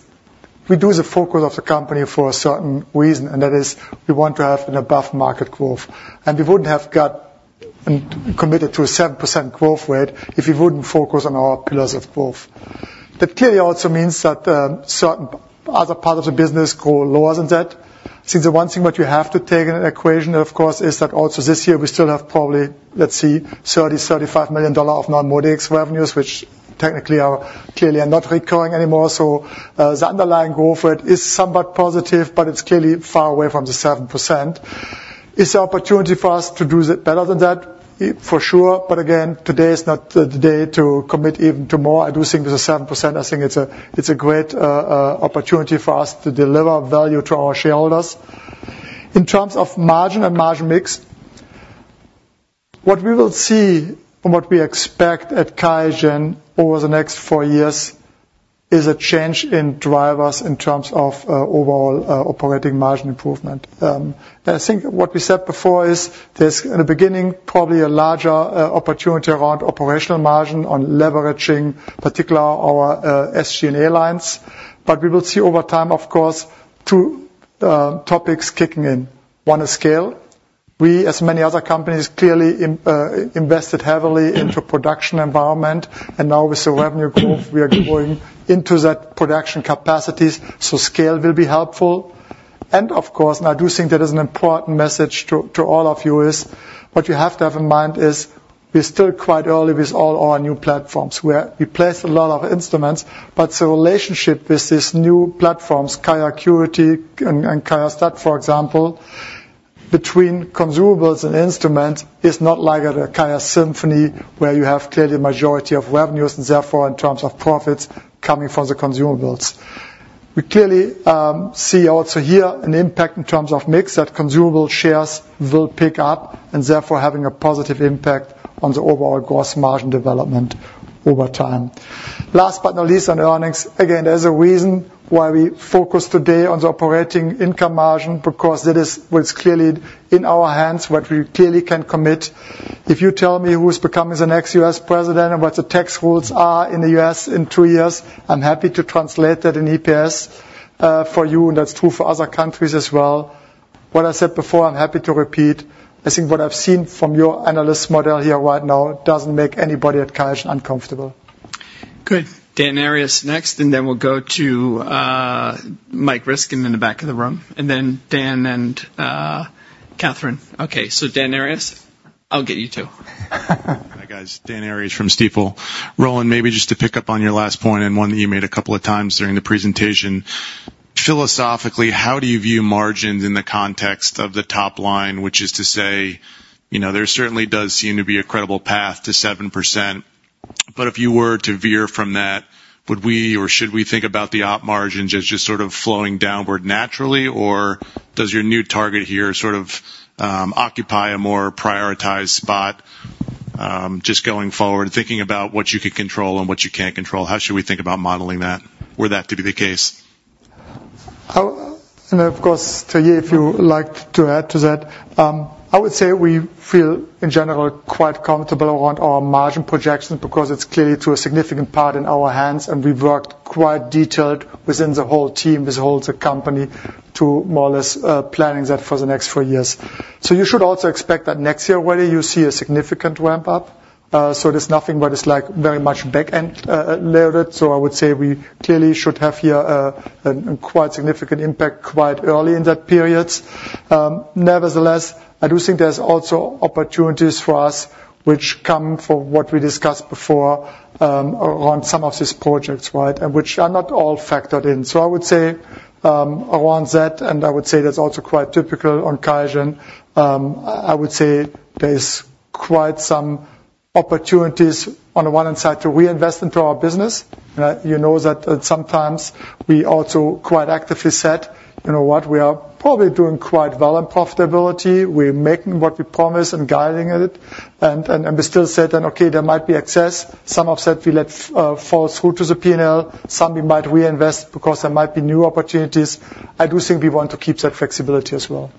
we do the focus of the company for a certain reason, and that is we want to have an above-market growth. And we wouldn't have got committed to a 7% growth rate if we wouldn't focus on our pillars of growth. That clearly also means that certain other parts of the business grow lower than that. See, the one thing that you have to take into equation, of course, is that also this year we still have probably, let's see, $30-$35 million of non-NeuMoDx revenues, which technically are clearly not recurring anymore. So the underlying growth rate is somewhat positive, but it's clearly far away from the 7%. It's an opportunity for us to do better than that, for sure. But again, today is not the day to commit even to more. I do think there's a 7%. I think it's a great opportunity for us to deliver value to our shareholders. In terms of margin and margin mix, what we will see and what we expect at QIAGEN over the next four years is a change in drivers in terms of overall operating margin improvement. I think what we said before is there's in the beginning probably a larger opportunity around operational margin on leveraging, particularly our SG&A and R&D lines. But we will see over time, of course, two topics kicking in. One is scale. We, as many other companies, clearly invested heavily into production environment. And now with the revenue growth, we are going into that production capacities. So scale will be helpful. Of course, and I do think that is an important message to all of you is what you have to have in mind is we're still quite early with all our new platforms. We place a lot of instruments, but the relationship with these new platforms, QIAcuity and QIAstat, for example, between consumables and instruments is not like at a QIAsymphony where you have clearly a majority of revenues and therefore in terms of profits coming from the consumables. We clearly see also here an impact in terms of mix that consumable shares will pick up and therefore having a positive impact on the overall gross margin development over time. Last but not least on earnings, again, there's a reason why we focus today on the operating income margin because that is what's clearly in our hands, what we clearly can commit. If you tell me who's becoming the next U.S. president and what the tax rules are in the U.S. in two years, I'm happy to translate that in EPS for you. And that's true for other countries as well. What I said before, I'm happy to repeat. I think what I've seen from your analyst model here right now doesn't make anybody at QIAGEN uncomfortable. Good. Dan Arias next, and then we'll go to Mike Ryskin in the back of the room, and then Dan and Catherine. Okay. So Dan Arias, I'll get you too. Hi, guys. Dan Arias from Stifel. Roland, maybe just to pick up on your last point and one that you made a couple of times during the presentation. Philosophically, how do you view margins in the context of the top line, which is to say there certainly does seem to be a credible path to 7%? But if you were to veer from that, would we or should we think about the op margins as just sort of flowing downward naturally, or does your new target here sort of occupy a more prioritized spot just going forward, thinking about what you can control and what you can't control? How should we think about modeling that were that to be the case? Of course, Thierry, if you like to add to that, I would say we feel in general quite comfortable around our margin projections because it's clearly to a significant part in our hands. And we've worked quite detailed within the whole team, this whole company, to more or less planning that for the next four years. So you should also expect that next year, whether you see a significant ramp up. So there's nothing but it's like very much back-end loaded. So I would say we clearly should have here a quite significant impact quite early in that period. Nevertheless, I do think there's also opportunities for us which come from what we discussed before around some of these projects, right, and which are not all factored in. So I would say around that, and I would say that's also quite typical on QIAGEN. I would say there's quite some opportunities on the one hand side to reinvest into our business. You know that sometimes we also quite actively said, you know what, we are probably doing quite well on profitability. We're making what we promise and guiding it. And we still said that, okay, there might be excess. Some of that we let fall through to the P&L. Some we might reinvest because there might be new opportunities. I do think we want to keep that flexibility as well.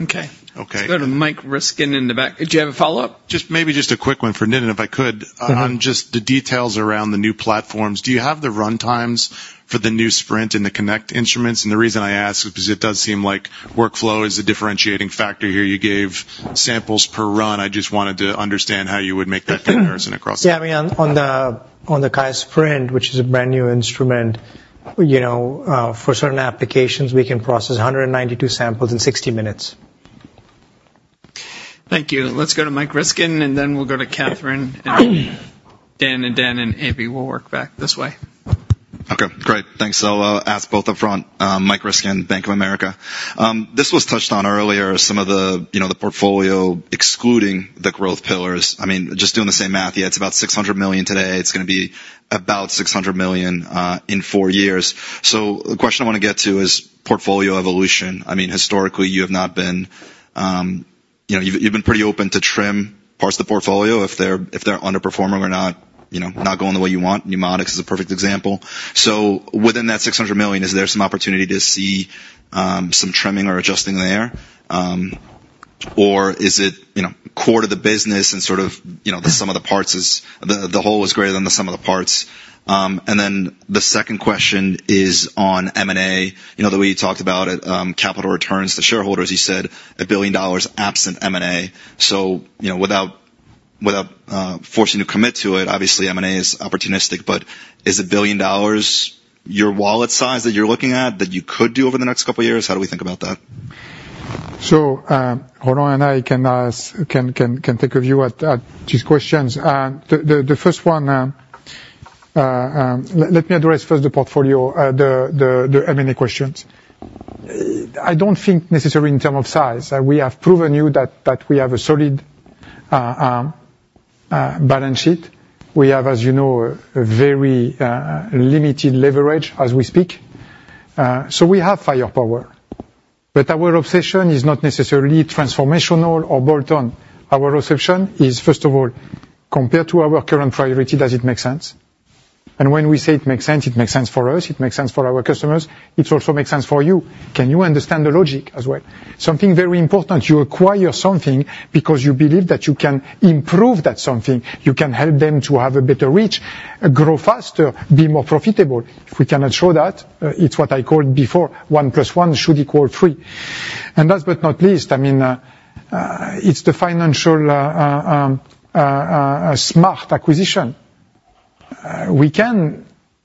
Okay. Okay. We've got a Mike Ryskin in the back. Do you have a follow-up? Just maybe just a quick one for Nitin, if I could, on just the details around the new platforms. Do you have the run times for the new Sprint and the Connect instruments? And the reason I ask is because it does seem like workflow is a differentiating factor here. You gave samples per run. I just wanted to understand how you would make that comparison across the board. Yeah. I mean, on the QIAsprint, which is a brand new instrument, for certain applications, we can process 192 samples in 60 minutes. Thank you. Let's go to Mike Ryskin, and then we'll go to Catherine and Dan and Dan and Abbie. We'll work back this way. Okay. Great. Thanks. I'll ask both upfront. Mike Ryskin, Bank of America. This was touched on earlier, some of the portfolio excluding the growth pillars. I mean, just doing the same math, yeah, it's about $600 million today. It's going to be about $600 million in four years. So the question I want to get to is portfolio evolution. I mean, historically, you have not been you've been pretty open to trim parts of the portfolio if they're underperforming or not going the way you want. NeuMoDx is a perfect example. So within that $600 million, is there some opportunity to see some trimming or adjusting there? Or is it core to the business and sort of the sum of the parts is the whole is greater than the sum of the parts? And then the second question is on M&A. I know that we talked about capital returns to shareholders. You said $1 billion absent M&A. So without forcing you to commit to it, obviously, M&A is opportunistic, but is $1 billion your wallet size that you're looking at that you could do over the next couple of years? How do we think about that? So Roland and I can take a view at these questions. And the first one, let me address first the portfolio, the M&A questions. I don't think necessarily in terms of size. We have proven you that we have a solid balance sheet. We have, as you know, a very limited leverage as we speak. So we have firepower. But our obsession is not necessarily transformational or bolt-on. Our obsession is, first of all, compare to our current priority, does it make sense? And when we say it makes sense, it makes sense for us. It makes sense for our customers. It also makes sense for you. Can you understand the logic as well? Something very important, you acquire something because you believe that you can improve that something. You can help them to have a better reach, grow faster, be more profitable. If we cannot show that, it's what I called before, one plus one should equal three. And last but not least, I mean, it's the financial smart acquisition.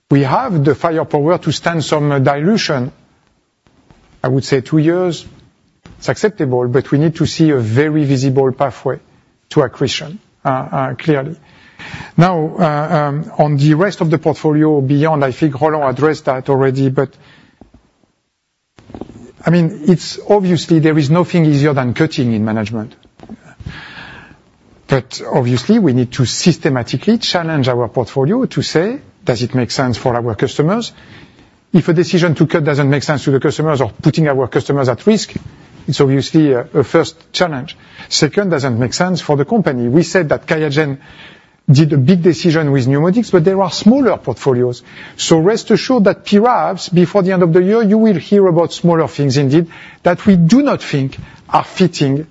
We have the firepower to stand some dilution. I would say two years, it's acceptable, but we need to see a very visible pathway to acquisition, clearly. Now, on the rest of the portfolio beyond, I think Roland addressed that already, but I mean, obviously, there is nothing easier than cutting in management. But obviously, we need to systematically challenge our portfolio to say, does it make sense for our customers? If a decision to cut doesn't make sense to the customers or putting our customers at risk, it's obviously a first challenge. Second, doesn't make sense for the company. We said that QIAGEN did a big decision with NeuMoDx, but there are smaller portfolios. So rest assured that perhaps before the end of the year, you will hear about smaller things indeed that we do not think are fitting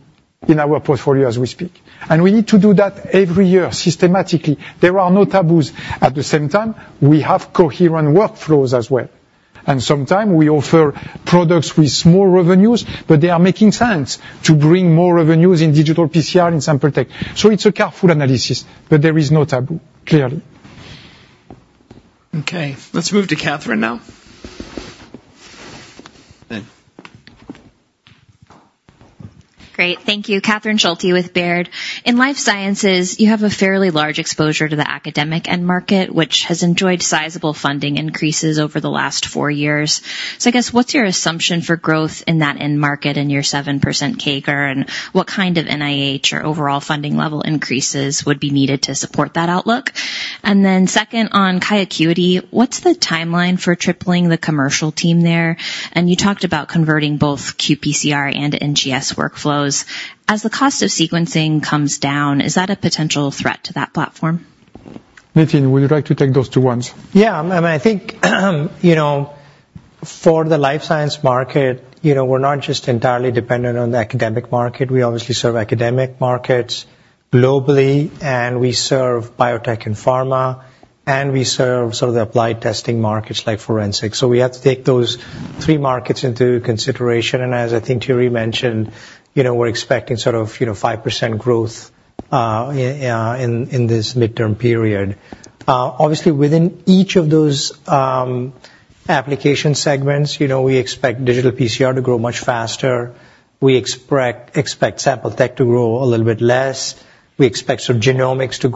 in our portfolio as we speak. And we need to do that every year systematically. There are no taboos. At the same time, we have coherent workflows as well. And sometimes we offer products with small revenues, but they are making sense to bring more revenues in digital PCR and sample tech. So it's a careful analysis, but there is no taboo, clearly. Okay. Let's move to Catherine now. Great. Thank you. Catherine Schulte with Baird. In life sciences, you have a fairly large exposure to the academic end market, which has enjoyed sizable funding increases over the last four years. So I guess what's your assumption for growth in that end market and your 7% CAGR, and what kind of NIH or overall funding level increases would be needed to support that outlook? And then second, on QIAcuity, what's the timeline for tripling the commercial team there? And you talked about converting both qPCR and NGS workflows. As the cost of sequencing comes down, is that a potential threat to that platform? Nitin, would you like to take those two ones? Yeah. I mean, I think for the life science market, we're not just entirely dependent on the academic market. We obviously serve academic markets globally, and we serve biotech and pharma, and we serve sort of the applied testing markets like forensics. We have to take those three markets into consideration. As I think Thierry mentioned, we're expecting sort of 5% growth in this midterm period. Obviously, within each of those application segments, we expect digital PCR to grow much faster. We expect sample tech to grow a little bit less. We expect sort of genomics to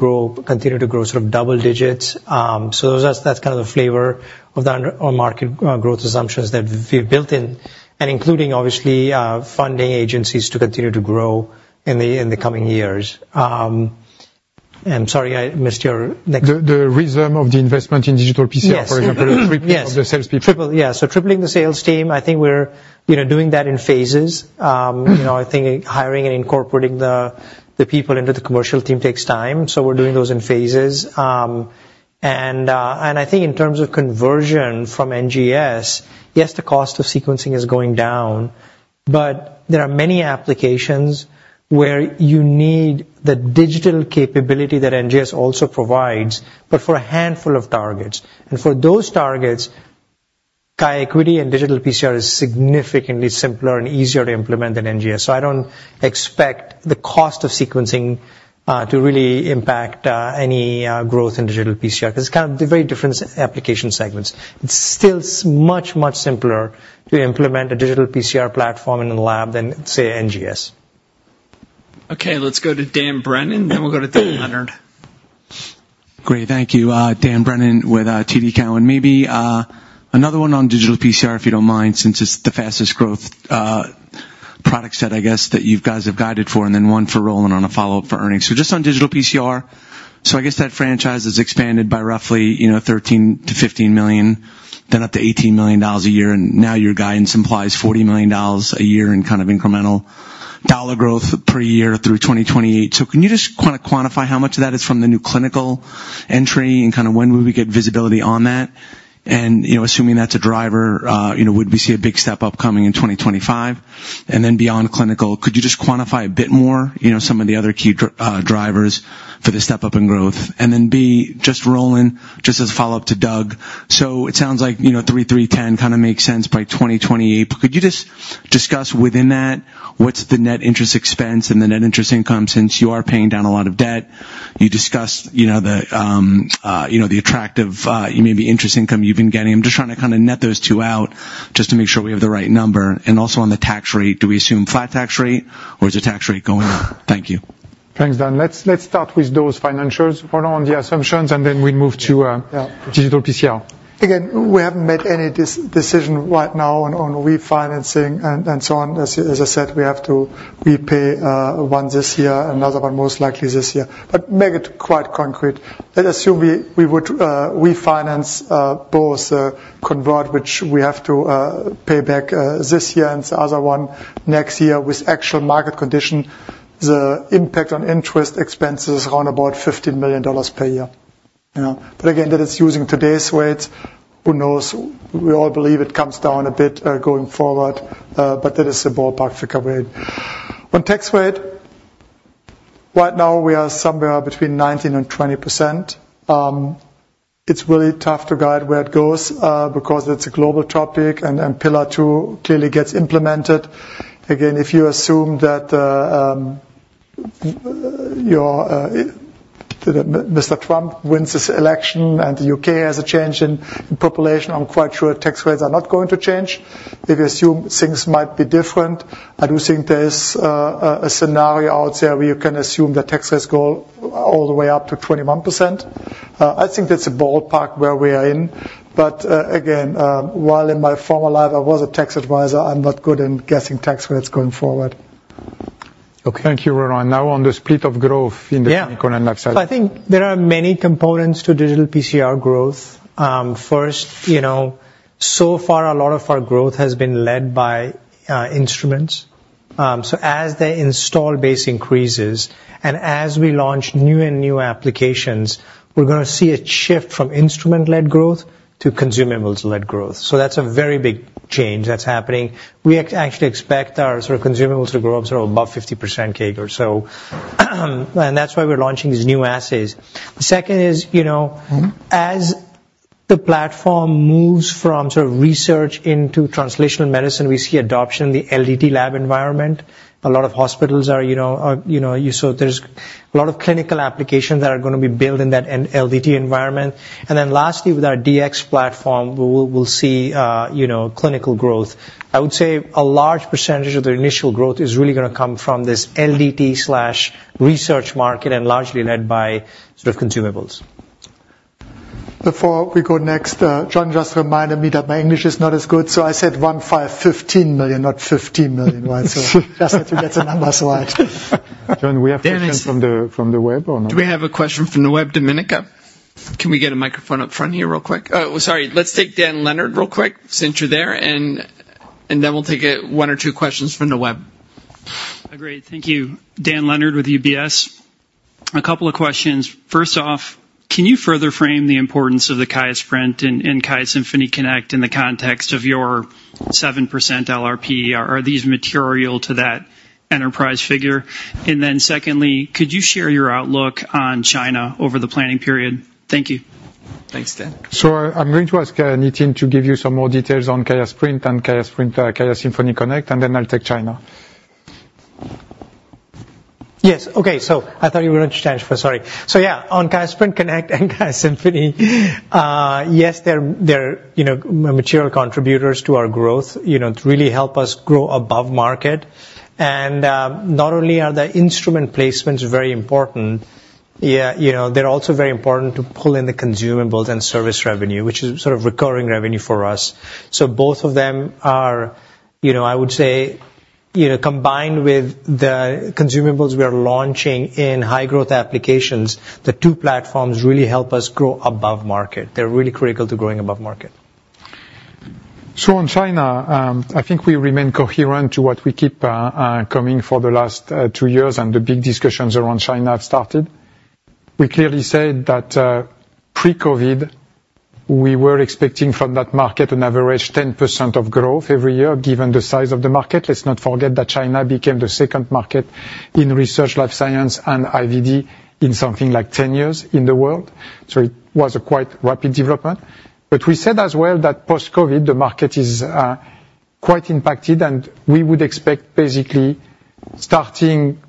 continue to grow sort of double digits. That's kind of the flavor of the market growth assumptions that we've built in, and including, obviously, funding agencies to continue to grow in the coming years. I'm sorry, I missed your next. The reason of the investment in Digital PCR, for example, tripling of the sales people. Yes. So tripling the sales team, I think we're doing that in phases. I think hiring and incorporating the people into the commercial team takes time. So we're doing those in phases. And I think in terms of conversion from NGS, yes, the cost of sequencing is going down, but there are many applications where you need the digital capability that NGS also provides, but for a handful of targets. And for those targets, QIAcuity and digital PCR is significantly simpler and easier to implement than NGS. So I don't expect the cost of sequencing to really impact any growth in digital PCR because it's kind of very different application segments. It's still much, much simpler to implement a digital PCR platform in a lab than, say, NGS. Okay. Let's go to Dan Brennan, then we'll go to Dan Leonard. Great. Thank you. Dan Brennan with TD Cowen and maybe another one on digital PCR, if you don't mind, since it's the fastest growth product set, I guess, that you guys have guided for, and then one for Roland on a follow-up for earnings. So just on digital PCR, so I guess that franchise has expanded by roughly $13 million-$15 million, then up to $18 million a year. And now your guidance implies $40 million a year in kind of incremental dollar growth per year through 2028. So can you just kind of quantify how much of that is from the new clinical entry and kind of when will we get visibility on that? And assuming that's a driver, would we see a big step up coming in 2025? Then beyond clinical, could you just quantify a bit more some of the other key drivers for the step up in growth? And then B, just Roland, just as a follow-up to Doug. So it sounds like 3, 3, 10 kind of makes sense by 2028. But could you just discuss within that, what's the net interest expense and the net interest income since you are paying down a lot of debt? You discussed the attractive maybe interest income you've been getting. I'm just trying to kind of net those two out just to make sure we have the right number. And also on the tax rate, do we assume flat tax rate, or is the tax rate going up? Thank you. Thanks, Dan. Let's start with those financials, Roland, the assumptions, and then we move to digital PCR. Again, we haven't made any decision right now on refinancing and so on. As I said, we have to repay one this year, another one most likely this year. But make it quite concrete. Let's assume we would refinance both the convert, which we have to pay back this year and the other one next year with actual market condition. The impact on interest expenses is around about $15 million per year. But again, that is using today's rates. Who knows? We all believe it comes down a bit going forward, but that is a ballpark figure rate. On tax rate, right now we are somewhere between 19%-20%. It's really tough to guide where it goes because it's a global topic and Pillar Two clearly gets implemented. Again, if you assume that Mr. Trump wins this election and the U.K. has a change in population, I'm quite sure tax rates are not going to change. If you assume things might be different, I do think there's a scenario out there where you can assume that tax rates go all the way up to 21%. I think that's a ballpark where we are in. But again, while in my former life, I was a tax advisor, I'm not good in guessing tax rates going forward. Okay. Thank you, Roland. Now on the speed of growth in the clinical and life science. Yeah. So I think there are many components to digital PCR growth. First, so far, a lot of our growth has been led by instruments. So as the install base increases and as we launch new and new applications, we're going to see a shift from instrument-led growth to consumables-led growth. So that's a very big change that's happening. We actually expect our sort of consumables to grow up sort of above 50% CAGR. And that's why we're launching these new assays. The second is, as the platform moves from sort of research into translational medicine, we see adoption in the LDT lab environment. A lot of hospitals are, so there's a lot of clinical applications that are going to be built in that LDT environment. And then lastly, with our DX platform, we'll see clinical growth. I would say a large percentage of the initial growth is really going to come from this LDT/research market and largely led by sort of consumables. Before we go next, John just reminded me that my English is not as good, so I said $1,515 million, not $15 million. So just to get the numbers right. John, we have questions from the web or no? Do we have a question from the web, Domenica? Can we get a microphone up front here real quick? Oh, sorry. Let's take Dan Leonard real quick since you're there, and then we'll take one or two questions from the web. Agreed. Thank you. Dan Leonard with UBS. A couple of questions. First off, can you further frame the importance of the QIAsprint and QIAsymphony Connect in the context of your 7% LRP? Are these material to that enterprise figure? And then secondly, could you share your outlook on China over the planning period? Thank you. Thanks, Dan. I'm going to ask Nitin to give you some more details on QIAsprint Connect and QIAsymphony Connect, and then I'll take China. Yes. Okay. So I thought you were going to change. Sorry. So yeah, on QIAsprint Connect and QIAsymphony, yes, they're material contributors to our growth. It really helped us grow above market. And not only are the instrument placements very important, they're also very important to pull in the consumables and service revenue, which is sort of recurring revenue for us. So both of them are, I would say, combined with the consumables we are launching in high-growth applications, the two platforms really help us grow above market. They're really critical to growing above market. So on China, I think we remain coherent to what we keep coming for the last 2 years and the big discussions around China have started. We clearly said that pre-COVID, we were expecting from that market an average 10% of growth every year given the size of the market. Let's not forget that China became the second market in research, life science, and IVD in something like 10 years in the world. So it was a quite rapid development. But we said as well that post-COVID, the market is quite impacted, and we would expect basically starting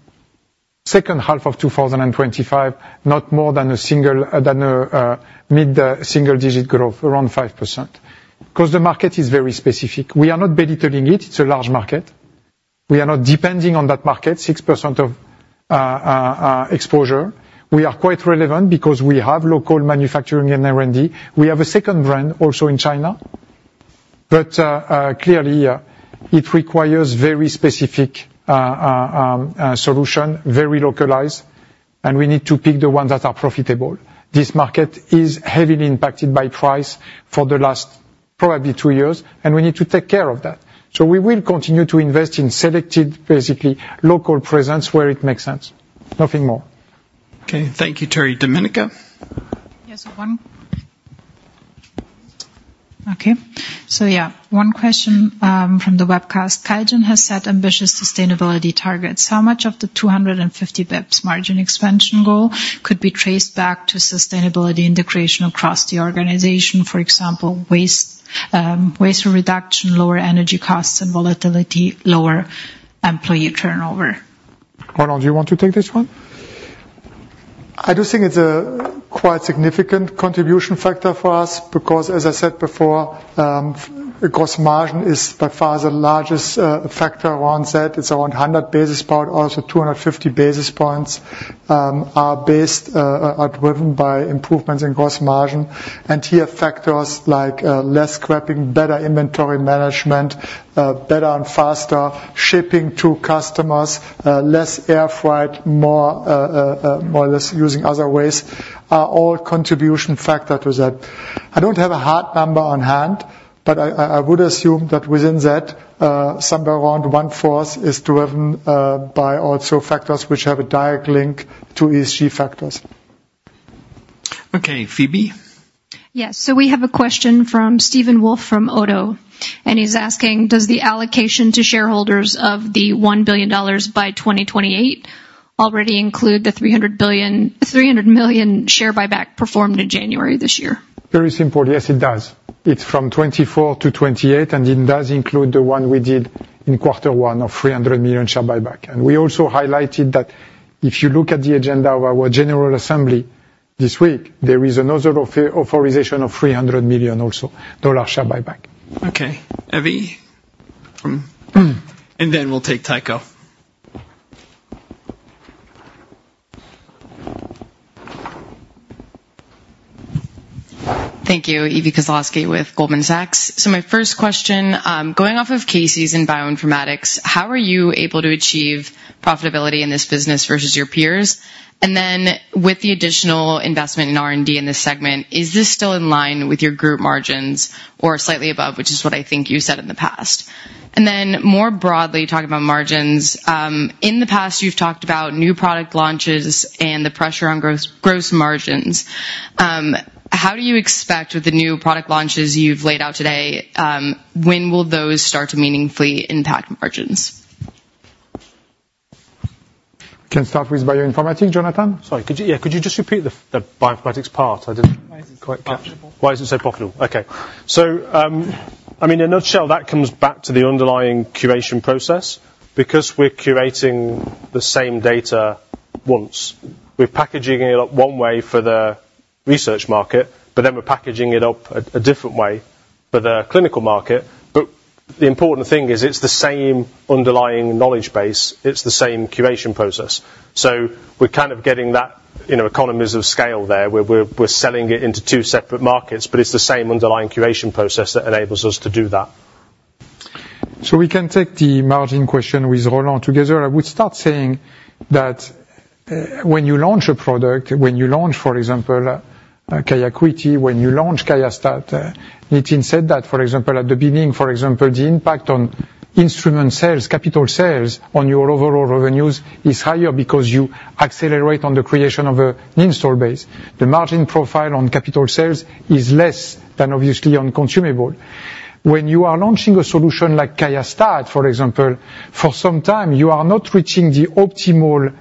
second half of 2025, not more than a single digit growth, around 5%, because the market is very specific. We are not belittling it. It's a large market. We are not depending on that market, 6% of exposure. We are quite relevant because we have local manufacturing and R&D. We have a second brand also in China, but clearly, it requires very specific solution, very localized, and we need to pick the ones that are profitable. This market is heavily impacted by price for the last probably 2 years, and we need to take care of that. So we will continue to invest in selected, basically local presence where it makes sense. Nothing more. Okay. Thank you, Thierry. Domenica? Yes. Okay. So yeah, one question from the webcast. QIAGEN has set ambitious sustainability targets. How much of the 250 basis points margin expansion goal could be traced back to sustainability integration across the organization? For example, waste reduction, lower energy costs, and volatility, lower employee turnover. Roland, do you want to take this one? I do think it's a quite significant contribution factor for us because, as I said before, the gross margin is by far the largest factor around that. It's around 100 basis points. Also, 250 basis points are driven by improvements in gross margin. And here, factors like less scrapping, better inventory management, better and faster shipping to customers, less air freight, more or less using other ways are all contribution factors to that. I don't have a hard number on hand, but I would assume that within that, somewhere around 1/4 is driven by also factors which have a direct link to ESG factors. Okay. Phoebe? Yes. So we have a question from Stephan Wulf from ODDO BHF, and he's asking, does the allocation to shareholders of the $1 billion by 2028 already include the 300 million share buyback performed in January this year? Very simple. Yes, it does. It's from 2024 to 2028, and it does include the one we did in quarter one of $300 million share buyback. And we also highlighted that if you look at the agenda of our general assembly this week, there is another authorization of $300 million also dollar share buyback. Okay. Evie from. We'll take Tycho. Thank you. Evie Kosloski with Goldman Sachs. So my first question, going off of Casey's in bioinformatics, how are you able to achieve profitability in this business versus your peers? And then with the additional investment in R&D in this segment, is this still in line with your group margins or slightly above, which is what I think you said in the past? And then more broadly, talking about margins, in the past, you've talked about new product launches and the pressure on gross margins. How do you expect with the new product launches you've laid out today, when will those start to meaningfully impact margins? Can I start with bioinformatics, Jonathan? Sorry. Yeah. Could you just repeat the bioinformatics part? Why is it so profitable? Why is it so profitable? Okay. So I mean, in a nutshell, that comes back to the underlying curation process because we're curating the same data once. We're packaging it up one way for the research market, but then we're packaging it up a different way for the clinical market. But the important thing is it's the same underlying knowledge base. It's the same curation process. So we're kind of getting that economies of scale there where we're selling it into two separate markets, but it's the same underlying curation process that enables us to do that. So we can take the margin question with Roland together. I would start saying that when you launch a product, when you launch, for example, QIAcuity, when you launch QIAsprint, Nitin said that, for example, at the beginning, for example, the impact on instrument sales, capital sales on your overall revenues is higher because you accelerate on the creation of an install base. The margin profile on capital sales is less than obviously on consumables. When you are launching a solution like QIAsprint, for example, for some time, you are not reaching the optimal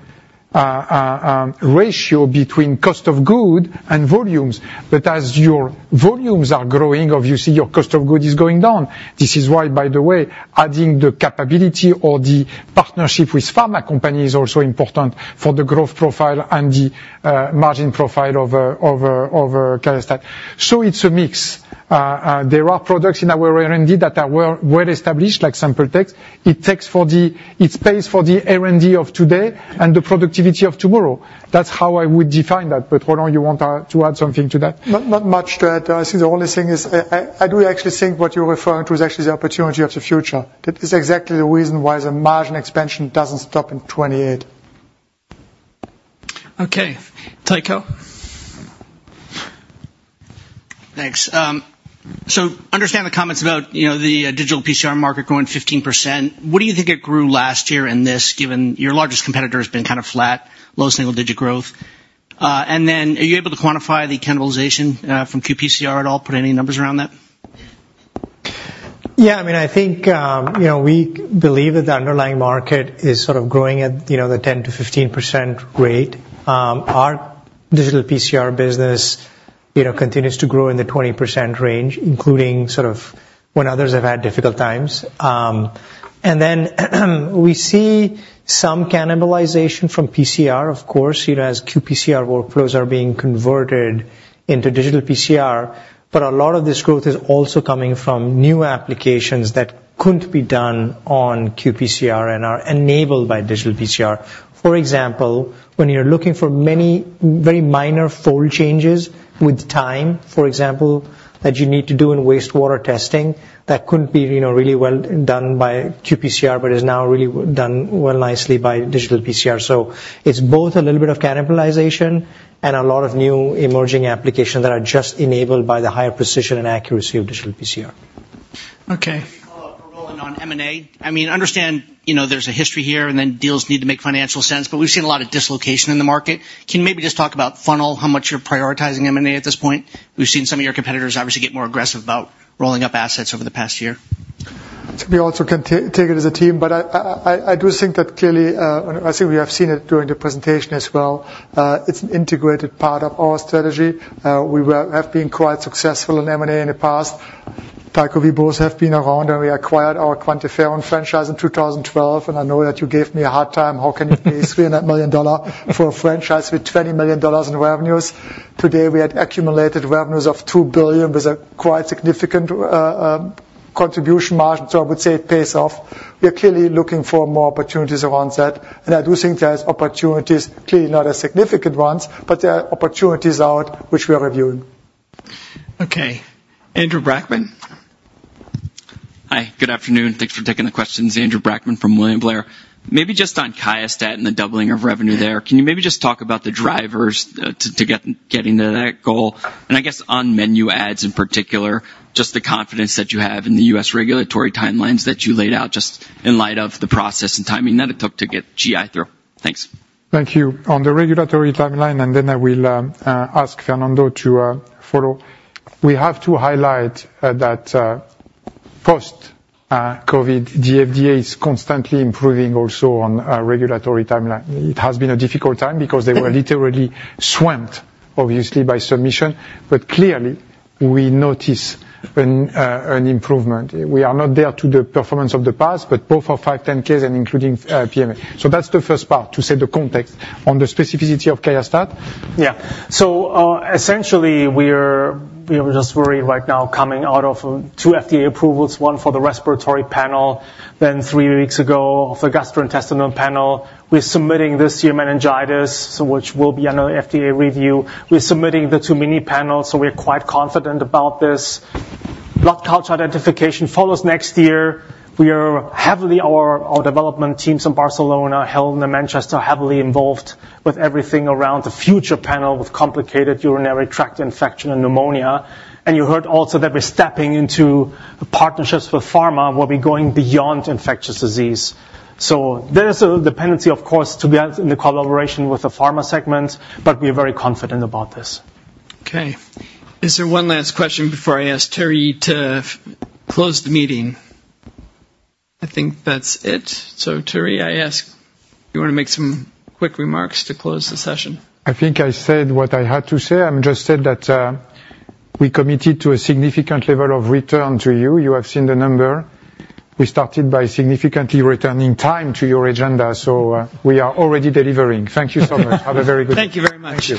ratio between cost of goods and volumes. But as your volumes are growing, obviously, your cost of goods is going down. This is why, by the way, adding the capability or the partnership with pharma companies is also important for the growth profile and the margin profile of QIAsprint. So it's a mix. There are products in our R&D that are well established, like Sample Technologies. It pays for the R&D of today and the productivity of tomorrow. That's how I would define that. But Roland, you want to add something to that? Not much to add. I think the only thing is I do actually think what you're referring to is actually the opportunity of the future. That is exactly the reason why the margin expansion doesn't stop in 2028. Okay. Tycho? Thanks. So understand the comments about the digital PCR market growing 15%. What do you think it grew last year in this, given your largest competitor has been kind of flat, low single-digit growth? And then are you able to quantify the cannibalization from qPCR at all? Put any numbers around that? Yeah. I mean, I think we believe that the underlying market is sort of growing at the 10%-15% rate. Our digital PCR business continues to grow in the 20% range, including sort of when others have had difficult times. And then we see some cannibalization from PCR, of course, as qPCR workflows are being converted into digital PCR. But a lot of this growth is also coming from new applications that couldn't be done on qPCR and are enabled by digital PCR. For example, when you're looking for many very minor fold changes with time, for example, that you need to do in wastewater testing, that couldn't be really well done by qPCR, but is now really done well nicely by digital PCR. So it's both a little bit of cannibalization and a lot of new emerging applications that are just enabled by the higher precision and accuracy of digital PCR. Okay. Follow-up for Roland on M&A. I mean, understand there's a history here, and then deals need to make financial sense, but we've seen a lot of dislocation in the market. Can you maybe just talk about funnel, how much you're prioritizing M&A at this point? We've seen some of your competitors obviously get more aggressive about rolling up assets over the past year. To be honest, we can take it as a team, but I do think that clearly, I think we have seen it during the presentation as well. It's an integrated part of our strategy. We have been quite successful in M&A in the past. Tycho, we both have been around, and we acquired our QuantiFERON franchise in 2012, and I know that you gave me a hard time. How can you pay $300 million for a franchise with $20 million in revenues? Today, we had accumulated revenues of $2 billion with a quite significant contribution margin, so I would say it pays off. We are clearly looking for more opportunities around that, and I do think there are opportunities, clearly not as significant ones, but there are opportunities out which we are reviewing. Okay. Andrew Brackman? Hi. Good afternoon. Thanks for taking the questions. Andrew Brackman from William Blair. Maybe just on QIAstat and the doubling of revenue there, can you maybe just talk about the drivers to getting to that goal? And I guess on NeuMoDx in particular, just the confidence that you have in the US regulatory timelines that you laid out just in light of the process and timing that it took to get GI through. Thanks. Thank you. On the regulatory timeline, and then I will ask Fernando to follow. We have to highlight that post-COVID, the FDA is constantly improving also on regulatory timeline. It has been a difficult time because they were literally swamped, obviously, by submission, but clearly, we notice an improvement. We are not there to the performance of the past, but both of 510(k)s and including PMA. So that's the first part to set the context on the specificity of QIAstat. Yeah. So essentially, we are just worried right now coming out of two FDA approvals, one for the respiratory panel, then three weeks ago for the gastrointestinal panel. We're submitting this year meningitis, which will be under FDA review. We're submitting the two mini panels, so we're quite confident about this. Blood culture identification follows next year. We are heavily, our development teams in Barcelona, Hilden, in Manchester, heavily involved with everything around the future panel with complicated urinary tract infection and pneumonia. And you heard also that we're stepping into partnerships with pharma where we're going beyond infectious disease. So there is a dependency, of course, to be in the collaboration with the pharma segment, but we are very confident about this. Okay. Is there one last question before I ask Thierry to close the meeting? I think that's it. Thierry, I ask if you want to make some quick remarks to close the session. I think I said what I had to say. I just said that we committed to a significant level of return to you. You have seen the number. We started by significantly returning time to your agenda, so we are already delivering. Thank you so much. Have a very good day. Thank you very much.